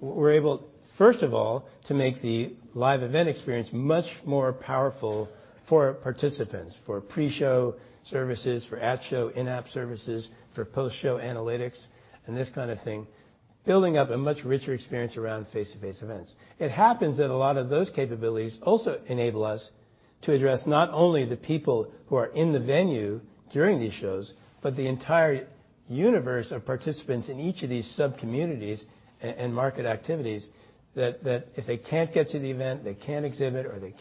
we're able, first of all, to make the live event experience much more powerful for participants, for pre-show services, for at-show, in-app services, for post-show analytics and this kind of thing, building up a much richer experience around face-to-face events. It happens that a lot of those capabilities also enable us to address not only the people who are in the venue during these shows, but the entire universe of participants in each of these sub-communities and market activities that if they can't get to the event, they can't exhibit, or they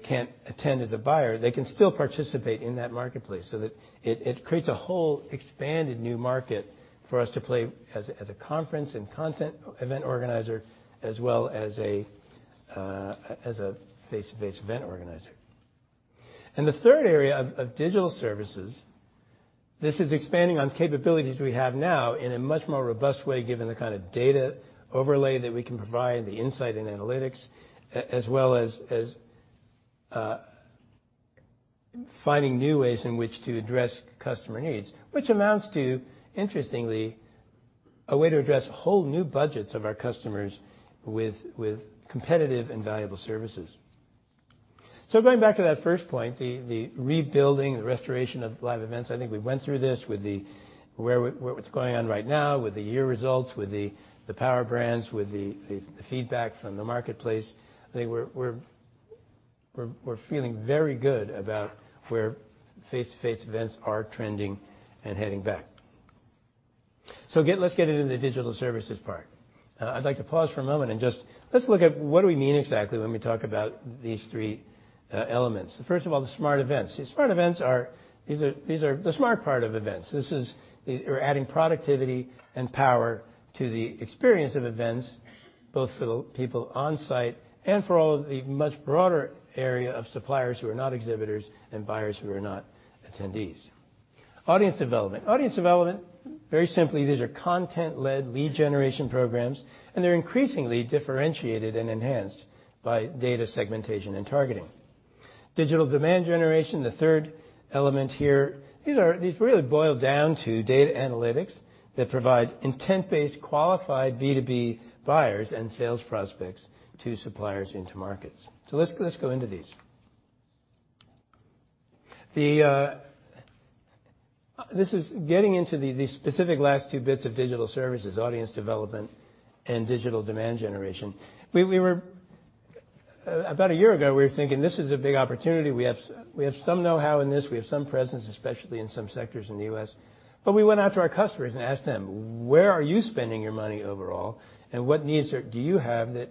can't attend as a buyer, they can still participate in that marketplace. That it creates a whole expanded new market for us to play as a conference and content event organizer, as well as a face-to-face event organizer. The third area of digital services this is expanding on capabilities we have now in a much more robust way, given the kind of data overlay that we can provide, the insight and analytics, as well as finding new ways in which to address customer needs. Which amounts to, interestingly, a way to address whole new budgets of our customers with competitive and valuable services. Going back to that first point, the rebuilding, the restoration of live events. I think we went through this with what's going on right now with the year results, with the power brands, with the feedback from the marketplace. I think we're feeling very good about where face-to-face events are trending and heading back. Let's get into the digital services part. I'd like to pause for a moment and just let's look at what do we mean exactly when we talk about these three elements. First of all, the smart events. The smart events are these the smart part of events. This is the... We're adding productivity and power to the experience of events, both for the people on site and for all the much broader array of suppliers who are not exhibitors and buyers who are not attendees. Audience development. Audience development, very simply, these are content-led lead generation programs, and they're increasingly differentiated and enhanced by data segmentation and targeting. Digital demand generation, the third element here, these really boil down to data analytics that provide intent-based, qualified B2B buyers and sales prospects to suppliers into markets. Let's go into these. This is getting into the specific last two bits of digital services, audience development and digital demand generation. About a year ago, we were thinking, "This is a big opportunity. We have some know-how in this. We have some presence, especially in some sectors in the U.S." We went out to our customers and asked them, "Where are you spending your money overall, and what needs do you have that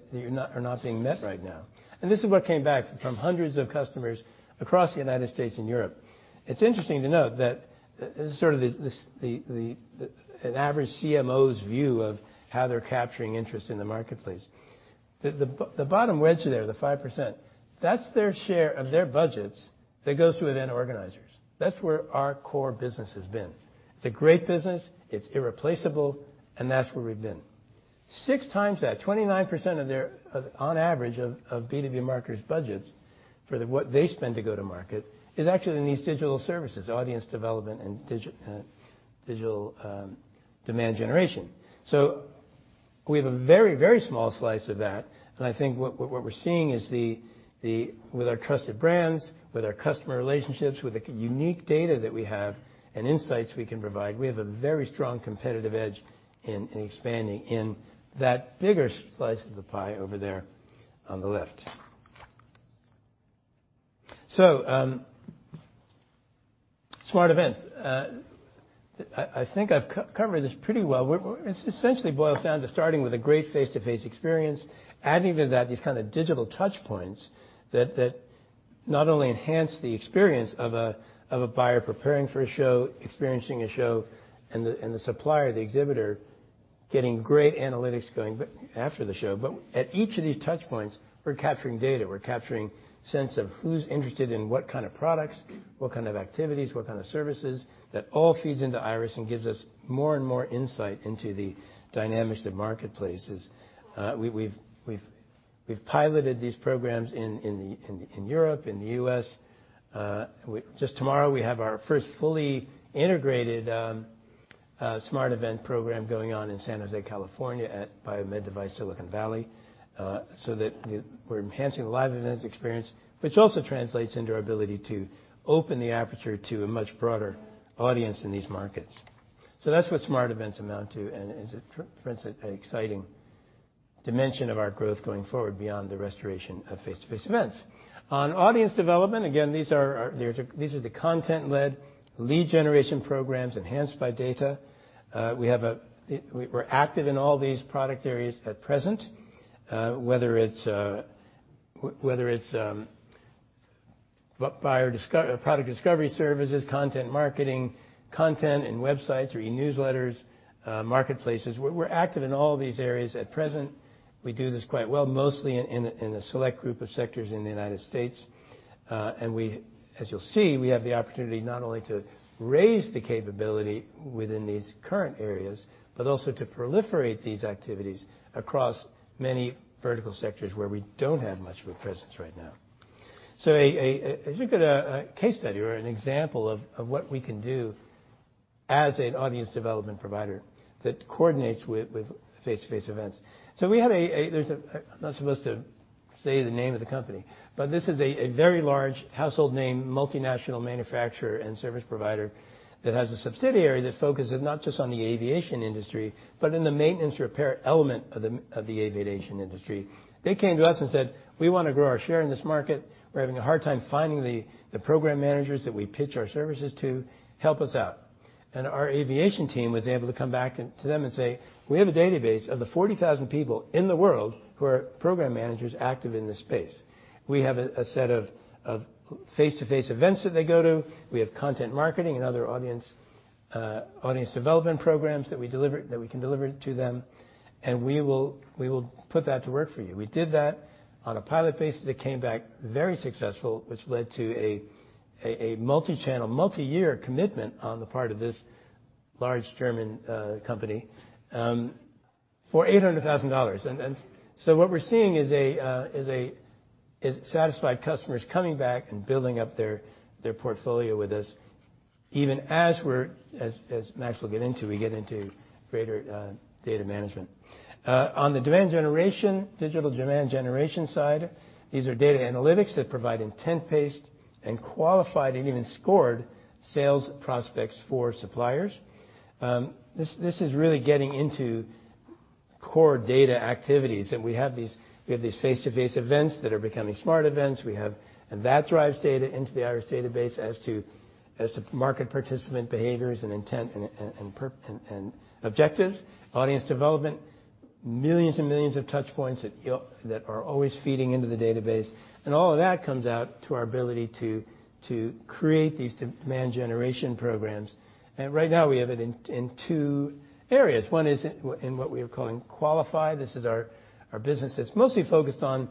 are not being met right now?" This is what came back from hundreds of customers across the United States and Europe. It's interesting to note that this is sort of an average CMO's view of how they're capturing interest in the marketplace. The bottom wedge there, the 5%, that's their share of their budgets that goes to event organizers. That's where our core business has been. It's a great business, it's irreplaceable, and that's where we've been. Six times that, 29% of their budgets, on average, of B2B marketers for what they spend to go to market is actually in these digital services, audience development and digital demand generation. We have a very small slice of that, and I think what we're seeing is the with our trusted brands, with our customer relationships, with the unique data that we have and insights we can provide, we have a very strong competitive edge in expanding in that bigger slice of the pie over there on the left. Smart events. I think I've covered this pretty well. We're It essentially boils down to starting with a great face-to-face experience, adding to that these kind of digital touchpoints that not only enhance the experience of a buyer preparing for a show, experiencing a show, and the supplier, the exhibitor, getting great analytics going back after the show. At each of these touchpoints, we're capturing data. We're capturing sense of who's interested in what kind of products, what kind of activities, what kind of services. That all feeds into IIRIS and gives us more and more insight into the dynamics of marketplaces. We've piloted these programs in Europe, in the U.S. Just tomorrow, we have our first fully integrated smart event program going on in San Jose, California at BIOMEDevice Silicon Valley, so that we're enhancing the live events experience, which also translates into our ability to open the aperture to a much broader audience in these markets. That's what smart events amount to and is, for instance, an exciting dimension of our growth going forward beyond the restoration of face-to-face events. On audience development, again, these are the content-led lead generation programs enhanced by data. We're active in all these product areas at present, whether it's product discovery services, content marketing, content in websites or e-newsletters, marketplaces. We're active in all these areas at present. We do this quite well, mostly in a select group of sectors in the United States. As you'll see, we have the opportunity not only to raise the capability within these current areas, but also to proliferate these activities across many vertical sectors where we don't have much of a presence right now. If you look at a case study or an example of what we can do as an audience development provider that coordinates with face-to-face events. I'm not supposed to say the name of the company, but this is a very large household name, multinational manufacturer and service provider that has a subsidiary that focuses not just on the aviation industry, but in the maintenance repair element of the aviation industry. They came to us and said, "We wanna grow our share in this market. We're having a hard time finding the program managers that we pitch our services to. Help us out." Our aviation team was able to come back to them and say, "We have a database of the 40,000 people in the world who are program managers active in this space. We have a set of face-to-face events that they go to. We have content marketing and other audience development programs that we deliver, that we can deliver to them, and we will put that to work for you." We did that on a pilot basis. It came back very successful, which led to a multi-channel, multi-year commitment on the part of this large German company for $800,000. So what we're seeing is satisfied customers coming back and building up their portfolio with us, even as we're, as Max will get into, we get into greater data management. On the demand generation, digital demand generation side, these are data analytics that provide intent-based and qualified and even scored sales prospects for suppliers. This is really getting into core data activities. We have these face-to-face events that are becoming smart events. That drives data into the IIRIS database as to market participant behaviors and intent and objectives. Audience development, millions and millions of touchpoints that are always feeding into the database. All of that comes out to our ability to create these demand generation programs. Right now we have it in two areas. One is in what we are calling Qualify. This is our business that's mostly focused on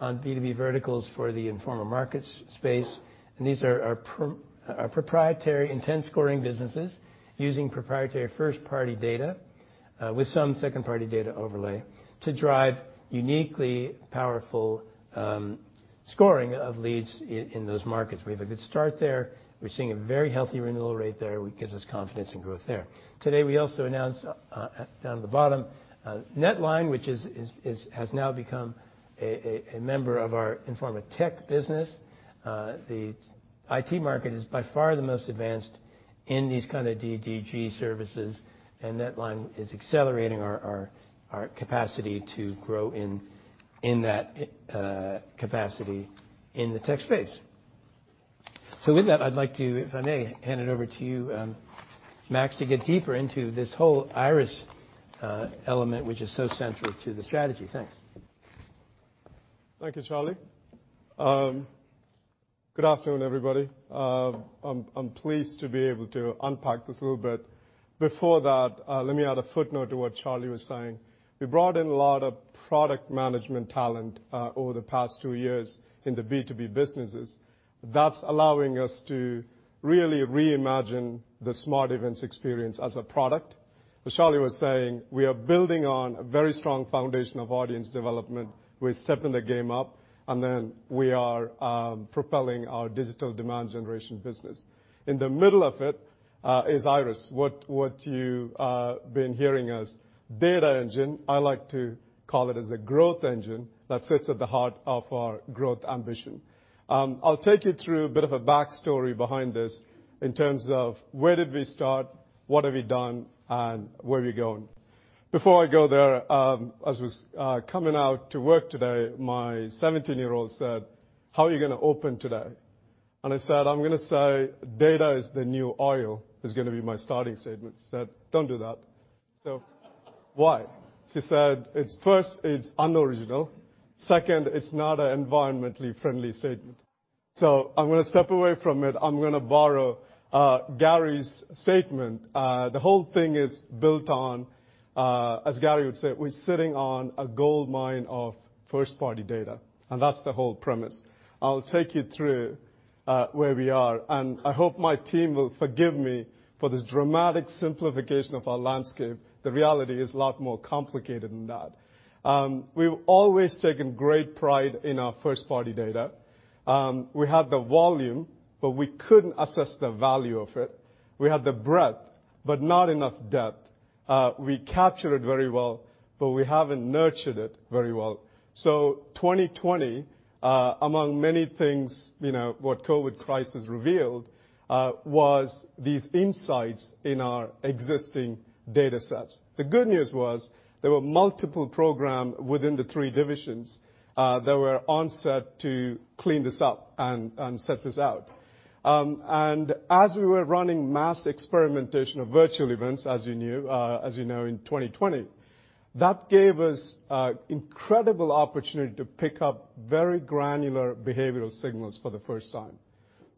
B2B verticals for the Informa Markets space. These are our proprietary intent scoring businesses using proprietary first-party data, with some second-party data overlay, to drive uniquely powerful scoring of leads in those markets. We have a good start there. We're seeing a very healthy renewal rate there, which gives us confidence in growth there. Today, we also announced down at the bottom NetLine, which has now become a member of our Informa Tech business. The IT market is by far the most advanced in these kind of DDG services, and NetLine is accelerating our capacity to grow in that capacity in the tech space. With that, I'd like to, if I may, hand it over to you, Max, to get deeper into this whole IIRIS element, which is so central to the strategy. Thanks. Thank you, Charlie. Good afternoon, everybody. I'm pleased to be able to unpack this a little bit. Before that, let me add a footnote to what Charlie was saying. We brought in a lot of product management talent over the past two years in the B2B businesses. That's allowing us to really reimagine the smart events experience as a product. As Charlie was saying, we are building on a very strong foundation of audience development. We're stepping the game up, and then we are propelling our digital demand generation business. In the middle of it is IIRIS, what you been hearing as data engine. I like to call it as a growth engine that sits at the heart of our growth ambition. I'll take you through a bit of a backstory behind this in terms of where did we start, what have we done, and where are we going. Before I go there, as I was coming out to work today, my 17-year-old said, "How are you gonna open today?" And I said, "I'm gonna say data is the new oil, is gonna be my starting statement." He said, "Don't do that." Why? She said, "It's, first, it's unoriginal. Second, it's not an environmentally friendly statement." I'm gonna step away from it. I'm gonna borrow Gary's statement. The whole thing is built on, as Gary would say, we're sitting on a gold mine of first-party data, and that's the whole premise. I'll take you through where we are, and I hope my team will forgive me for this dramatic simplification of our landscape. The reality is a lot more complicated than that. We've always taken great pride in our first-party data. We had the volume, but we couldn't assess the value of it. We had the breadth, but not enough depth. We capture it very well, but we haven't nurtured it very well. 2020, among many things, you know, what COVID crisis revealed was these insights in our existing data sets. The good news was there were multiple program within the three divisions that were set to clean this up and sort this out. As we were running mass experimentation of virtual events, as you knew, as you know, in 2020, that gave us incredible opportunity to pick up very granular behavioral signals for the first time.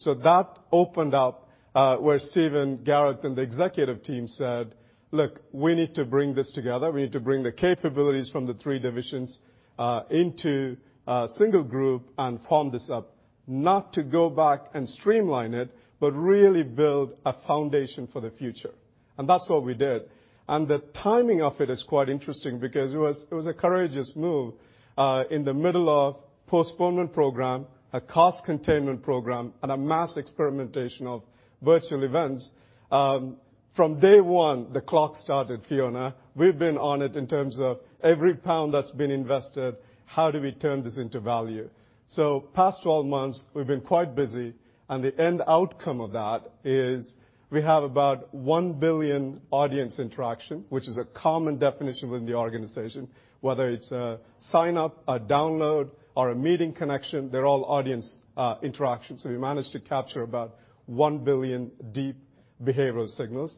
That opened up where Stephen, Gareth, and the executive team said, "Look, we need to bring this together. We need to bring the capabilities from the three divisions into a single group and form this up, not to go back and streamline it, but really build a foundation for the future." That's what we did. The timing of it is quite interesting because it was a courageous move in the middle of postponement program, a cost containment program, and a mass experimentation of virtual events. From day one, the clock started, Fiona. We've been on it in terms of every pound that's been invested, how do we turn this into value? Past 12 months, we've been quite busy, and the end outcome of that is we have about 1 billion audience interaction, which is a common definition within the organization. Whether it's a sign-up, a download, or a meeting connection, they're all audience interactions. So we managed to capture about 1 billion deep behavioral signals.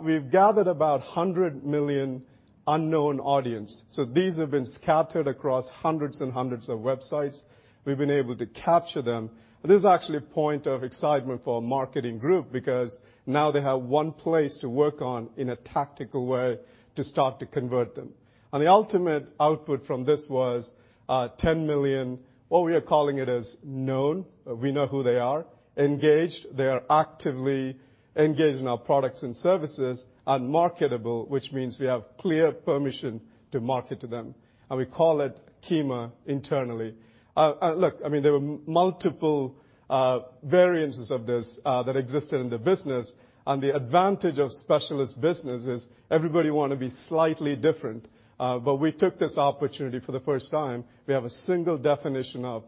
We've gathered about 100 million unknown audience. So these have been scattered across hundreds and hundreds of websites. We've been able to capture them. This is actually a point of excitement for our marketing group because now they have one place to work on in a tactical way to start to convert them. The ultimate output from this was 10 million, what we are calling it as known. We know who they are. Engaged, they are actively engaged in our products and services. And marketable, which means we have clear permission to market to them. We call it KEMA internally. Look, I mean, there were multiple variances of this that existed in the business. The advantage of specialist business is everybody wanna be slightly different. We took this opportunity for the first time. We have a single definition of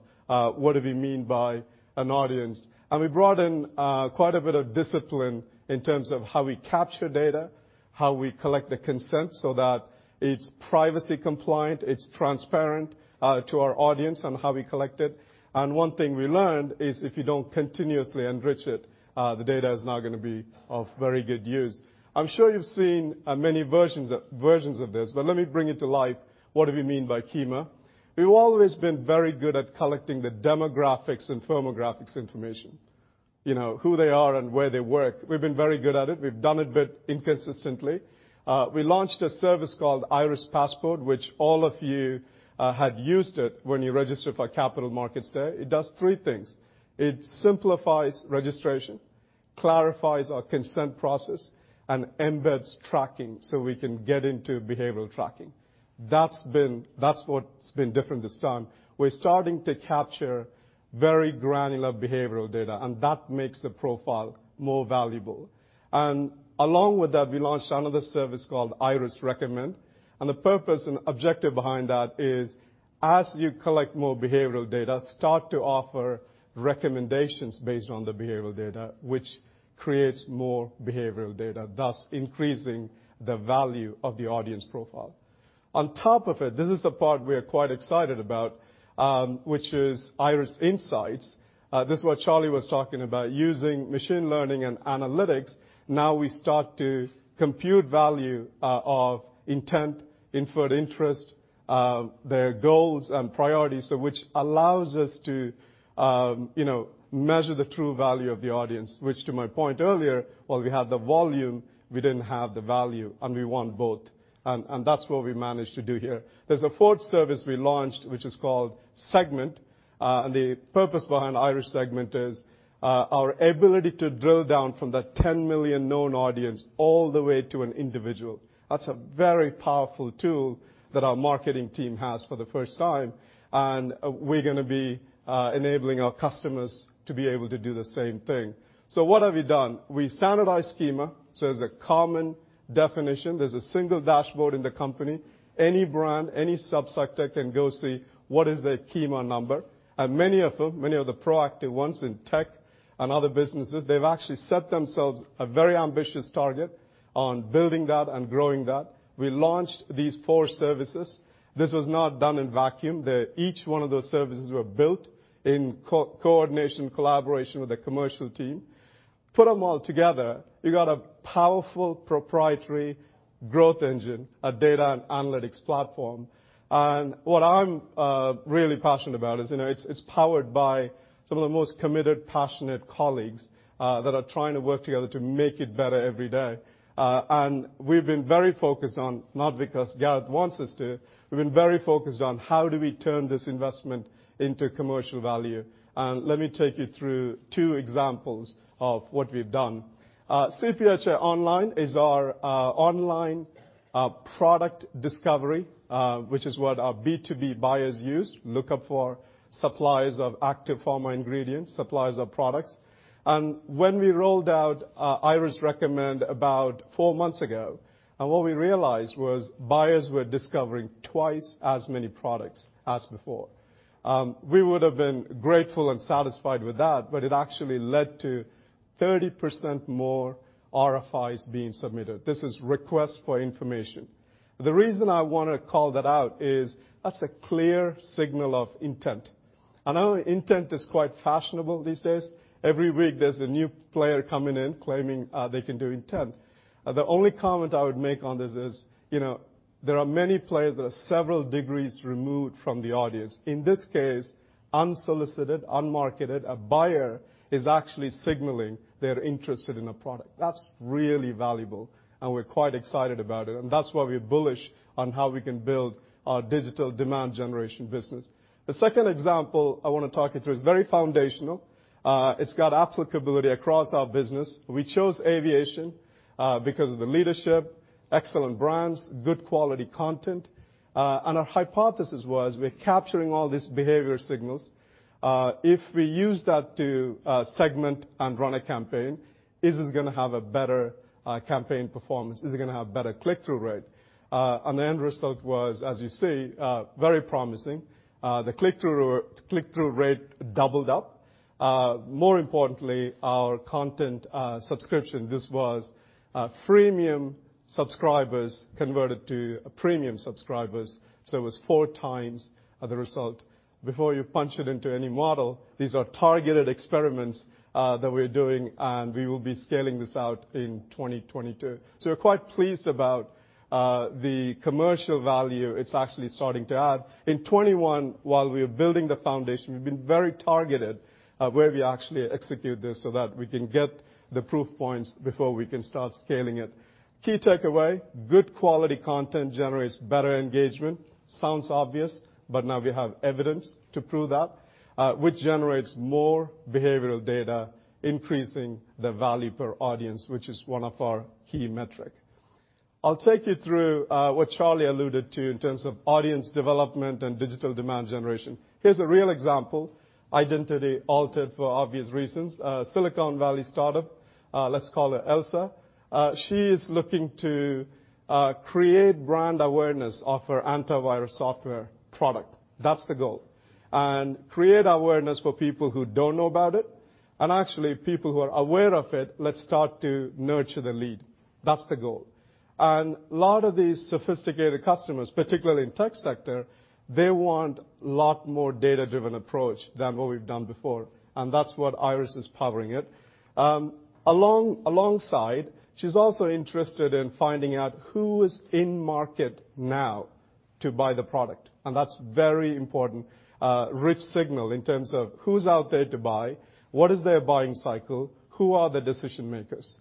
what do we mean by an audience. We brought in quite a bit of discipline in terms of how we capture data, how we collect the consent, so that it's privacy compliant, it's transparent to our audience on how we collect it. One thing we learned is if you don't continuously enrich it, the data is not gonna be of very good use. I'm sure you've seen many versions of this, but let me bring it to life. What do we mean by KEMA? We've always been very good at collecting the demographics and firmographics information. You know, who they are and where they work. We've been very good at it. We've done it a bit inconsistently. We launched a service called IIRIS Passport, which all of you had used it when you registered for Capital Markets Day. It does three things. It simplifies registration, clarifies our consent process, and embeds tracking so we can get into behavioral tracking. That's what's been different this time. We're starting to capture very granular behavioral data, and that makes the profile more valuable. Along with that, we launched another service called IIRIS Recommend. The purpose and objective behind that is, as you collect more behavioral data, start to offer recommendations based on the behavioral data, which creates more behavioral data, thus increasing the value of the audience profile. On top of it, this is the part we are quite excited about, which is IIRIS Insights. This is what Charlie was talking about, using machine learning and analytics. Now we start to compute value of intent, inferred interest, their goals and priorities. Which allows us to, you know, measure the true value of the audience, which to my point earlier, while we have the volume, we didn't have the value, and we want both. That's what we managed to do here. There's a fourth service we launched, which is called Segment. The purpose behind IIRIS Segment is our ability to drill down from that 10 million known audience all the way to an individual. That's a very powerful tool that our marketing team has for the first time, and we're gonna be enabling our customers to be able to do the same thing. What have we done? We standardized KEMA, so there's a common definition. There's a single dashboard in the company. Any brand, any sub-sector can go see what is their KEMA number. Many of them, many of the proactive ones in tech and other businesses, they've actually set themselves a very ambitious target on building that and growing that. We launched these four services. This was not done in vacuum. Each one of those services were built in coordination, collaboration with the commercial team. Put them all together, you got a powerful proprietary growth engine, a data and analytics platform. What I'm really passionate about is, you know, it's powered by some of the most committed, passionate colleagues that are trying to work together to make it better every day. We've been very focused on how do we turn this investment into commercial value, not because Gareth wants us to. Let me take you through two examples of what we've done. CPHI Online is our online product discovery, which is what our B2B buyers use, look up for suppliers of active pharma ingredients, suppliers of products. When we rolled out IIRIS Recommend about four months ago, what we realized was buyers were discovering twice as many products as before. We would have been grateful and satisfied with that, but it actually led to 30% more RFIs being submitted. This is request for information. The reason I wanna call that out is that's a clear signal of intent. I know intent is quite fashionable these days. Every week, there's a new player coming in claiming they can do intent. The only comment I would make on this is, you know, there are many players that are several degrees removed from the audience. In this case, unsolicited, unmarketed, a buyer is actually signaling they're interested in a product. That's really valuable, and we're quite excited about it. That's why we're bullish on how we can build our digital demand generation business. The second example I wanna talk you through is very foundational. It's got applicability across our business. We chose aviation because of the leadership, excellent brands, good quality content. And our hypothesis was we're capturing all these behavior signals. If we use that to segment and run a campaign, is this gonna have a better campaign performance? Is it gonna have better click-through rate? The end result was, as you see, very promising. The click-through rate doubled up. More importantly, our content subscription, this was freemium subscribers converted to premium subscribers, so it was four times the result. Before you punch it into any model, these are targeted experiments that we're doing, and we will be scaling this out in 2022. We're quite pleased about the commercial value it's actually starting to add. In 2021, while we're building the foundation, we've been very targeted at where we actually execute this so that we can get the proof points before we can start scaling it. Key takeaway, good quality content generates better engagement. Sounds obvious, but now we have evidence to prove that, which generates more behavioral data, increasing the value per audience, which is one of our key metric. I'll take you through what Charlie alluded to in terms of audience development and digital demand generation. Here's a real example, identity altered for obvious reasons. Silicon Valley startup, let's call her Elsa. She is looking to create brand awareness of her antivirus software product. That's the goal. Create awareness for people who don't know about it, and actually, people who are aware of it, let's start to nurture the lead. That's the goal. A lot of these sophisticated customers, particularly in tech sector, they want a lot more data-driven approach than what we've done before, and that's what IIRIS is powering it. Alongside, she's also interested in finding out who is in market now to buy the product, and that's very important, rich signal in terms of who's out there to buy, what is their buying cycle, who are the decision-makers.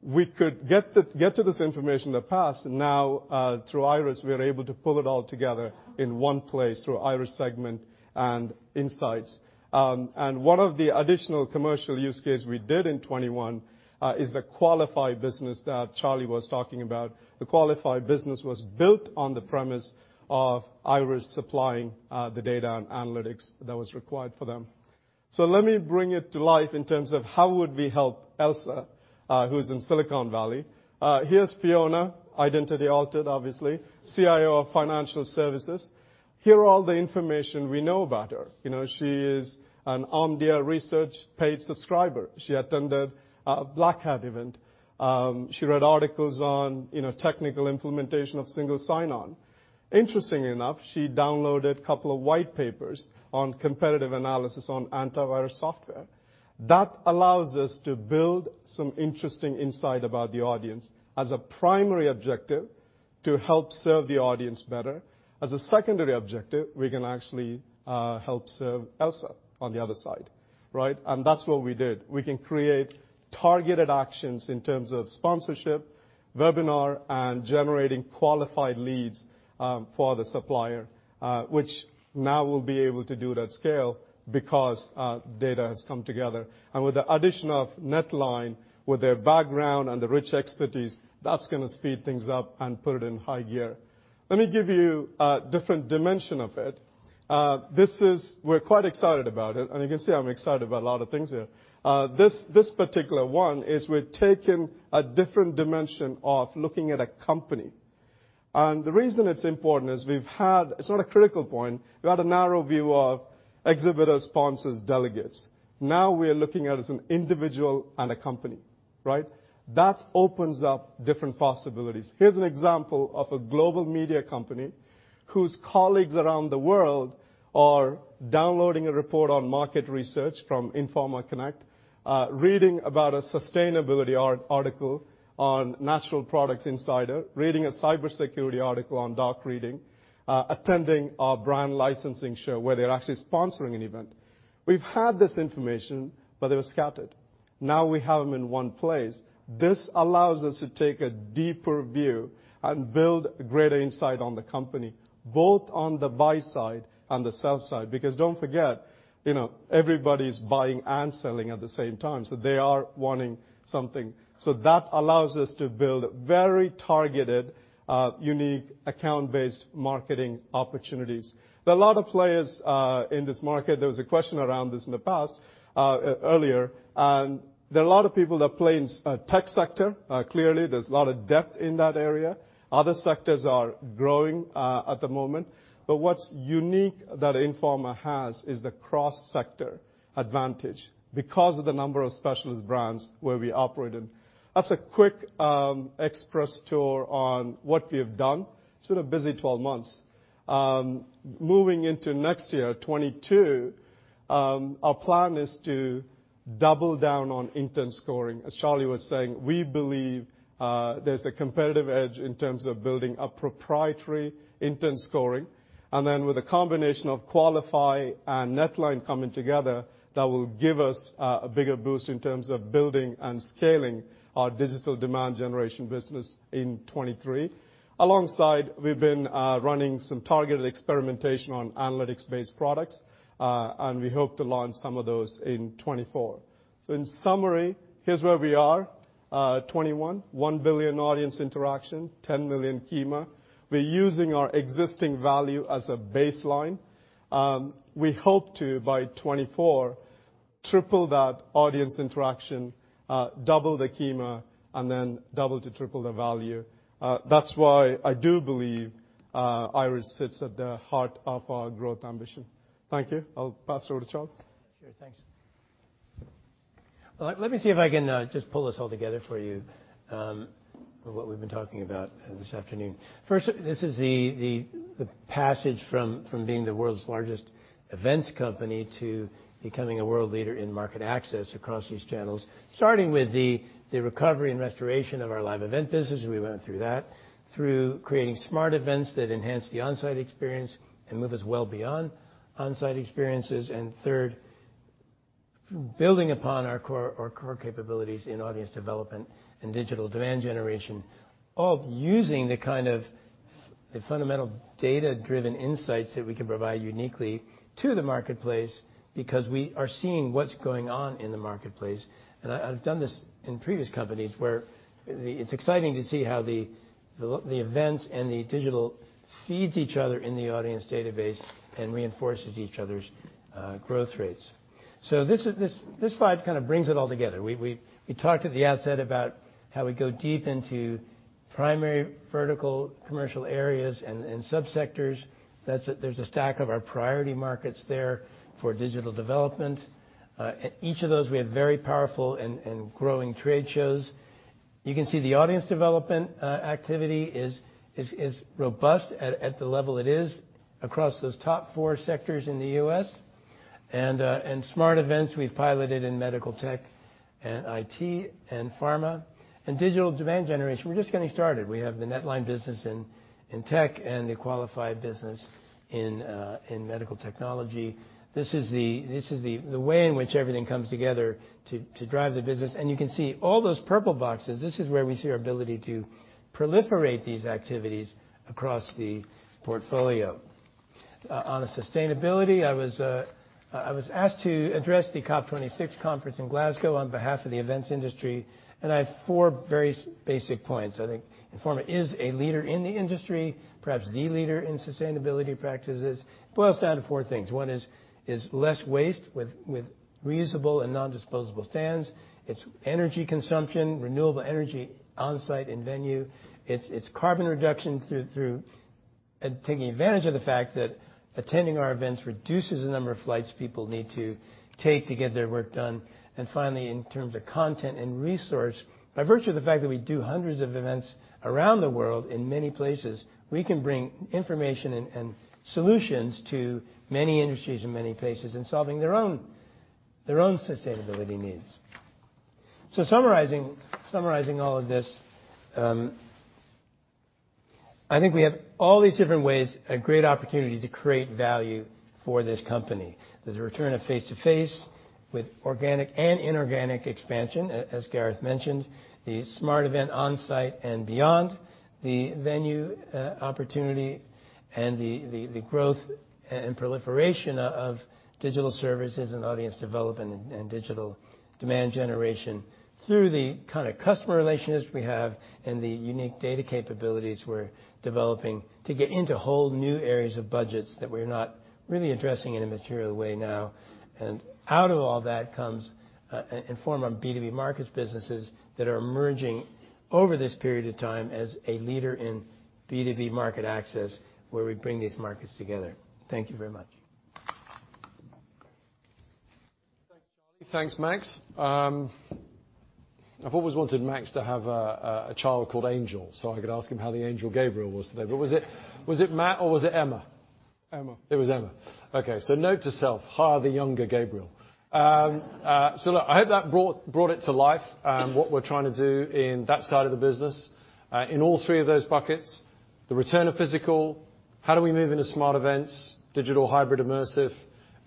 We could get to this information in the past, and now, through IIRIS, we are able to pull it all together in one place through IIRIS Segment and Insights. One of the additional commercial use case we did in 2021 is the Qualify business that Charlie was talking about. The Qualify business was built on the premise of IIRIS supplying the data and analytics that was required for them. Let me bring it to life in terms of how would we help Elsa, who's in Silicon Valley. Here's Fiona, identity altered, obviously, CIO of financial services. Here all the information we know about her. You know, she is an Omdia Research paid subscriber. She attended a Black Hat event. She read articles on, you know, technical implementation of single sign-on. Interestingly enough, she downloaded a couple of white papers on competitive analysis on antivirus software. That allows us to build some interesting insight about the audience as a primary objective to help serve the audience better. As a secondary objective, we can actually help serve Elsa on the other side, right? That's what we did. We can create targeted actions in terms of sponsorship, webinar, and generating qualified leads for the supplier, which now we'll be able to do it at scale because data has come together. With the addition of NetLine, with their background and the rich expertise, that's gonna speed things up and put it in high gear. Let me give you a different dimension of it. We're quite excited about it, and you can see I'm excited about a lot of things here. This particular one is we're taking a different dimension of looking at a company. The reason it's important is we've had, it's not a critical point, we had a narrow view of exhibitor sponsors, delegates. Now we are looking at it as an individual and a company. Right? That opens up different possibilities. Here's an example of a global media company whose colleagues around the world are downloading a report on market research from Informa Connect, reading about a sustainability article on Natural Products Insider, reading a cybersecurity article on Dark Reading, attending our brand licensing show where they're actually sponsoring an event. We've had this information, but they were scattered. Now we have them in one place. This allows us to take a deeper view and build greater insight on the company, both on the buy side and the sell side, because don't forget, you know, everybody's buying and selling at the same time, so they are wanting something. That allows us to build very targeted, unique account-based marketing opportunities. There are a lot of players in this market. There was a question around this in the past, earlier, and there are a lot of people that play in tech sector. Clearly, there's a lot of depth in that area. Other sectors are growing at the moment. What's unique that Informa has is the cross-sector advantage because of the number of specialist brands where we operate in. That's a quick express tour on what we have done. It's been a busy 12 months. Moving into next year, 2022, our plan is to double down on intent scoring. As Charlie was saying, we believe there's a competitive edge in terms of building a proprietary intent scoring. Then with a combination of Qualify and NetLine coming together, that will give us a bigger boost in terms of building and scaling our digital demand generation business in 2023. Alongside, we've been running some targeted experimentation on analytics-based products, and we hope to launch some of those in 2024. In summary, here's where we are, 2021. 1 billion audience interaction, 10 million KEMA. We're using our existing value as a baseline. We hope to, by 2024, triple that audience interaction, double the KEMA, and then double to triple the value. That's why I do believe, IIRIS sits at the heart of our growth ambition. Thank you. I'll pass it over to Charlie. Sure. Thanks. Well, let me see if I can just pull this all together for you, what we've been talking about this afternoon. First, this is the passage from being the world's largest events company to becoming a world leader in market access across these channels, starting with the recovery and restoration of our live event business. We went through that, through creating smart events that enhance the on-site experience and move us well beyond on-site experiences. Third, building upon our core capabilities in audience development and digital demand generation, all using the kind of the fundamental data-driven insights that we can provide uniquely to the marketplace because we are seeing what's going on in the marketplace. I've done this in previous companies. It's exciting to see how the events and the digital feed each other in the audience database and reinforce each other's growth rates. This slide kind of brings it all together. We talked at the outset about how we go deep into primary vertical commercial areas and subsectors. There's a stack of our priority markets there for digital development. Each of those we have very powerful and growing trade shows. You can see the audience development activity is robust at the level it is across those top four sectors in the U.S. Smart events we've piloted in medical tech and IT and pharma. Digital demand generation, we're just getting started. We have the NetLine business in tech and the Qualify business in medical technology. This is the way in which everything comes together to drive the business. You can see all those purple boxes. This is where we see our ability to proliferate these activities across the portfolio. On sustainability, I was asked to address the COP26 conference in Glasgow on behalf of the events industry, and I have four very basic points. I think Informa is a leader in the industry, perhaps the leader in sustainability practices. It boils down to four things. One is less waste with reusable and non-disposable stands. It's energy consumption, renewable energy on-site and venue. It's carbon reduction through taking advantage of the fact that attending our events reduces the number of flights people need to take to get their work done. Finally, in terms of content and resource, by virtue of the fact that we do hundreds of events around the world in many places, we can bring information and solutions to many industries in many places in solving their own sustainability needs. Summarizing all of this, I think we have all these different ways, a great opportunity to create value for this company. There's a return of face-to-face with organic and inorganic expansion, as Gareth mentioned, the smart event on-site and beyond, the venue, opportunity, and the growth and proliferation of digital services and audience development and digital demand generation through the kind of customer relationships we have and the unique data capabilities we're developing to get into whole new areas of budgets that we're not really addressing in a material way now. Out of all that comes Informa Markets businesses that are emerging over this period of time as a leader in B2B market access, where we bring these markets together. Thank you very much. Thanks, Charlie. Thanks, Max. I've always wanted Max to have a child called Angel, so I could ask him how the angel Gabriel was today. But was it Matt or was it Emma? Emma. It was Emma. Okay. Note to self, hire the younger Gabriel. I hope that brought it to life, what we're trying to do in that side of the business. In all three of those buckets, the return of physical, how do we move into smart events, digital, hybrid, immersive,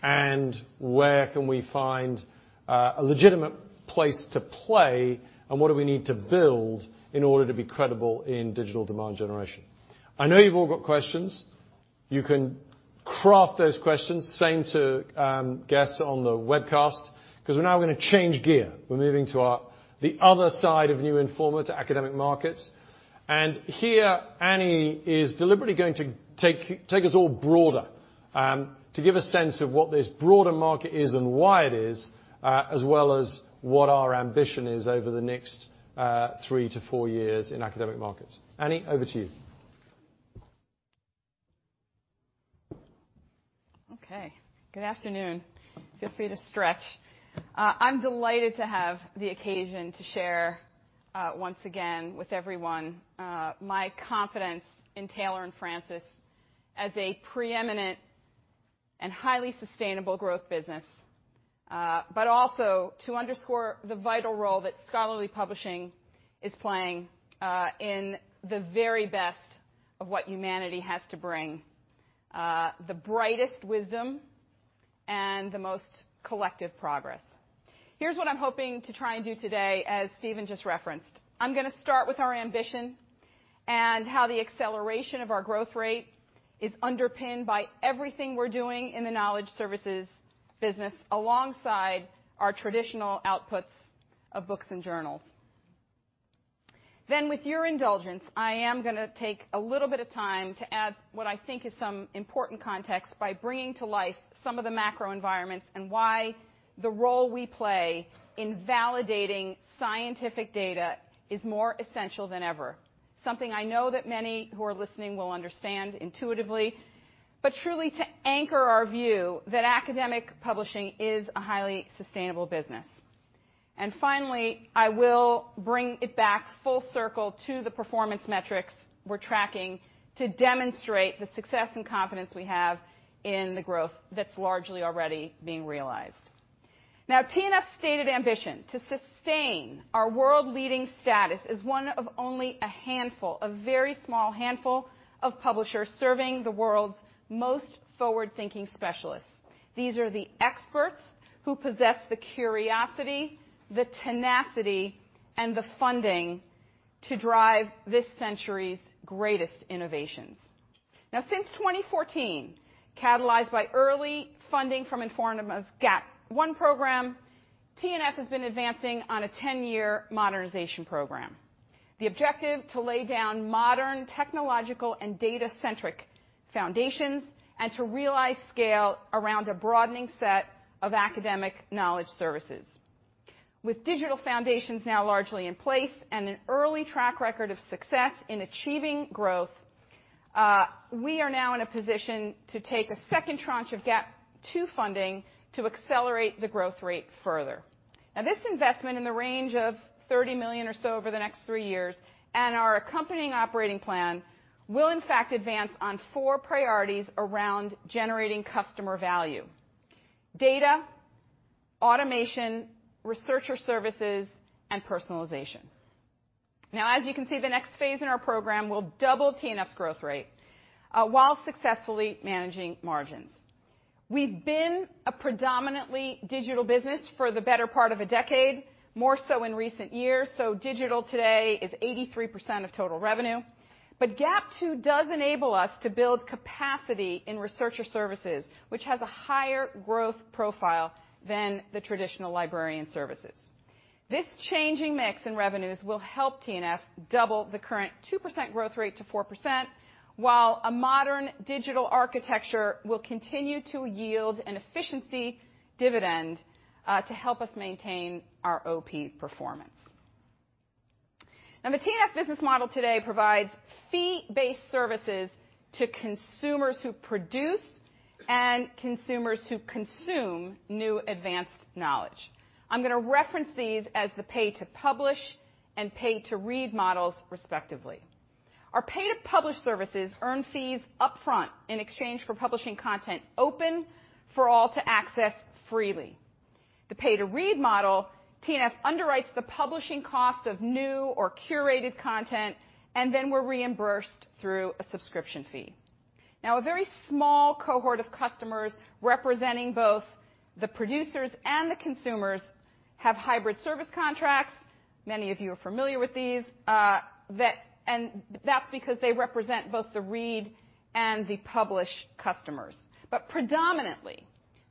and where can we find a legitimate place to play, and what do we need to build in order to be credible in digital demand generation? I know you've all got questions. You can craft those questions, same to guests on the webcast, 'cause we're now gonna change gear. We're moving to the other side of New Informa to Academic Markets. Here, Annie is deliberately going to take us all broader, to give a sense of what this broader market is and why it is, as well as what our ambition is over the next 3-4 years in Academic Markets. Annie, over to you. Okay, good afternoon. Feel free to stretch. I'm delighted to have the occasion to share, once again with everyone, my confidence in Taylor & Francis as a preeminent and highly sustainable growth business, but also to underscore the vital role that scholarly publishing is playing, in the very best of what humanity has to bring, the brightest wisdom and the most collective progress. Here's what I'm hoping to try and do today as Stephen just referenced. I'm gonna start with our ambition and how the acceleration of our growth rate is underpinned by everything we're doing in the knowledge services business alongside our traditional outputs of books and journals. With your indulgence, I am gonna take a little bit of time to add what I think is some important context by bringing to life some of the macro environments and why the role we play in validating scientific data is more essential than ever. Something I know that many who are listening will understand intuitively, but truly to anchor our view that academic publishing is a highly sustainable business. Finally, I will bring it back full circle to the performance metrics we're tracking to demonstrate the success and confidence we have in the growth that's largely already being realized. Now, T&F's stated ambition to sustain our world-leading status is one of only a handful, a very small handful of publishers serving the world's most forward-thinking specialists. These are the experts who possess the curiosity, the tenacity, and the funding to drive this century's greatest innovations. Now, since 2014, catalyzed by early funding from Informa's GAP1 program, T&F has been advancing on a 10-year modernization program. The objective, to lay down modern technological and data-centric foundations and to realize scale around a broadening set of academic knowledge services. With digital foundations now largely in place and an early track record of success in achieving growth, we are now in a position to take a second tranche of GAP2 funding to accelerate the growth rate further. Now, this investment in the range of 30 million or so over the next three years, and our accompanying operating plan, will in fact advance on four priorities around generating customer value, data, automation, researcher services, and personalization. Now, as you can see, the next phase in our program will double T&F's growth rate, while successfully managing margins. We've been a predominantly digital business for the better part of a decade, more so in recent years, so digital today is 83% of total revenue. GAP II does enable us to build capacity in researcher services, which has a higher growth profile than the traditional librarian services. This changing mix in revenues will help T&F double the current 2% growth rate to 4%, while a modern digital architecture will continue to yield an efficiency dividend to help us maintain our OP performance. Now, the T&F business model today provides fee-based services to consumers who produce and consumers who consume new advanced knowledge. I'm gonna reference these as the pay to publish and pay to read models, respectively. Our pay to publish services earn fees upfront in exchange for publishing content open for all to access freely. The pay to read model, T&F underwrites the publishing cost of new or curated content, and then we're reimbursed through a subscription fee. Now, a very small cohort of customers representing both the producers and the consumers have hybrid service contracts, many of you are familiar with these, and that's because they represent both the read and the publish customers. Predominantly,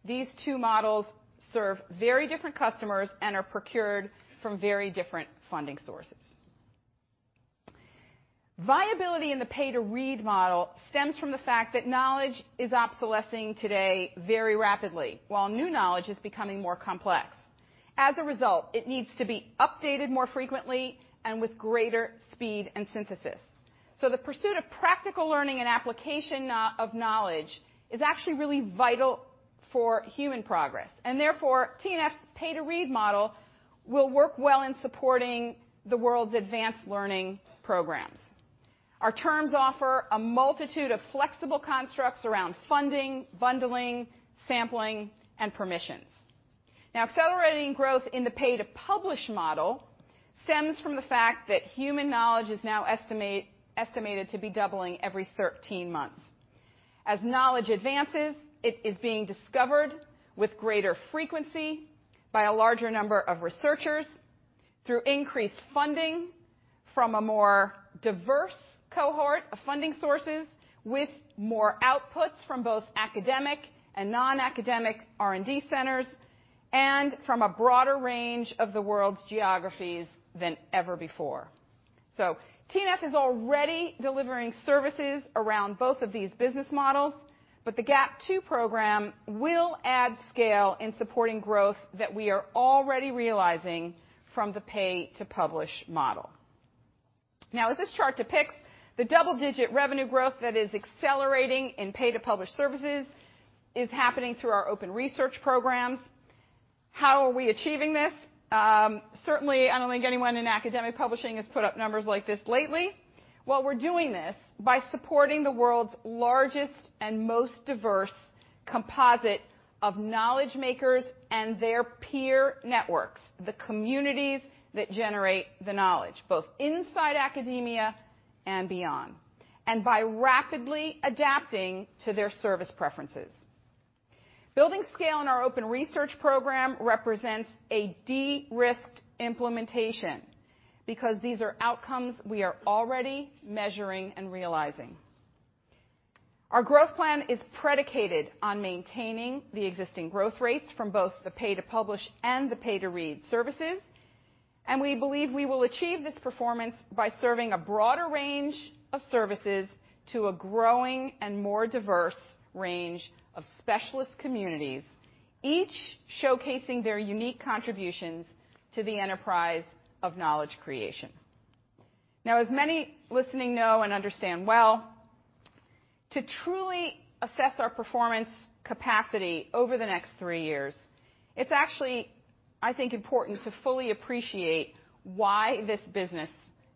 these two models serve very different customers and are procured from very different funding sources. Viability in the pay to read model stems from the fact that knowledge is obsolescing today very rapidly, while new knowledge is becoming more complex. As a result, it needs to be updated more frequently and with greater speed and synthesis. The pursuit of practical learning and application of knowledge is actually really vital for human progress, and therefore, T&F's pay-to-read model will work well in supporting the world's advanced learning programs. Our terms offer a multitude of flexible constructs around funding, bundling, sampling, and permissions. Now accelerating growth in the pay-to-publish model stems from the fact that human knowledge is now estimated to be doubling every 13 months. As knowledge advances, it is being discovered with greater frequency by a larger number of researchers through increased funding from a more diverse cohort of funding sources with more outputs from both academic and non-academic R&D centers and from a broader range of the world's geographies than ever before. T&F is already delivering services around both of these business models, but the GAP II program will add scale in supporting growth that we are already realizing from the pay-to-publish model. Now as this chart depicts, the double-digit revenue growth that is accelerating in pay-to-publish services is happening through our open research programs. How are we achieving this? Certainly, I don't think anyone in academic publishing has put up numbers like this lately. We're doing this by supporting the world's largest and most diverse composite of knowledge makers and their peer networks, the communities that generate the knowledge, both inside academia and beyond, and by rapidly adapting to their service preferences. Building scale in our open research program represents a de-risked implementation because these are outcomes we are already measuring and realizing. Our growth plan is predicated on maintaining the existing growth rates from both the pay-to-publish and the pay-to-read services, and we believe we will achieve this performance by serving a broader range of services to a growing and more diverse range of specialist communities, each showcasing their unique contributions to the enterprise of knowledge creation. Now, as many listening know and understand well, to truly assess our performance capacity over the next three years, it's actually, I think, important to fully appreciate why this business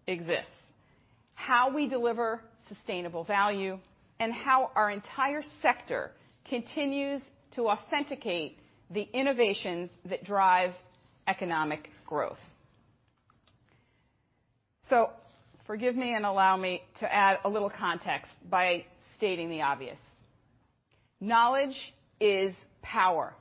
exists, how we deliver sustainable value, and how our entire sector continues to authenticate the innovations that drive economic growth. Forgive me and allow me to add a little context by stating the obvious. Knowledge is power.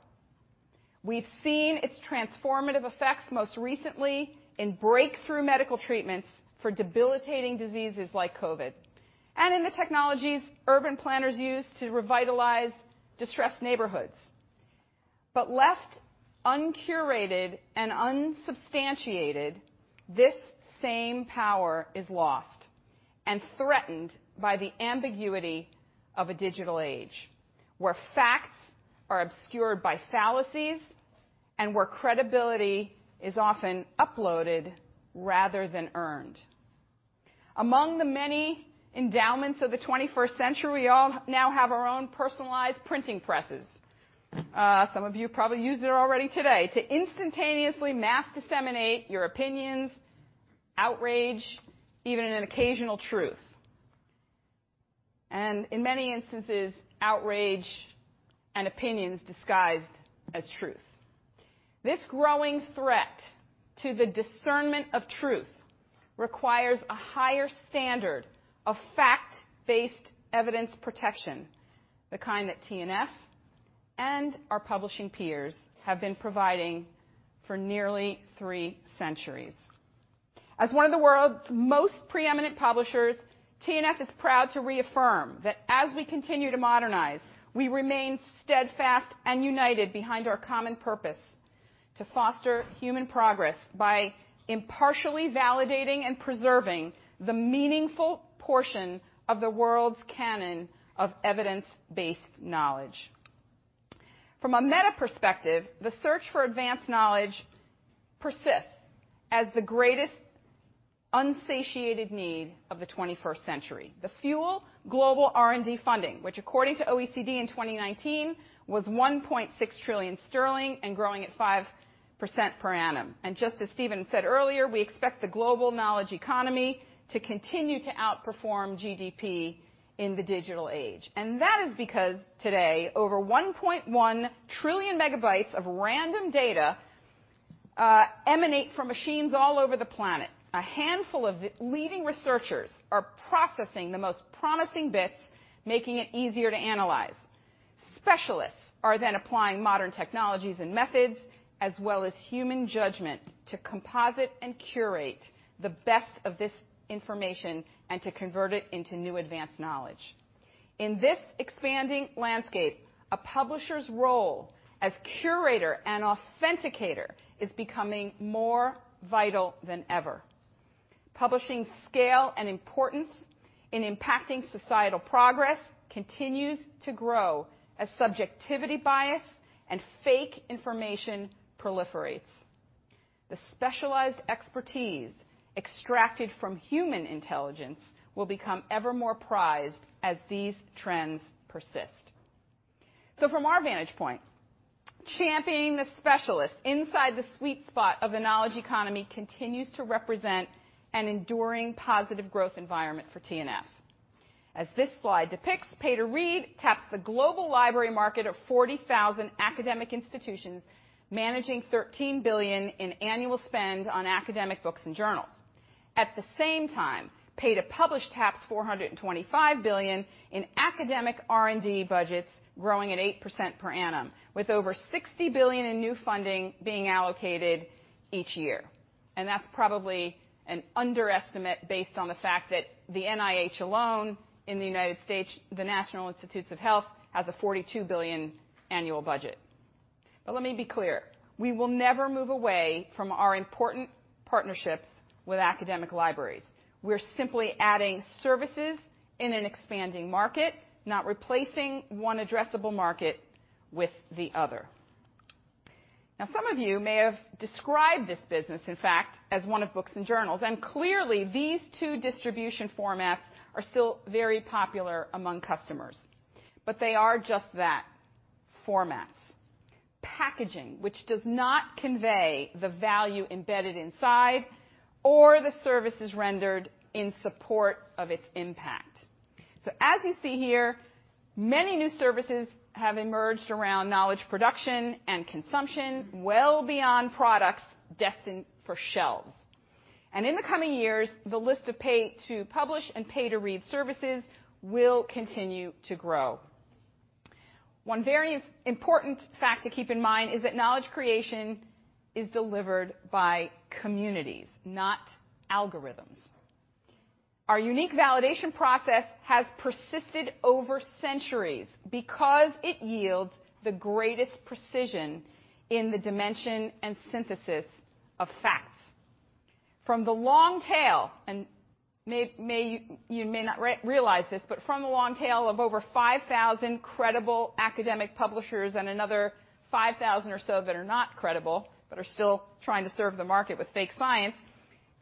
We've seen its transformative effects most recently in breakthrough medical treatments for debilitating diseases like COVID and in the technologies urban planners use to revitalize distressed neighborhoods. Left uncurated and unsubstantiated, this same power is lost and threatened by the ambiguity of a digital age, where facts are obscured by fallacies and where credibility is often uploaded rather than earned. Among the many endowments of the twenty-first century, we all now have our own personalized printing presses. Some of you probably used it already today to instantaneously mass disseminate your opinions, outrage, even an occasional truth, and in many instances, outrage and opinions disguised as truth. This growing threat to the discernment of truth requires a higher standard of fact-based evidence protection, the kind that T&F and our publishing peers have been providing for nearly three centuries. As one of the world's most preeminent publishers, T&F is proud to reaffirm that as we continue to modernize, we remain steadfast and united behind our common purpose to foster human progress by impartially validating and preserving the meaningful portion of the world's canon of evidence-based knowledge. From a meta-perspective, the search for advanced knowledge persists as the greatest unsatiated need of the 21st century. The fuel? Global R&D funding, which according to OECD in 2019 was 1.6 trillion sterling and growing at 5% per annum. Just as Stephen said earlier, we expect the global knowledge economy to continue to outperform GDP in the digital age. That is because today over 1.1 trillion megabytes of random data emanate from machines all over the planet. A handful of leading researchers are processing the most promising bits, making it easier to analyze. Specialists are then applying modern technologies and methods as well as human judgment to compose it and curate the best of this information and to convert it into new advanced knowledge. In this expanding landscape, a publisher's role as curator and authenticator is becoming more vital than ever. Publishing scale and importance in impacting societal progress continues to grow as subjectivity bias and fake information proliferates. The specialized expertise extracted from human intelligence will become ever more prized as these trends persist. From our vantage point, championing the specialists inside the sweet spot of the knowledge economy continues to represent an enduring positive growth environment for T&F. As this slide depicts, pay to read taps the global library market of 40,000 academic institutions managing $13 billion in annual spend on academic books and journals. At the same time, pay to publish taps $425 billion in academic R&D budgets, growing at 8% per annum, with over $60 billion in new funding being allocated each year. That's probably an underestimate based on the fact that the NIH alone in the U.S., the National Institutes of Health, has a $42 billion annual budget. Let me be clear, we will never move away from our important partnerships with academic libraries. We're simply adding services in an expanding market, not replacing one addressable market with the other. Now, some of you may have described this business, in fact, as one of books and journals. Clearly, these two distribution formats are still very popular among customers. They are just that, formats. Packaging, which does not convey the value embedded inside or the services rendered in support of its impact. As you see here, many new services have emerged around knowledge production and consumption, well beyond products destined for shelves. In the coming years, the list of pay-to-publish and pay-to-read services will continue to grow. One very important fact to keep in mind is that knowledge creation is delivered by communities, not algorithms. Our unique validation process has persisted over centuries because it yields the greatest precision in the dimension and synthesis of facts. From the long tail, you may not realize this, but from the long tail of over 5,000 credible academic publishers and another 5,000 or so that are not credible, but are still trying to serve the market with fake science,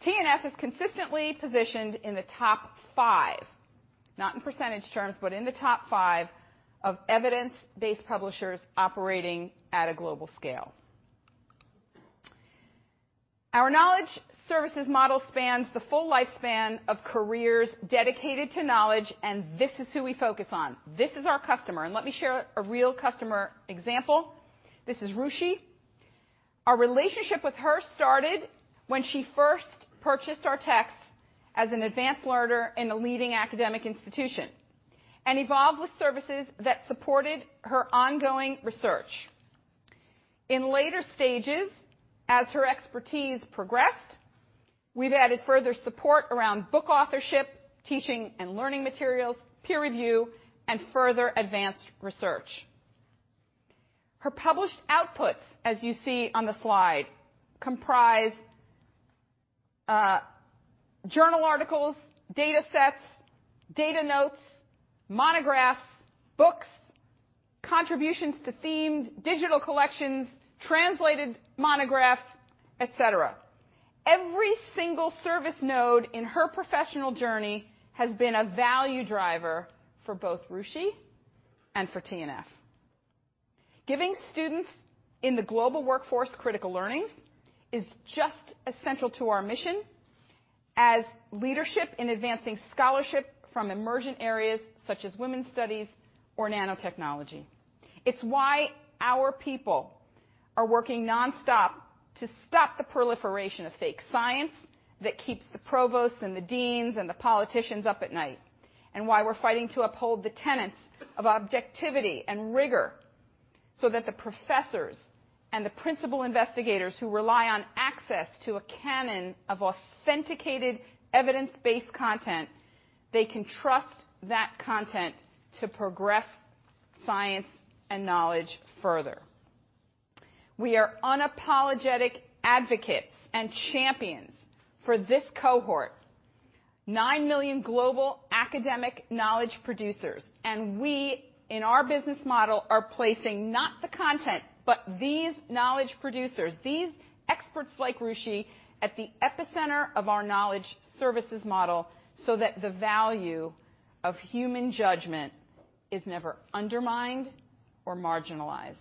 T&F is consistently positioned in the top five, not in percentage terms, but in the top five of evidence-based publishers operating at a global scale. Our knowledge services model spans the full lifespan of careers dedicated to knowledge, and this is who we focus on. This is our customer, and let me share a real customer example. This is Rushi. Our relationship with her started when she first purchased our text as an advanced learner in a leading academic institution and evolved with services that supported her ongoing research. In later stages, as her expertise progressed, we've added further support around book authorship, teaching and learning materials, peer review, and further advanced research. Her published outputs, as you see on the slide, comprise journal articles, datasets, data notes, monographs, books, contributions to themed digital collections, translated monographs, et cetera. Every single service node in her professional journey has been a value driver for both Rushi and for T&F. Giving students in the global workforce critical learnings is just as central to our mission as leadership in advancing scholarship from emergent areas such as women's studies or nanotechnology. It's why our people are working nonstop to stop the proliferation of fake science that keeps the provosts and the deans and the politicians up at night. Why we're fighting to uphold the tenets of objectivity and rigor so that the professors and the principal investigators who rely on access to a canon of authenticated evidence-based content, they can trust that content to progress science and knowledge further. We are unapologetic advocates and champions for this cohort. 9 million global academic knowledge producers, and we in our business model are placing not the content, but these knowledge producers, these experts like Rushi at the epicenter of our knowledge services model so that the value of human judgment is never undermined or marginalized.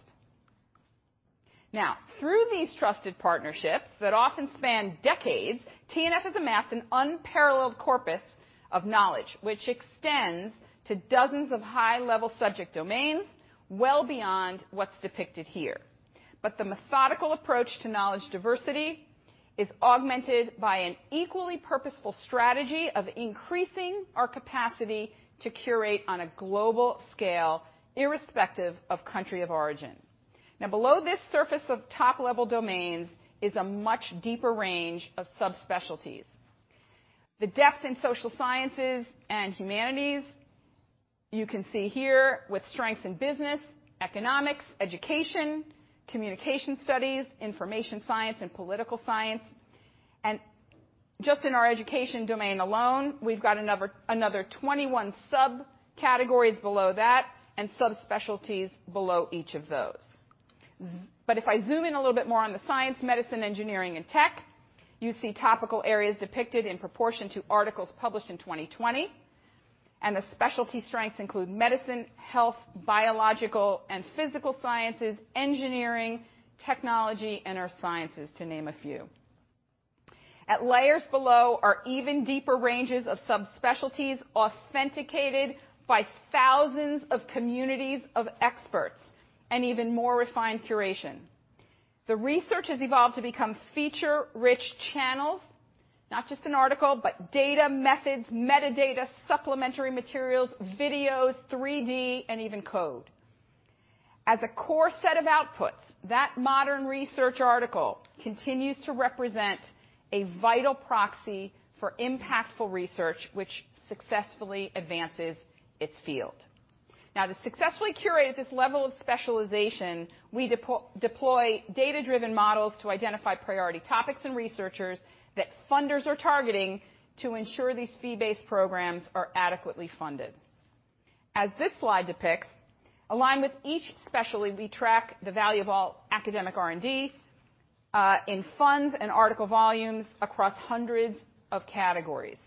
Now, through these trusted partnerships that often span decades, T&F has amassed an unparalleled corpus of knowledge, which extends to dozens of high-level subject domains, well beyond what's depicted here. The methodical approach to knowledge diversity is augmented by an equally purposeful strategy of increasing our capacity to curate on a global scale, irrespective of country of origin. Now, below this surface of top-level domains is a much deeper range of subspecialties. The depth in social sciences and humanities. You can see here with strengths in business, economics, education, communication studies, information science, and political science. Just in our education domain alone, we've got another 21 subcategories below that and subspecialties below each of those. If I zoom in a little bit more on the science, medicine, engineering, and tech, you see topical areas depicted in proportion to articles published in 2020, and the specialty strengths include medicine, health, biological and physical sciences, engineering, technology, and earth sciences, to name a few. At layers below are even deeper ranges of subspecialties authenticated by thousands of communities of experts and even more refined curation. The research has evolved to become feature-rich channels, not just an article, but data, methods, metadata, supplementary materials, videos, 3D, and even code. As a core set of outputs, that modern research article continues to represent a vital proxy for impactful research which successfully advances its field. Now, to successfully curate at this level of specialization, we deploy data-driven models to identify priority topics and researchers that funders are targeting to ensure these fee-based programs are adequately funded. As this slide depicts, aligned with each specialty, we track the value of all academic R&D in funds and article volumes across hundreds of categories.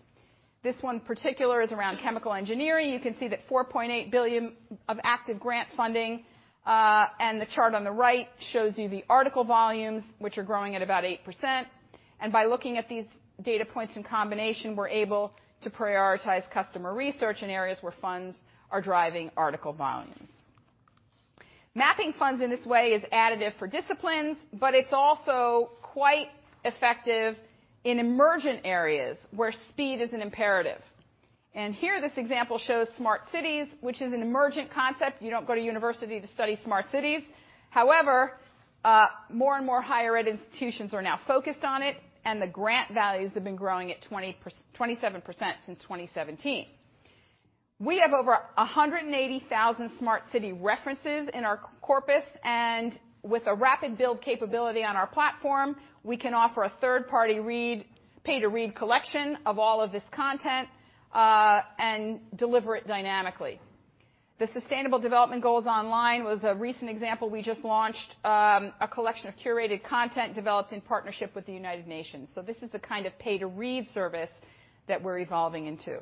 This one particular is around chemical engineering. You can see that $4.8 billion of active grant funding, and the chart on the right shows you the article volumes, which are growing at about 8%. By looking at these data points in combination, we're able to prioritize customer research in areas where funds are driving article volumes. Mapping funds in this way is additive for disciplines, but it's also quite effective in emergent areas where speed is an imperative. Here, this example shows smart cities, which is an emergent concept. You don't go to university to study smart cities. However, more and more higher ed institutions are now focused on it, and the grant values have been growing at 27% since 2017. We have over 180,000 smart city references in our corpus, and with a rapid build capability on our platform, we can offer a third-party read, pay-to-read collection of all of this content, and deliver it dynamically. The Sustainable Development Goals Online was a recent example. We just launched a collection of curated content developed in partnership with the United Nations. This is the kind of pay-to-read service that we're evolving into.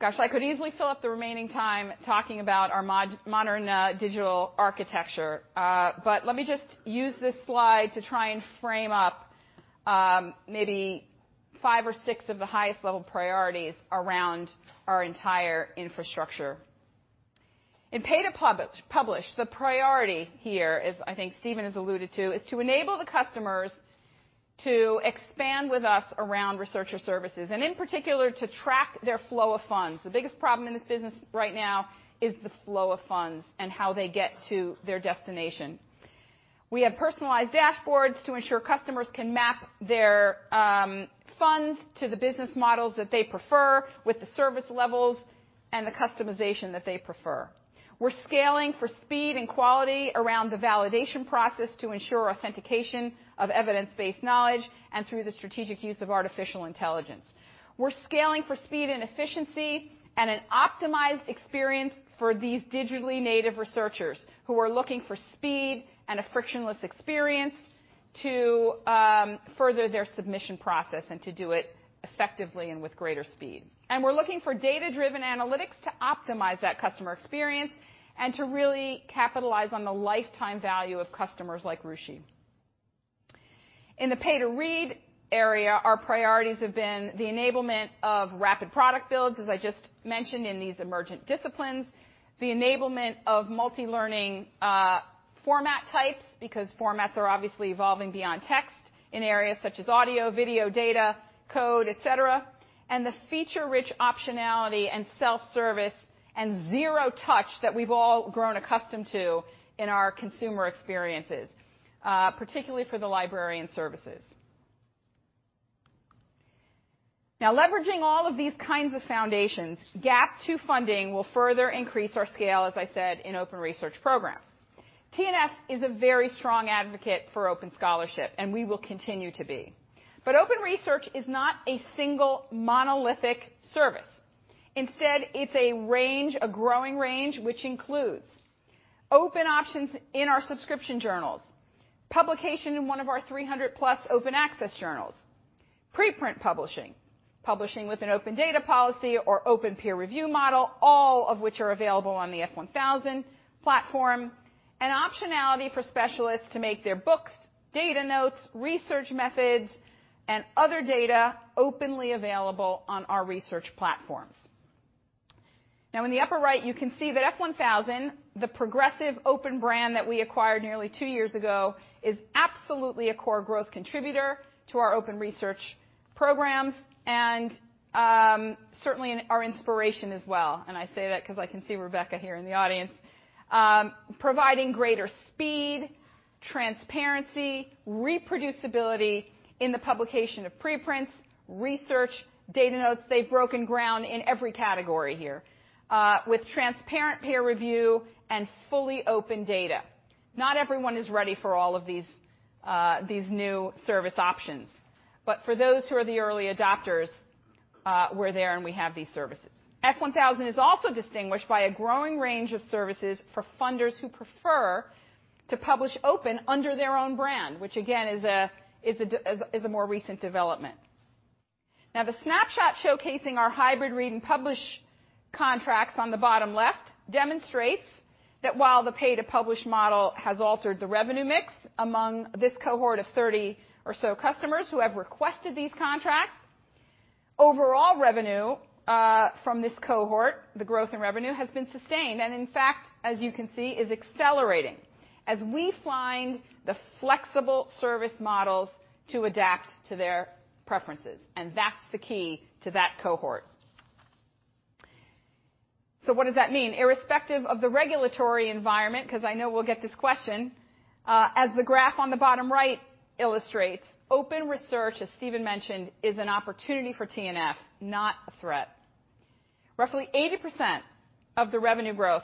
Gosh, I could easily fill up the remaining time talking about our modern digital architecture. Let me just use this slide to try and frame up maybe five or six of the highest level priorities around our entire infrastructure. In pay-to-publish, the priority here is, I think Stephen has alluded to, is to enable the customers to expand with us around researcher services, and in particular, to track their flow of funds. The biggest problem in this business right now is the flow of funds and how they get to their destination. We have personalized dashboards to ensure customers can map their funds to the business models that they prefer with the service levels and the customization that they prefer. We're scaling for speed and quality around the validation process to ensure authentication of evidence-based knowledge and through the strategic use of artificial intelligence. We're scaling for speed and efficiency and an optimized experience for these digitally native researchers who are looking for speed and a frictionless experience to further their submission process and to do it effectively and with greater speed. We're looking for data-driven analytics to optimize that customer experience and to really capitalize on the lifetime value of customers like Rushi. In the pay-to-read area, our priorities have been the enablement of rapid product builds, as I just mentioned in these emergent disciplines, the enablement of multi-learning format types, because formats are obviously evolving beyond text in areas such as audio, video, data, code, et cetera, and the feature-rich optionality and self-service and zero touch that we've all grown accustomed to in our consumer experiences, particularly for the librarian services. Now, leveraging all of these kinds of foundations, GAP II funding will further increase our scale, as I said, in open research programs. T&F is a very strong advocate for open scholarship, and we will continue to be. Open research is not a single monolithic service. Instead, it's a range, a growing range, which includes open options in our subscription journals, publication in one of our 300+ open access journals, preprint publishing with an open data policy or open peer review model, all of which are available on the F1000 platform, and optionality for specialists to make their books, data notes, research methods, and other data openly available on our research platforms. Now in the upper right, you can see that F1000, the progressive open brand that we acquired nearly two years ago, is absolutely a core growth contributor to our open research programs and certainly our inspiration as well. I say that 'cause I can see Rebecca here in the audience providing greater speed, transparency, reproducibility in the publication of preprints, research, data notes. They've broken ground in every category here with transparent peer review and fully open data. Not everyone is ready for all of these new service options. For those who are the early adopters, we're there, and we have these services. F1000 is also distinguished by a growing range of services for funders who prefer to publish open under their own brand, which again is a more recent development. Now, the snapshot showcasing our hybrid read-and-publish contracts on the bottom left demonstrates that while the pay-to-publish model has altered the revenue mix among this cohort of 30 or so customers who have requested these contracts, overall revenue from this cohort, the growth in revenue has been sustained, and in fact, as you can see, is accelerating as we find the flexible service models to adapt to their preferences, and that's the key to that cohort. What does that mean? Irrespective of the regulatory environment, 'cause I know we'll get this question, as the graph on the bottom right illustrates, open research, as Stephen mentioned, is an opportunity for T&F, not a threat. Roughly 80% of the revenue growth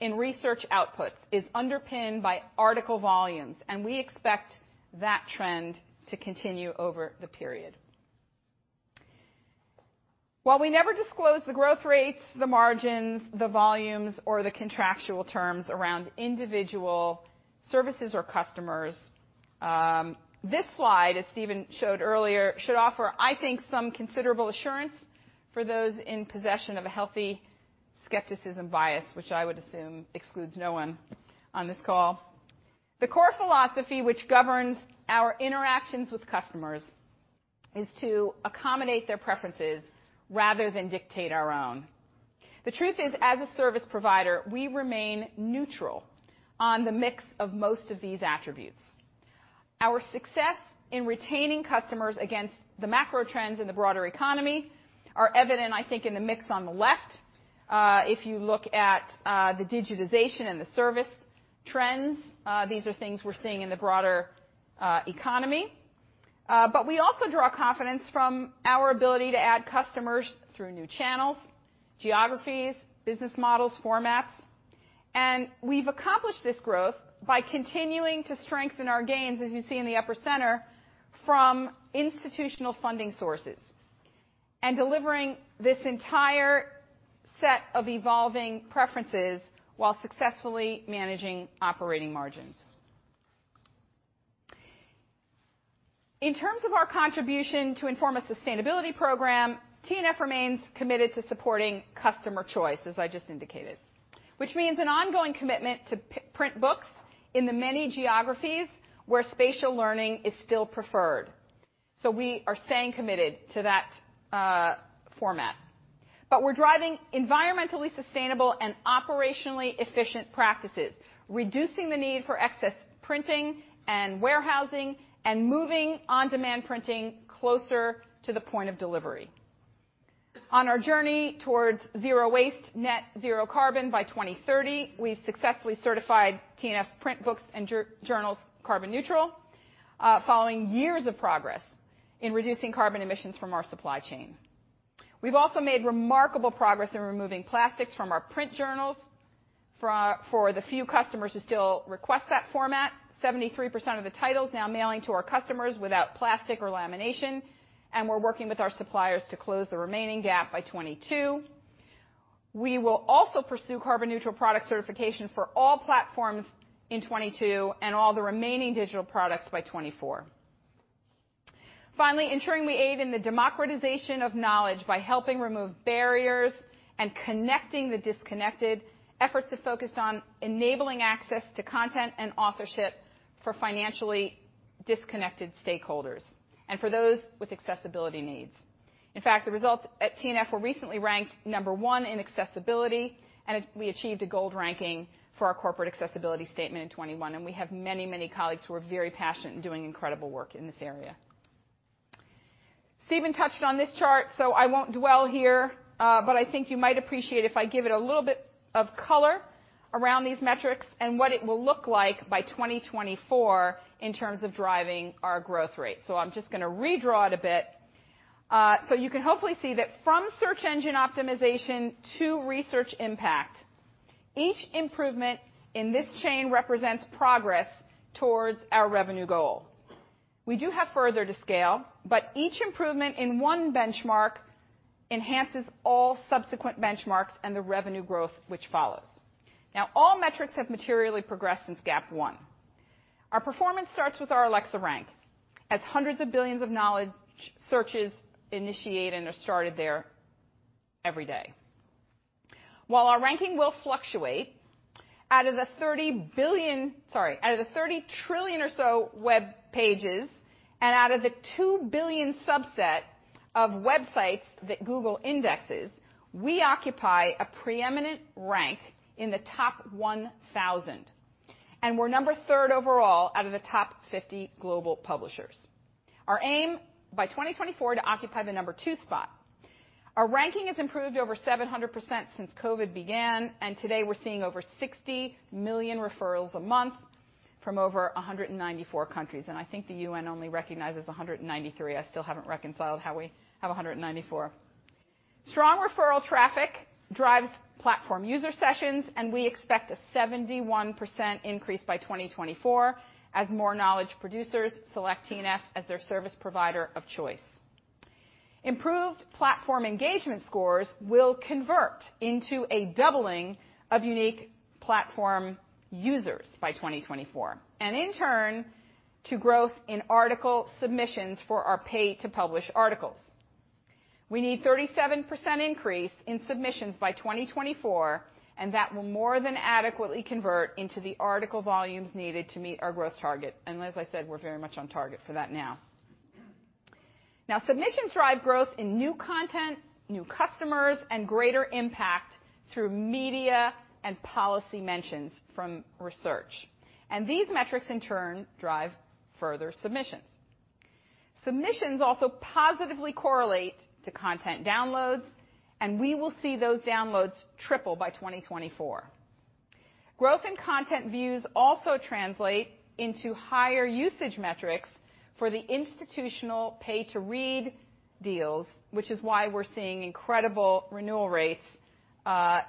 in research outputs is underpinned by article volumes, and we expect that trend to continue over the period. While we never disclose the growth rates, the margins, the volumes, or the contractual terms around individual services or customers, this slide, as Stephen showed earlier, should offer, I think, some considerable assurance for those in possession of a healthy skepticism bias, which I would assume excludes no one on this call. The core philosophy which governs our interactions with customers is to accommodate their preferences rather than dictate our own. The truth is, as a service provider, we remain neutral on the mix of most of these attributes. Our success in retaining customers against the macro trends in the broader economy are evident, I think, in the mix on the left. If you look at the digitization and the service trends, these are things we're seeing in the broader economy. We also draw confidence from our ability to add customers through new channels, geographies, business models, formats. We've accomplished this growth by continuing to strengthen our gains, as you see in the upper center, from institutional funding sources and delivering this entire set of evolving preferences while successfully managing operating margins. In terms of our contribution to Informa sustainability program, T&F remains committed to supporting customer choice, as I just indicated, which means an ongoing commitment to print books in the many geographies where spatial learning is still preferred. We are staying committed to that format. We're driving environmentally sustainable and operationally efficient practices, reducing the need for excess printing and warehousing, and moving on-demand printing closer to the point of delivery. On our journey towards zero waste, net zero carbon by 2030, we've successfully certified T&F's print books and journals carbon neutral, following years of progress in reducing carbon emissions from our supply chain. We've also made remarkable progress in removing plastics from our print journals for the few customers who still request that format. 73% of the titles now mailing to our customers without plastic or lamination, and we're working with our suppliers to close the remaining gap by 2022. We will also pursue carbon-neutral product certification for all platforms in 2022 and all the remaining digital products by 2024. Finally, ensuring we aid in the democratization of knowledge by helping remove barriers and connecting the disconnected efforts are focused on enabling access to content and authorship for financially disconnected stakeholders and for those with accessibility needs. In fact, the results at T&F were recently ranked number 1 in accessibility, and we achieved a gold ranking for our corporate accessibility statement in 2021, and we have many, many colleagues who are very passionate and doing incredible work in this area. Stephen touched on this chart, so I won't dwell here, but I think you might appreciate if I give it a little bit of color around these metrics and what it will look like by 2024 in terms of driving our growth rate. I'm just gonna redraw it a bit. So you can hopefully see that from search engine optimization to research impact, each improvement in this chain represents progress towards our revenue goal. We do have further to scale, but each improvement in one benchmark enhances all subsequent benchmarks and the revenue growth which follows. Now, all metrics have materially progressed since GAP I. Our performance starts with our Alexa Rank as hundreds of billions of knowledge searches initiate and are started there every day. While our ranking will fluctuate, out of the 30 trillion or so web pages and out of the 2 billion subset of websites that Google indexes, we occupy a preeminent rank in the top 1,000, and we're number third overall out of the top 50 global publishers. Our aim, by 2024, to occupy the number 2 spot. Our ranking has improved over 700% since COVID began, and today we're seeing over 60 million referrals a month from over 194 countries. I think the UN only recognizes 193. I still haven't reconciled how we have 194. Strong referral traffic drives platform user sessions, and we expect a 71% increase by 2024 as more knowledge producers select T&F as their service provider of choice. Improved platform engagement scores will convert into a doubling of unique platform users by 2024, and in turn to growth in article submissions for our pay-to-publish articles. We need 37% increase in submissions by 2024, and that will more than adequately convert into the article volumes needed to meet our growth target. As I said, we're very much on target for that now. Submissions drive growth in new content, new customers, and greater impact through media and policy mentions from research. These metrics in turn drive further submissions. Submissions also positively correlate to content downloads, and we will see those downloads triple by 2024. Growth in content views also translate into higher usage metrics for the institutional pay-to-read deals, which is why we're seeing incredible renewal rates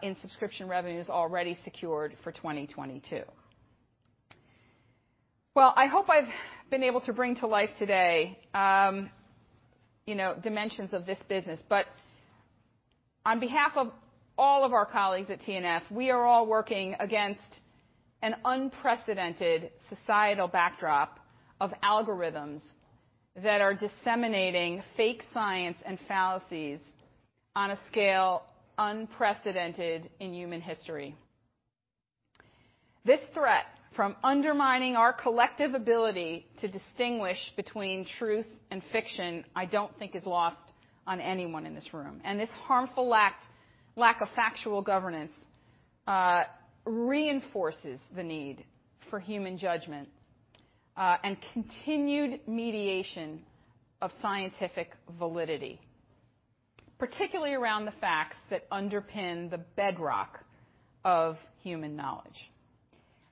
in subscription revenues already secured for 2022. Well, I hope I've been able to bring to life today, you know, dimensions of this business. On behalf of all of our colleagues at T&F, we are all working against an unprecedented societal backdrop of algorithms that are disseminating fake science and fallacies on a scale unprecedented in human history. This threat from undermining our collective ability to distinguish between truth and fiction, I don't think is lost on anyone in this room. This harmful lack of factual governance reinforces the need for human judgment and continued mediation of scientific validity, particularly around the facts that underpin the bedrock of human knowledge.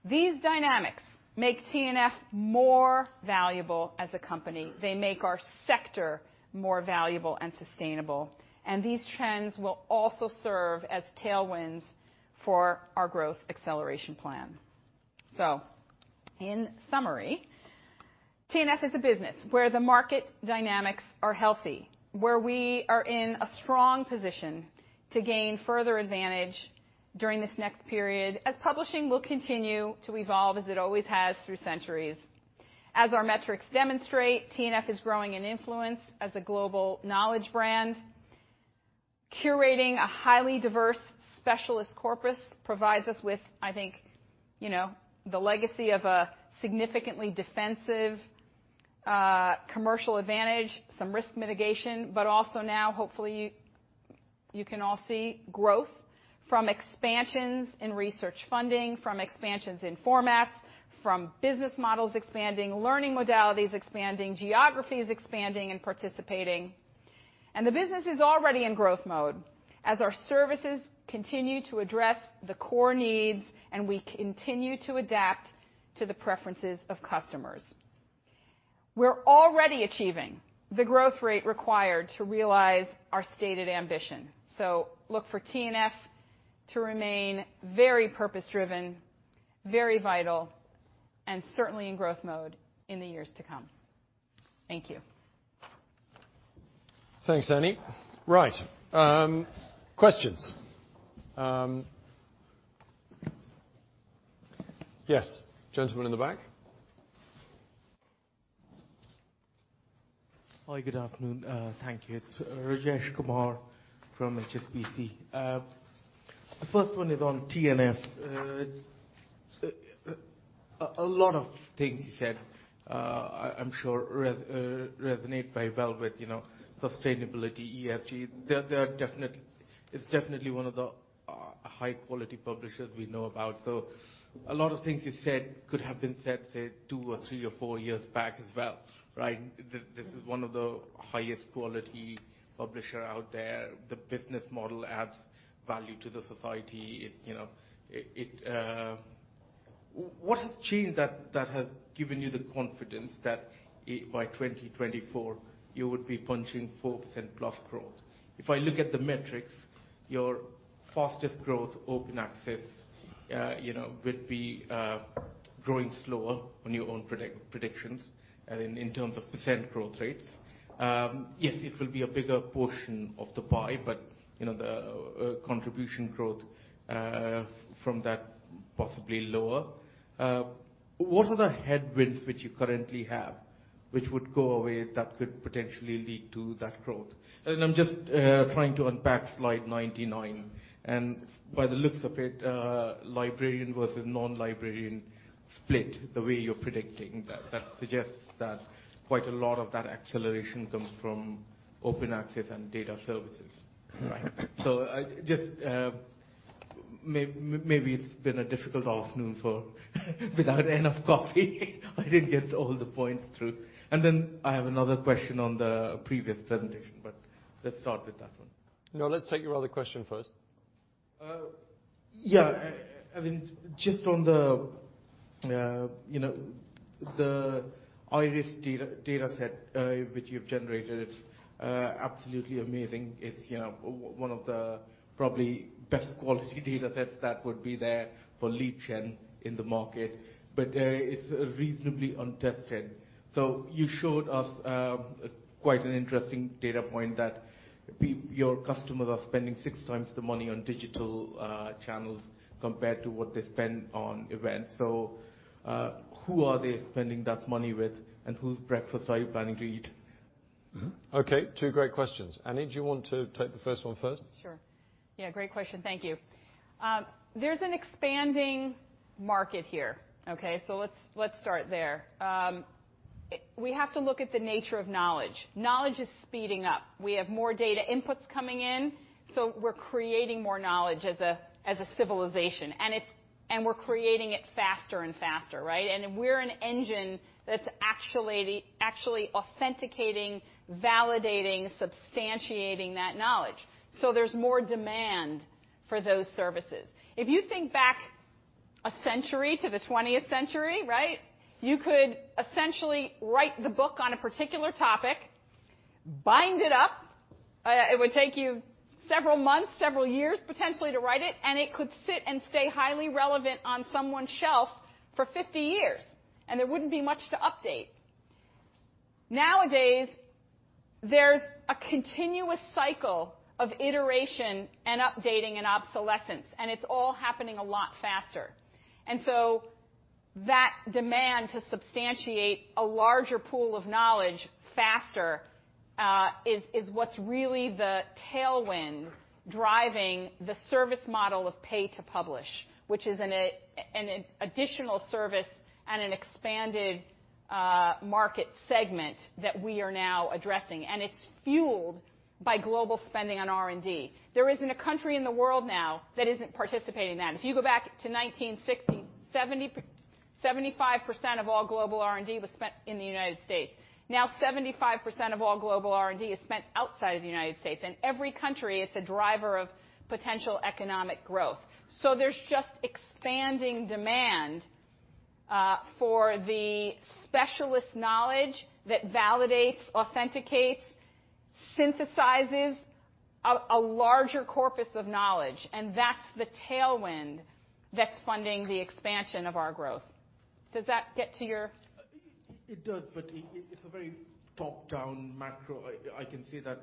These dynamics make T&F more valuable as a company. They make our sector more valuable and sustainable, and these trends will also serve as tailwinds for our growth acceleration plan. In summary, T&F is a business where the market dynamics are healthy, where we are in a strong position to gain further advantage during this next period, as publishing will continue to evolve as it always has through centuries. As our metrics demonstrate, T&F is growing in influence as a global knowledge brand. Curating a highly diverse specialist corpus provides us with, I think, you know, the legacy of a significantly defensive, commercial advantage, some risk mitigation. Also now hopefully you can all see growth from expansions in research funding, from expansions in formats, from business models expanding, learning modalities expanding, geographies expanding and participating. The business is already in growth mode as our services continue to address the core needs and we continue to adapt to the preferences of customers. We're already achieving the growth rate required to realize our stated ambition. Look for T&F to remain very purpose-driven, very vital, and certainly in growth mode in the years to come. Thank you. Thanks, Annie. Right. Questions? Yes, gentleman in the back. Hi. Good afternoon. Thank you. It's Rajesh Kumar from HSBC. The first one is on T&F. A lot of things you said, I'm sure resonate very well with, you know, sustainability, ESG. It's definitely one of the high-quality publishers we know about. So a lot of things you said could have been said, say two or three or four years back as well, right? This is one of the highest quality publisher out there. The business model adds value to the society. What has changed that has given you the confidence that by 2024 you would be punching 4%+ growth? If I look at the metrics, your fastest growth open access, you know, would be growing slower on your own predictions in terms of percent growth rates. Yes, it will be a bigger portion of the pie, but, you know, the contribution growth from that possibly lower. What are the headwinds which you currently have, which would go away that could potentially lead to that growth? I'm just trying to unpack slide 99. By the looks of it, librarian versus non-librarian split, the way you're predicting that suggests that quite a lot of that acceleration comes from open access and data services. Right. I just maybe it's been a difficult afternoon for me without enough coffee. I didn't get all the points through. I have another question on the previous presentation, but let's start with that one. No, let's take your other question first. Yeah. I mean, just on the, you know, the IIRIS data set, which you've generated, it's absolutely amazing. It's, you know, one of the probably best quality data sets that would be there for lead gen in the market. It's reasonably untested. You showed us quite an interesting data point that your customers are spending 6x the money on digital channels compared to what they spend on events. Who are they spending that money with, and whose breakfast are you planning to eat? Okay, two great questions. Annie, do you want to take the first one first? Sure. Yeah, great question. Thank you. There's an expanding market here, okay? Let's start there. We have to look at the nature of knowledge. Knowledge is speeding up. We have more data inputs coming in, so we're creating more knowledge as a civilization. We're creating it faster and faster, right? We're an engine that's actually authenticating, validating, substantiating that knowledge. There's more demand for those services. If you think back a century to the twentieth century, right? You could essentially write the book on a particular topic, bind it up. It would take you several months, several years, potentially, to write it, and it could sit and stay highly relevant on someone's shelf for 50 years, and there wouldn't be much to update. Nowadays, there's a continuous cycle of iteration and updating and obsolescence, and it's all happening a lot faster. That demand to substantiate a larger pool of knowledge faster is what's really the tailwind driving the service model of pay-to-publish, which is an additional service and an expanded market segment that we are now addressing, and it's fueled by global spending on R&D. There isn't a country in the world now that isn't participating in that. If you go back to 1960, 1970, 75% of all global R&D was spent in the United States. Now, 75% of all global R&D is spent outside of the United States. In every country, it's a driver of potential economic growth. There's just expanding demand for the specialist knowledge that validates, authenticates, synthesizes a larger corpus of knowledge, and that's the tailwind that's funding the expansion of our growth. Does that get to your... It does, but it's a very top-down macro. I can see that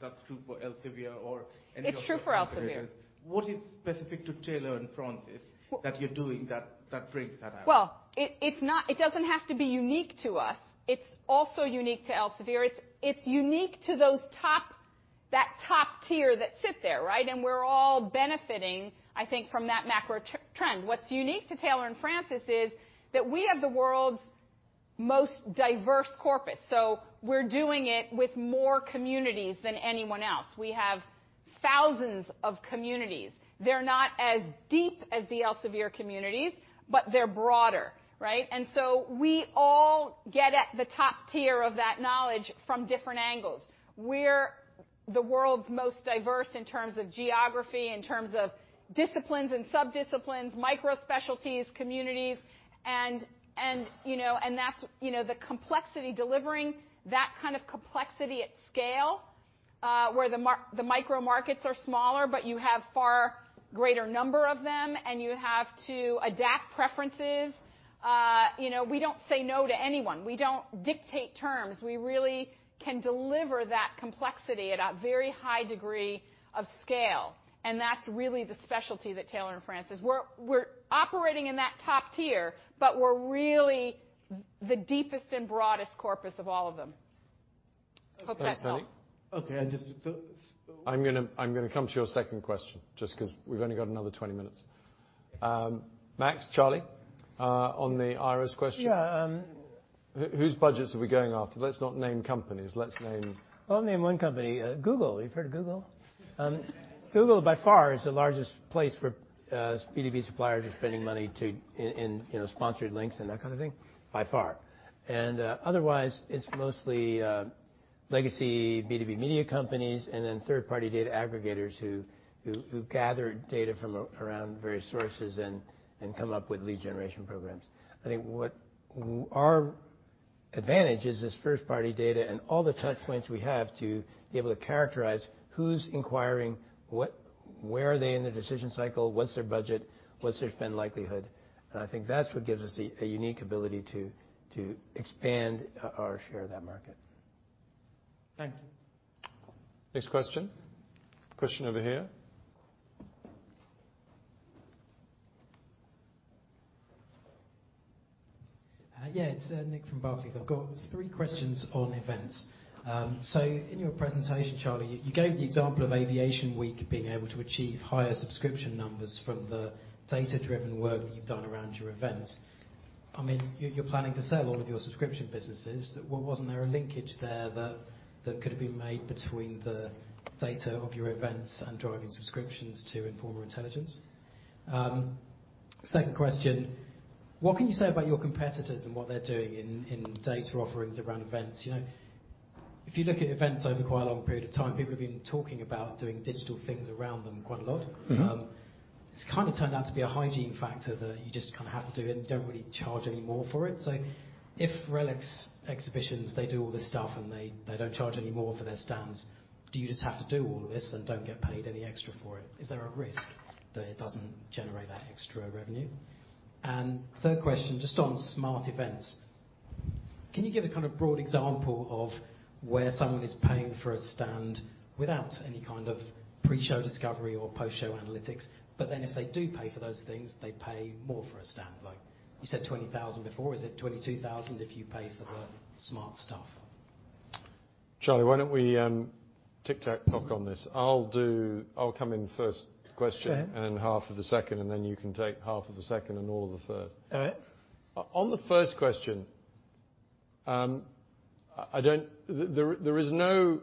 that's true for Elsevier or any of your competitors. It's true for Elsevier. What is specific to Taylor & Francis? Wha- that you're doing that brings that out? Well, it's not unique to us. It's also unique to Elsevier. It's unique to those top tier that sit there, right? We're all benefiting, I think, from that macro trend. What's unique to Taylor & Francis is that we have the world's most diverse corpus. We're doing it with more communities than anyone else. We have thousands of communities. They're not as deep as the Elsevier communities, but they're broader, right? We all get at the top tier of that knowledge from different angles. We're the world's most diverse in terms of geography, in terms of disciplines and sub-disciplines, micro specialties, communities, and you know and that's you know the complexity, delivering that kind of complexity at scale, where the micro markets are smaller, but you have far greater number of them, and you have to adapt preferences. You know, we don't say no to anyone. We don't dictate terms. We really can deliver that complexity at a very high degree of scale, and that's really the specialty that Taylor & Francis. We're operating in that top tier, but we're really the deepest and broadest corpus of all of them. Hope that helps. Thanks, Annie. Okay. I'm gonna come to your second question just 'cause we've only got another 20 minutes. Max, Charlie, on the IIRIS question. Yeah. Whose budgets are we going after? Let's not name companies. Let's name- I'll name one company, Google. You've heard of Google? Google, by far, is the largest place where B2B suppliers are spending money in, you know, sponsored links and that kind of thing, by far. Otherwise, it's mostly legacy B2B media companies and then third-party data aggregators who gather data from around various sources and come up with lead generation programs. I think our advantage is this first-party data and all the touch points we have to be able to characterize who's inquiring, what, where are they in the decision cycle, what's their budget, what's their spend likelihood, and I think that's what gives us a unique ability to expand our share of that market. Thank you. Next question. Question over here. Yeah. It's Nick from Barclays. I've got three questions on events. So in your presentation, Charlie, you gave the example of Aviation Week being able to achieve higher subscription numbers from the data-driven work that you've done around your events. I mean, you're planning to sell all of your subscription businesses. Well, wasn't there a linkage there that could have been made between the data of your events and driving subscriptions to Informa Intelligence? Second question, what can you say about your competitors and what they're doing in data offerings around events? You know, if you look at events over quite a long period of time, people have been talking about doing digital things around them quite a lot. Mm-hmm. It's kinda turned out to be a hygiene factor that you just kinda have to do and you don't really charge any more for it. So if RX exhibitions, they do all this stuff, and they don't charge any more for their stands, do you just have to do all of this and don't get paid any extra for it? Is there a risk that it doesn't generate that extra revenue? Third question, just on smart events, can you give a kind of broad example of where someone is paying for a stand without any kind of pre-show discovery or post-show analytics, but then if they do pay for those things, they pay more for a stand? Like, you said 20,000 before, is it 22,000 if you pay for the smart stuff? Charlie, why don't we tag-team on this? I'll come in first question- Okay You can take half of the second and all of the third. All right. On the first question, there is no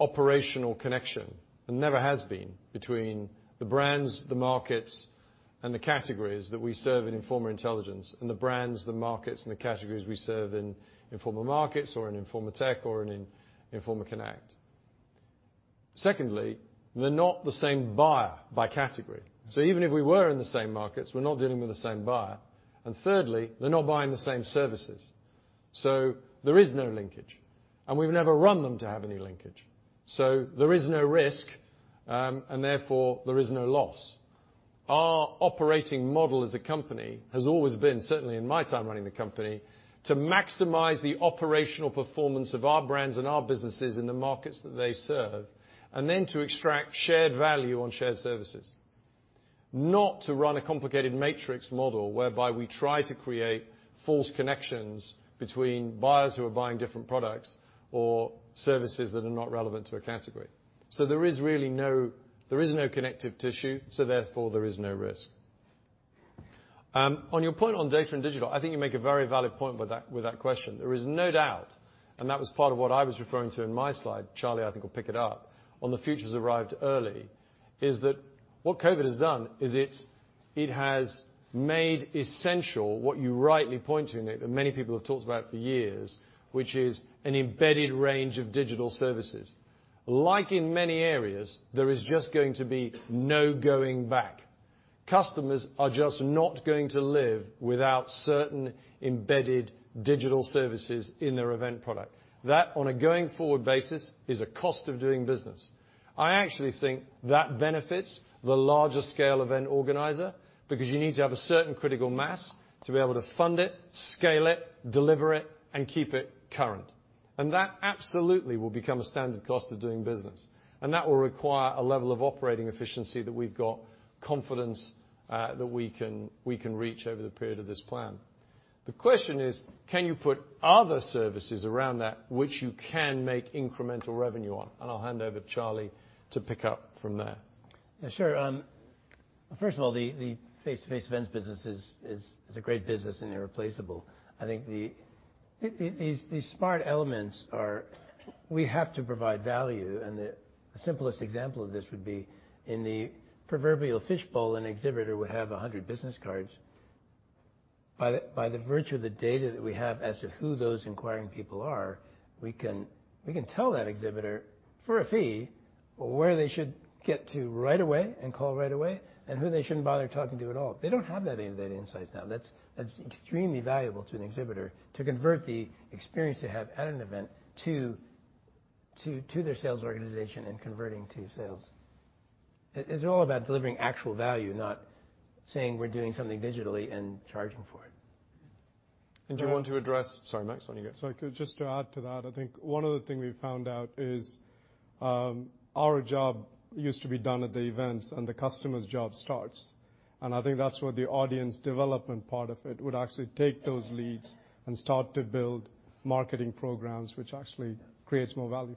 operational connection, and never has been, between the brands, the markets, and the categories that we serve in Informa Intelligence and the brands, the markets, and the categories we serve in Informa Markets or in Informa Tech or in Informa Connect. Secondly, they're not the same buyer by category. Even if we were in the same markets, we're not dealing with the same buyer. Thirdly, they're not buying the same services. There is no linkage, and we've never run them to have any linkage. There is no risk, and therefore, there is no loss. Our operating model as a company has always been, certainly in my time running the company, to maximize the operational performance of our brands and our businesses in the markets that they serve, and then to extract shared value on shared services, not to run a complicated matrix model whereby we try to create false connections between buyers who are buying different products or services that are not relevant to a category. There is really no connective tissue, so therefore, there is no risk. On your point on data and digital, I think you make a very valid point with that question. There is no doubt, and that was part of what I was referring to in my slide, Charlie. I think will pick it up on the future has arrived early, is that what COVID has done is it has made essential what you rightly point to, Nick, that many people have talked about for years, which is an embedded range of digital services. Like in many areas, there is just going to be no going back. Customers are just not going to live without certain embedded digital services in their event product. That, on a going-forward basis, is a cost of doing business. I actually think that benefits the larger scale event organizer because you need to have a certain critical mass to be able to fund it, scale it, deliver it, and keep it current. That absolutely will become a standard cost of doing business, and that will require a level of operating efficiency that we've got confidence that we can reach over the period of this plan. The question is, can you put other services around that which you can make incremental revenue on? I'll hand over to Charlie to pick up from there. Yeah, sure. First of all, the face-to-face events business is a great business and irreplaceable. I think these smart elements are. We have to provide value, and the simplest example of this would be in the proverbial fishbowl, an exhibitor would have 100 business cards. By the virtue of the data that we have as to who those inquiring people are, we can tell that exhibitor for a fee where they should get to right away and call right away and who they shouldn't bother talking to at all. They don't have that data, that insight now. That's extremely valuable to an exhibitor to convert the experience they have at an event to their sales organization and converting to sales. It's all about delivering actual value, not saying we're doing something digitally and charging for it. Do you want to address? Sorry, Max, on you go. Just to add to that, I think one of the things we found out is, our job used to be done at the events and the customer's job starts. I think that's where the audience development part of it would actually take those leads and start to build marketing programs, which actually creates more value.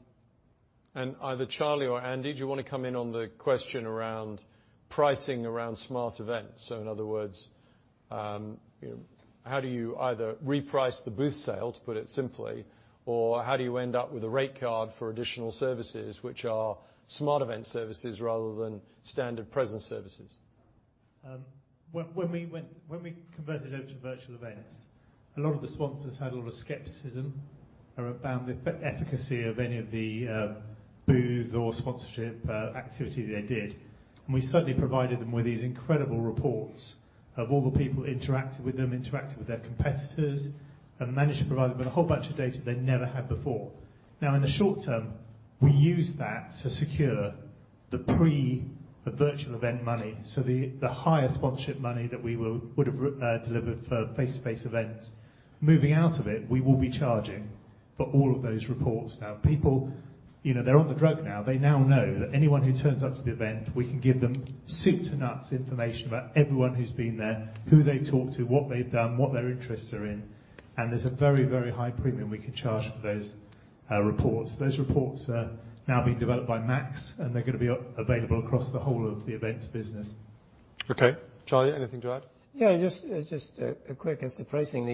Either Charlie or Andy, do you wanna come in on the question around pricing around smart events? So in other words, how do you either reprice the booth sale, to put it simply, or how do you end up with a rate card for additional services which are smart event services rather than standard presence services? When we converted over to virtual events, a lot of the sponsors had a lot of skepticism about the efficacy of any of the booth or sponsorship activity they did. We certainly provided them with these incredible reports of all the people interacting with them, interacting with their competitors, and managed to provide them with a whole bunch of data they never had before. Now, in the short term, we used that to secure the virtual event money, so the higher sponsorship money that we would've delivered for face-to-face events. Moving out of it, we will be charging for all of those reports now. People, you know, they're on the drug now. They now know that anyone who turns up to the event, we can give them soup-to-nuts information about everyone who's been there, who they talk to, what they've done, what their interests are in, and there's a very, very high premium we can charge for those. Reports. Those reports are now being developed by Max, and they're gonna be available across the whole of the events business. Okay. Charlie, anything to add? Yeah, just quick as to pricing.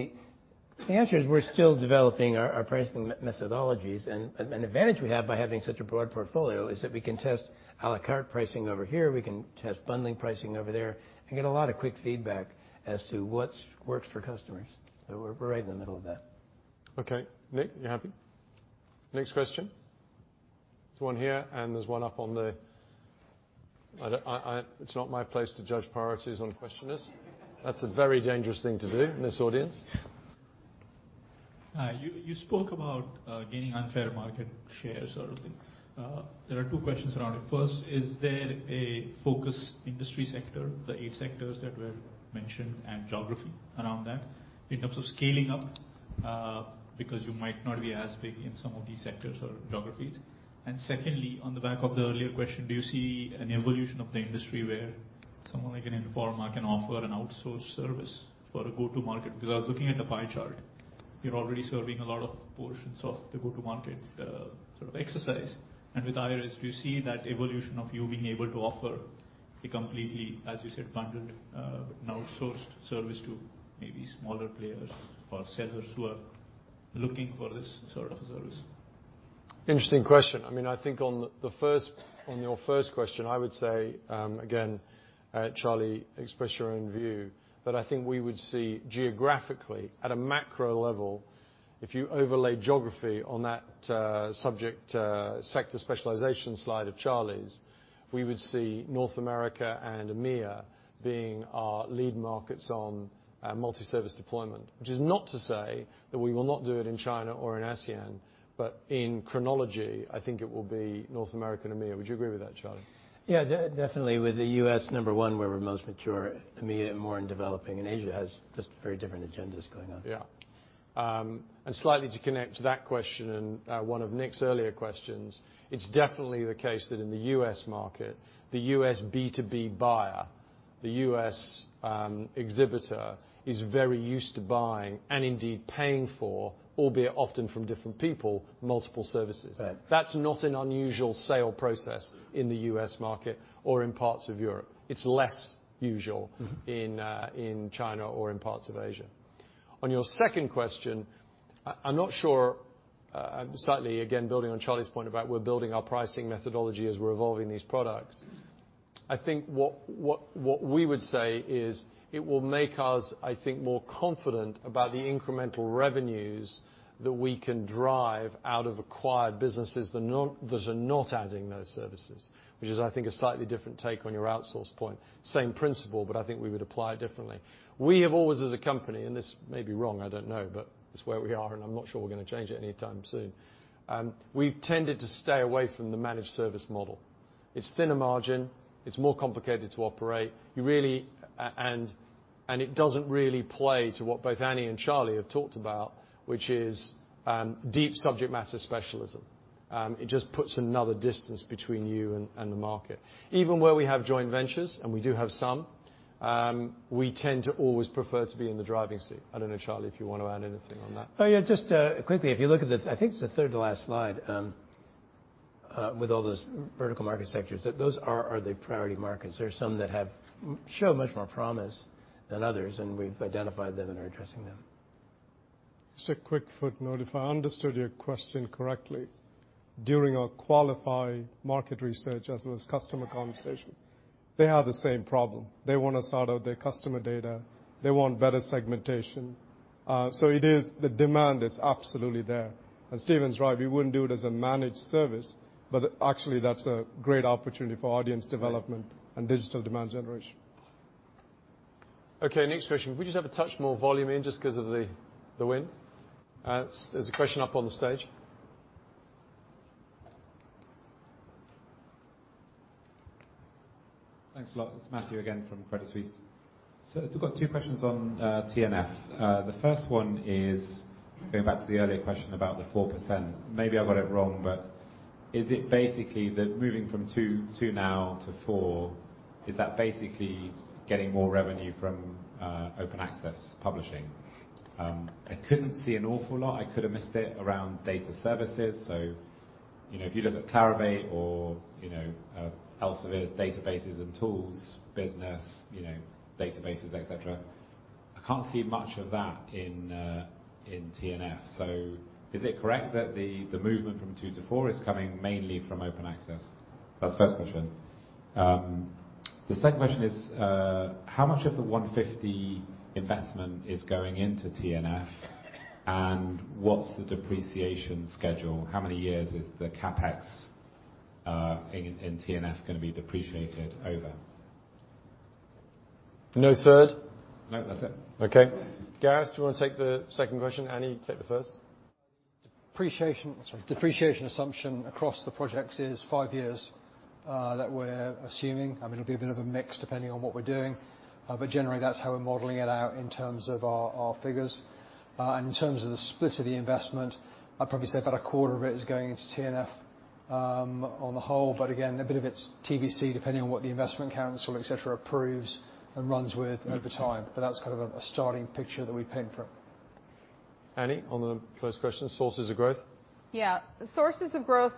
The answer is we're still developing our pricing methodologies. An advantage we have by having such a broad portfolio is that we can test à la carte pricing over here, we can test bundling pricing over there and get a lot of quick feedback as to what's worked for customers. We're right in the middle of that. Okay. Nick, you happy? Next question. There's one here, and there's one up on the. I don't, it's not my place to judge priorities on questioners. That's a very dangerous thing to do in this audience. Hi. You spoke about gaining unfair market share sort of thing. There are two questions around it. First, is there a focus industry sector, the eight sectors that were mentioned, and geography around that in terms of scaling up? Because you might not be as big in some of these sectors or geographies. Secondly, on the back of the earlier question, do you see an evolution of the industry where someone like an Informa can offer an outsourced service for a go-to market? Because I was looking at the pie chart. You're already serving a lot of portions of the go-to market sort of exercise. With IIRIS, do you see that evolution of you being able to offer a completely, as you said, bundled outsourced service to maybe smaller players or sellers who are looking for this sort of service? Interesting question. I mean, I think on your first question, I would say, again, Charlie, express your own view. I think we would see geographically, at a macro level, if you overlay geography on that subject sector specialization slide of Charlie's, we would see North America and EMEA being our lead markets on multi-service deployment. Which is not to say that we will not do it in China or in ASEAN, but in chronology, I think it will be North America and EMEA. Would you agree with that, Charlie? Yeah, definitely with the U.S. number one where we're most mature, EMEA more in developing, and Asia has just very different agendas going on. Yeah. Slightly to connect to that question and one of Nick's earlier questions, it's definitely the case that in the U.S. market, the U.S. B2B buyer, the U.S. exhibitor is very used to buying and indeed paying for, albeit often from different people, multiple services. Right. That's not an unusual sale process in the U.S. market or in parts of Europe. It's less usual. Mm-hmm. in China or in parts of Asia. On your second question, I'm not sure, slightly again building on Charlie's point about we're building our pricing methodology as we're evolving these products. I think what we would say is it will make us, I think, more confident about the incremental revenues that we can drive out of acquired businesses that are not adding those services. Which is, I think, a slightly different take on your outsource point. Same principle, but I think we would apply it differently. We have always as a company, and this may be wrong, I don't know, but it's where we are, and I'm not sure we're gonna change it anytime soon. We've tended to stay away from the managed service model. It's thinner margin, it's more complicated to operate. You really. It doesn't really play to what both Annie and Charlie have talked about, which is deep subject matter specialism. It just puts another distance between you and the market. Even where we have joint ventures, and we do have some, we tend to always prefer to be in the driving seat. I don't know, Charlie, if you want to add anything on that. Oh yeah, just quickly. If you look at the I think it's the third to last slide with all those vertical market sectors. Those are the priority markets. There are some that show much more promise than others, and we've identified them and are addressing them. Just a quick footnote. If I understood your question correctly, during our qualified market research, as well as customer conversation, they have the same problem. They wanna sort out their customer data. They want better segmentation. It is, the demand is absolutely there. Stephen's right, we wouldn't do it as a managed service, but actually, that's a great opportunity for audience development. Right. digital demand generation. Okay, next question. Can we just have a touch more volume in just 'cause of the wind? There's a question up on the stage. Thanks a lot. It's Matthew again from Credit Suisse. I've got two questions on T&F. The first one is going back to the earlier question about the 4%. Maybe I got it wrong, but is it basically that moving from two now to four, is that basically getting more revenue from open access publishing? I couldn't see an awful lot. I could have missed it, around data services. You know, if you look at Clarivate or, you know, Elsevier's databases and tools business, you know, databases, et cetera, I can't see much of that in T&F. Is it correct that the movement from 2% to 4% is coming mainly from open access? That's the first question. The second question is, how much of the 150 investment is going into T&F, and what's the depreciation schedule? How many years is the CapEx in T&F gonna be depreciated over? No third? No, that's it. Okay. Gareth, do you wanna take the second question, Annie take the first? Depreciation assumption across the projects is five years that we're assuming. I mean, it'll be a bit of a mix depending on what we're doing. But generally, that's how we're modeling it out in terms of our figures. In terms of the split of the investment, I'd probably say about a quarter of it is going into T&F, on the whole, but again, a bit of it's TBC, depending on what the investment council, et cetera, approves and runs with over time. Mm-hmm. That's kind of a starting picture that we paint for it. Annie, on the first question, sources of growth. Yeah. Sources of growth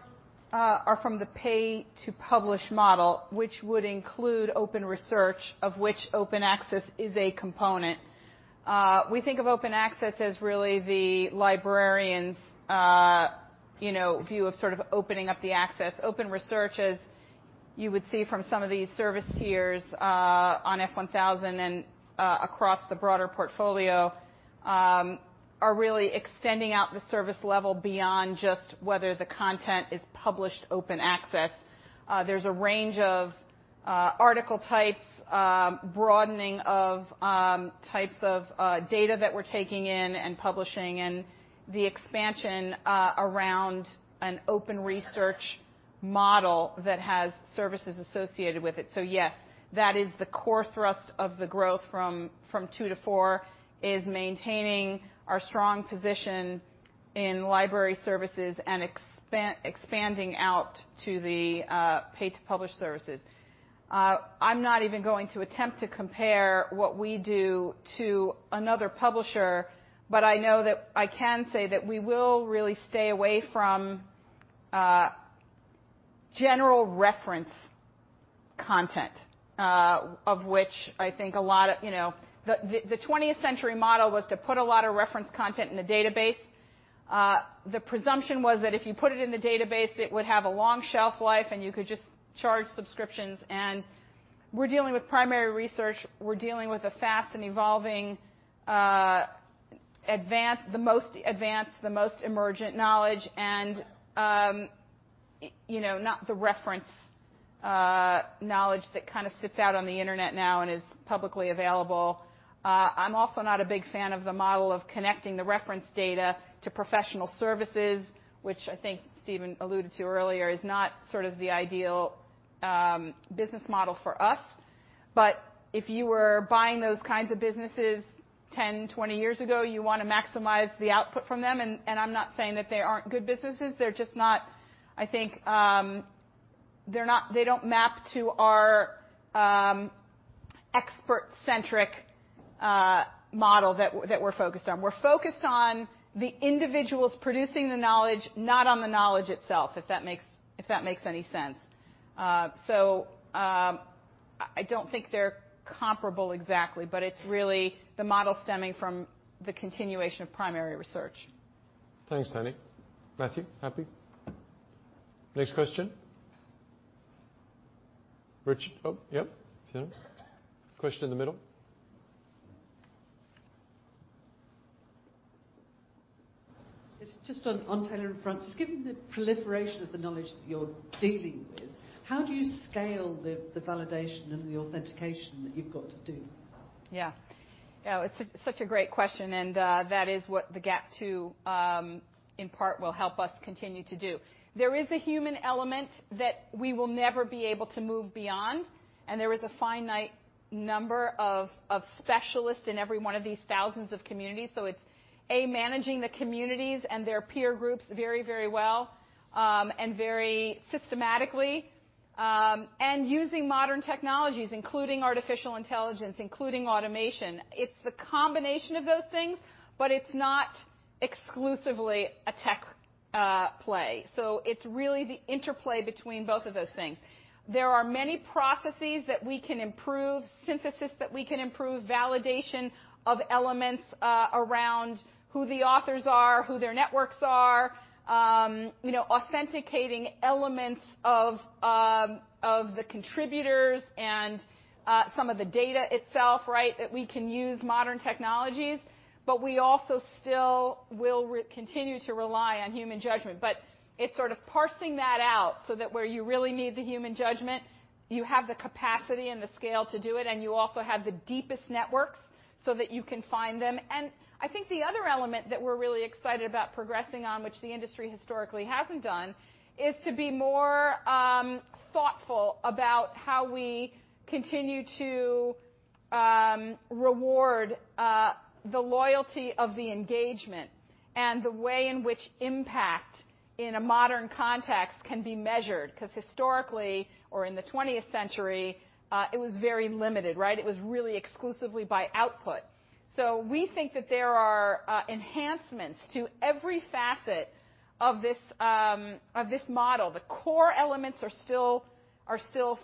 are from the pay-to-publish model, which would include open research, of which open access is a component. We think of open access as really the librarian's, you know, view of sort of opening up the access. Open research, as you would see from some of these service tiers, on F1000 and across the broader portfolio, are really extending out the service level beyond just whether the content is published open access. There's a range of article types, broadening of types of data that we're taking in and publishing and the expansion around an open research model that has services associated with it. Yes, that is the core thrust of the growth from 2 to 4, is maintaining our strong position in library services and expanding out to the pay-to-publish services. I'm not even going to attempt to compare what we do to another publisher, but I know that I can say that we will really stay away from general reference content, of which I think a lot of the twentieth century model was to put a lot of reference content in a database. The presumption was that if you put it in the database, it would have a long shelf life, and you could just charge subscriptions. We're dealing with primary research. We're dealing with a fast and evolving, the most advanced, the most emergent knowledge and, you know, not the reference knowledge that kind of sits out on the internet now and is publicly available. I'm also not a big fan of the model of connecting the reference data to professional services, which I think Stephen alluded to earlier, is not sort of the ideal business model for us. If you were buying those kinds of businesses 10, 20 years ago, you wanna maximize the output from them, and I'm not saying that they aren't good businesses. They're just not, I think, they don't map to our expert-centric model that we're focused on. We're focused on the individuals producing the knowledge, not on the knowledge itself, if that makes any sense. I don't think they're comparable exactly, but it's really the model stemming from the continuation of primary research. Thanks, Annie. Matthew, happy? Next question. Oh, yep. Question in the middle. It's just on Taylor & Francis. Given the proliferation of the knowledge that you're dealing with, how do you scale the validation and the authentication that you've got to do? Yeah. It's such a great question, and that is what the GAP II, in part will help us continue to do. There is a human element that we will never be able to move beyond, and there is a finite number of specialists in every one of these thousands of communities. So it's a, managing the communities and their peer groups very, very well, and very systematically, and using modern technologies, including artificial intelligence, including automation. It's the combination of those things, but it's not exclusively a tech play. So it's really the interplay between both of those things. There are many processes that we can improve, synthesis that we can improve, validation of elements around who the authors are, who their networks are, you know, authenticating elements of the contributors and some of the data itself, right? That we can use modern technologies, but we also still will continue to rely on human judgment. It's sort of parsing that out so that where you really need the human judgment, you have the capacity and the scale to do it, and you also have the deepest networks so that you can find them. I think the other element that we're really excited about progressing on, which the industry historically hasn't done, is to be more thoughtful about how we continue to reward the loyalty of the engagement and the way in which impact in a modern context can be measured, 'cause historically or in the twentieth century, it was very limited, right? It was really exclusively by output. We think that there are enhancements to every facet of this model. The core elements are still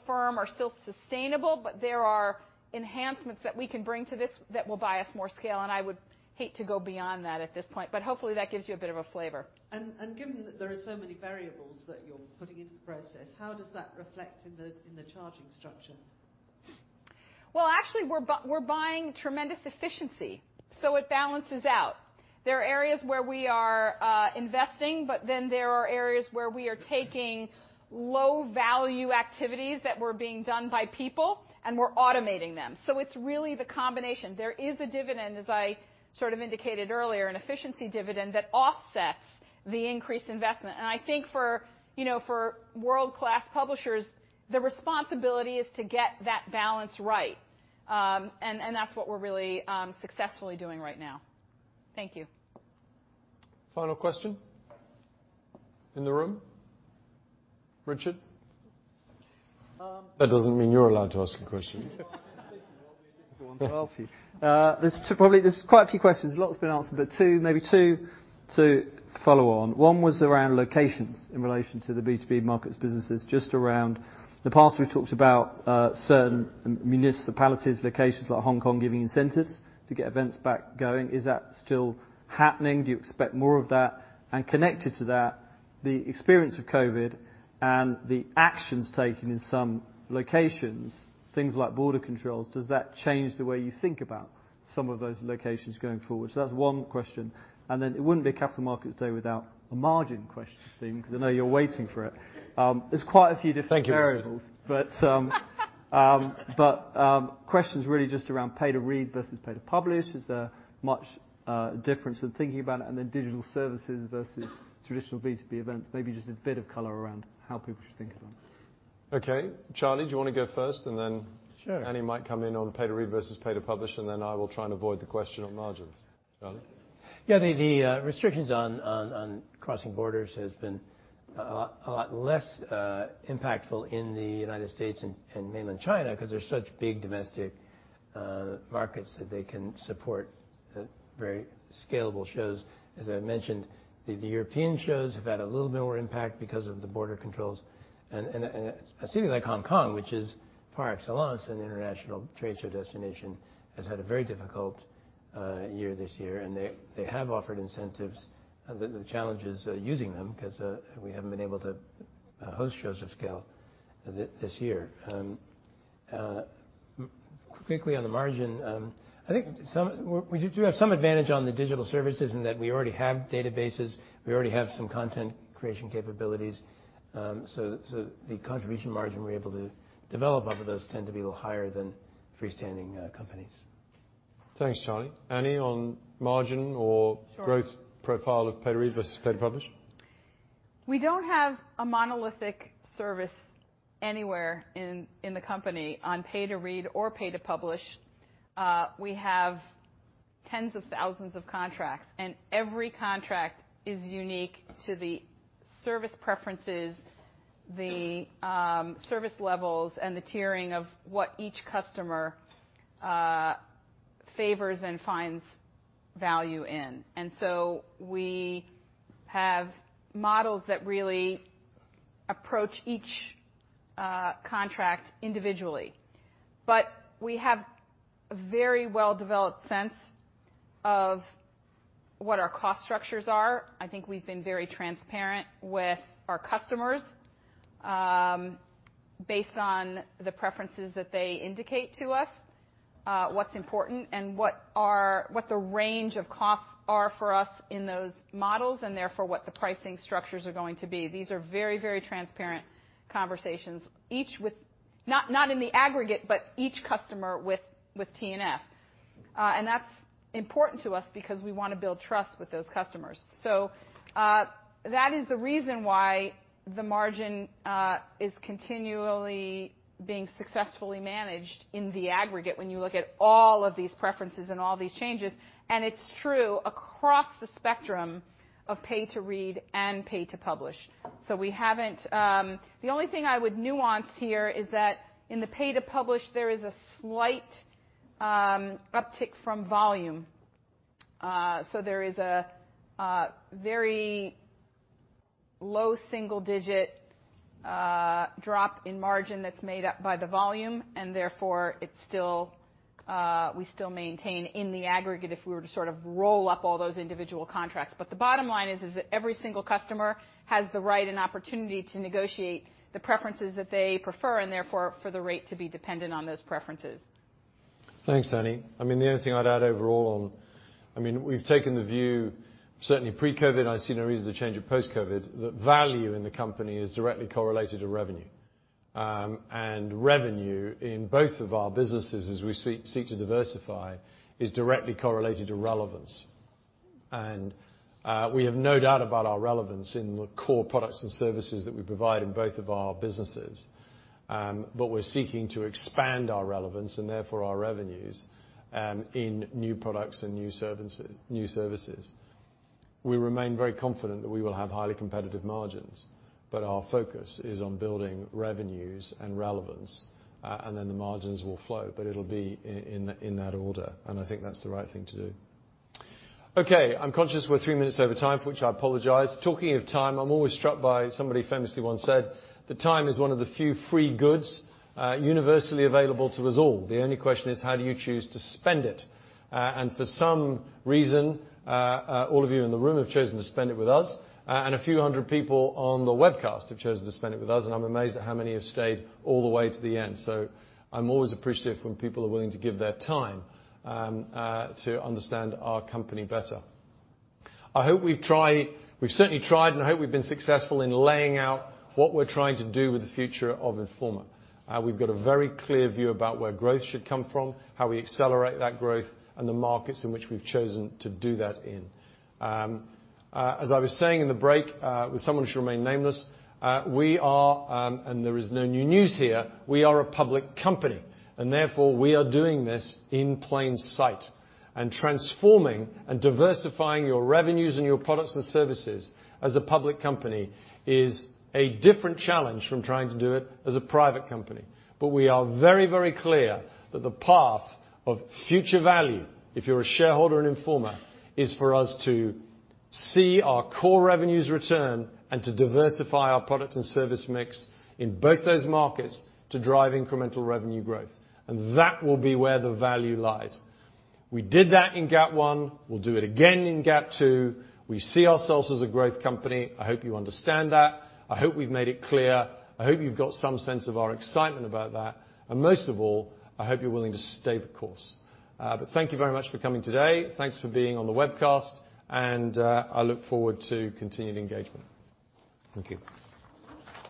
firm and sustainable, but there are enhancements that we can bring to this that will buy us more scale, and I would hate to go beyond that at this point, but hopefully that gives you a bit of a flavor. Given that there are so many variables that you're putting into the process, how does that reflect in the charging structure? Well, actually, we're buying tremendous efficiency, so it balances out. There are areas where we are investing, but then there are areas where we are taking low-value activities that were being done by people, and we're automating them. So it's really the combination. There is a dividend, as I sort of indicated earlier, an efficiency dividend that offsets the increased investment. I think for, you know, for world-class publishers, the responsibility is to get that balance right. That's what we're really successfully doing right now. Thank you. Final question in the room. Richard? Um- That doesn't mean you're allowed to ask a question. Well, I've been thinking what would be a different one to ask you. There's quite a few questions. A lot has been answered, but two, maybe two to follow on. One was around locations in relation to the B2B markets businesses. Just in the past, we've talked about certain municipalities, locations like Hong Kong giving incentives to get events back going. Is that still happening? Do you expect more of that? And connected to that, the experience of COVID and the actions taken in some locations, things like border controls, does that change the way you think about some of those locations going forward? So that's one question. And then it wouldn't be a Capital Markets Day without a margin question, Stephen, because I know you're waiting for it. There's quite a few different variables. Thank you, Richard. Question is really just around pay to read versus pay to publish. Is there much difference in thinking about it, and then digital services versus traditional B2B events? Maybe just a bit of color around how people should think of them. Okay. Charlie, do you wanna go first and then. Sure. Annie might come in on pay to read versus pay to publish, and then I will try and avoid the question on margins. Charlie? The restrictions on crossing borders have been a lot less impactful in the United States and Mainland China, 'cause they're such big domestic markets that they can support very scalable shows. As I mentioned, the European shows have had a little bit more impact because of the border controls. A city like Hong Kong, which is par excellence an international trade show destination, has had a very difficult year this year. They have offered incentives. The challenge is using them, 'cause we haven't been able to host shows of scale this year. Quickly on the margin, I think we do have some advantage on the digital services in that we already have databases, we already have some content creation capabilities, so the contribution margin we're able to develop off of those tend to be a little higher than freestanding companies. Thanks, Charlie. Annie, on margin or- Sure. Growth profile of pay to read versus pay to publish. We don't have a monolithic service anywhere in the company on pay to read or pay to publish. We have tens of thousands of contracts, and every contract is unique to the service preferences, the service levels, and the tiering of what each customer favors and finds value in. We have models that really approach each contract individually. We have a very well-developed sense of what our cost structures are. I think we've been very transparent with our customers based on the preferences that they indicate to us, what's important and what the range of costs are for us in those models, and therefore what the pricing structures are going to be. These are very, very transparent conversations, not in the aggregate, but each customer with T&F. That's important to us because we wanna build trust with those customers. That is the reason why the margin is continually being successfully managed in the aggregate when you look at all of these preferences and all these changes, and it's true across the spectrum of pay to read and pay to publish. The only thing I would nuance here is that in the pay to publish, there is a slight uptick from volume. There is a very low single digit drop in margin that's made up by the volume, and therefore we still maintain in the aggregate if we were to sort of roll up all those individual contracts. The bottom line is that every single customer has the right and opportunity to negotiate the preferences that they prefer, and therefore for the rate to be dependent on those preferences. Thanks, Annie. I mean, the only thing I'd add overall. I mean, we've taken the view, certainly pre-COVID, and I see no reason to change it post-COVID, that value in the company is directly correlated to revenue. Revenue in both of our businesses, as we seek to diversify, is directly correlated to relevance. We have no doubt about our relevance in the core products and services that we provide in both of our businesses, but we're seeking to expand our relevance, and therefore our revenues, in new products and new services. We remain very confident that we will have highly competitive margins, but our focus is on building revenues and relevance, and then the margins will flow, but it'll be in that order, and I think that's the right thing to do. Okay, I'm conscious we're three minutes over time, for which I apologize. Talking of time, I'm always struck by somebody famously once said that time is one of the few free goods, universally available to us all. The only question is, how do you choose to spend it? For some reason, all of you in the room have chosen to spend it with us, and a few hundred people on the webcast have chosen to spend it with us, and I'm amazed at how many have stayed all the way to the end. I'm always appreciative when people are willing to give their time to understand our company better. I hope we've certainly tried, and I hope we've been successful in laying out what we're trying to do with the future of Informa. We've got a very clear view about where growth should come from, how we accelerate that growth, and the markets in which we've chosen to do that in. As I was saying in the break, with someone who should remain nameless, we are, and there is no new news here, we are a public company, and therefore we are doing this in plain sight. Transforming and diversifying your revenues and your products and services as a public company is a different challenge from trying to do it as a private company. We are very, very clear that the path of future value, if you're a shareholder in Informa, is for us to see our core revenues return and to diversify our product and service mix in both those markets to drive incremental revenue growth. That will be where the value lies. We did that in GAP I. We'll do it again in GAP II. We see ourselves as a growth company. I hope you understand that. I hope we've made it clear. I hope you've got some sense of our excitement about that. Most of all, I hope you're willing to stay the course. Thank you very much for coming today. Thanks for being on the webcast. I look forward to continued engagement. Thank you.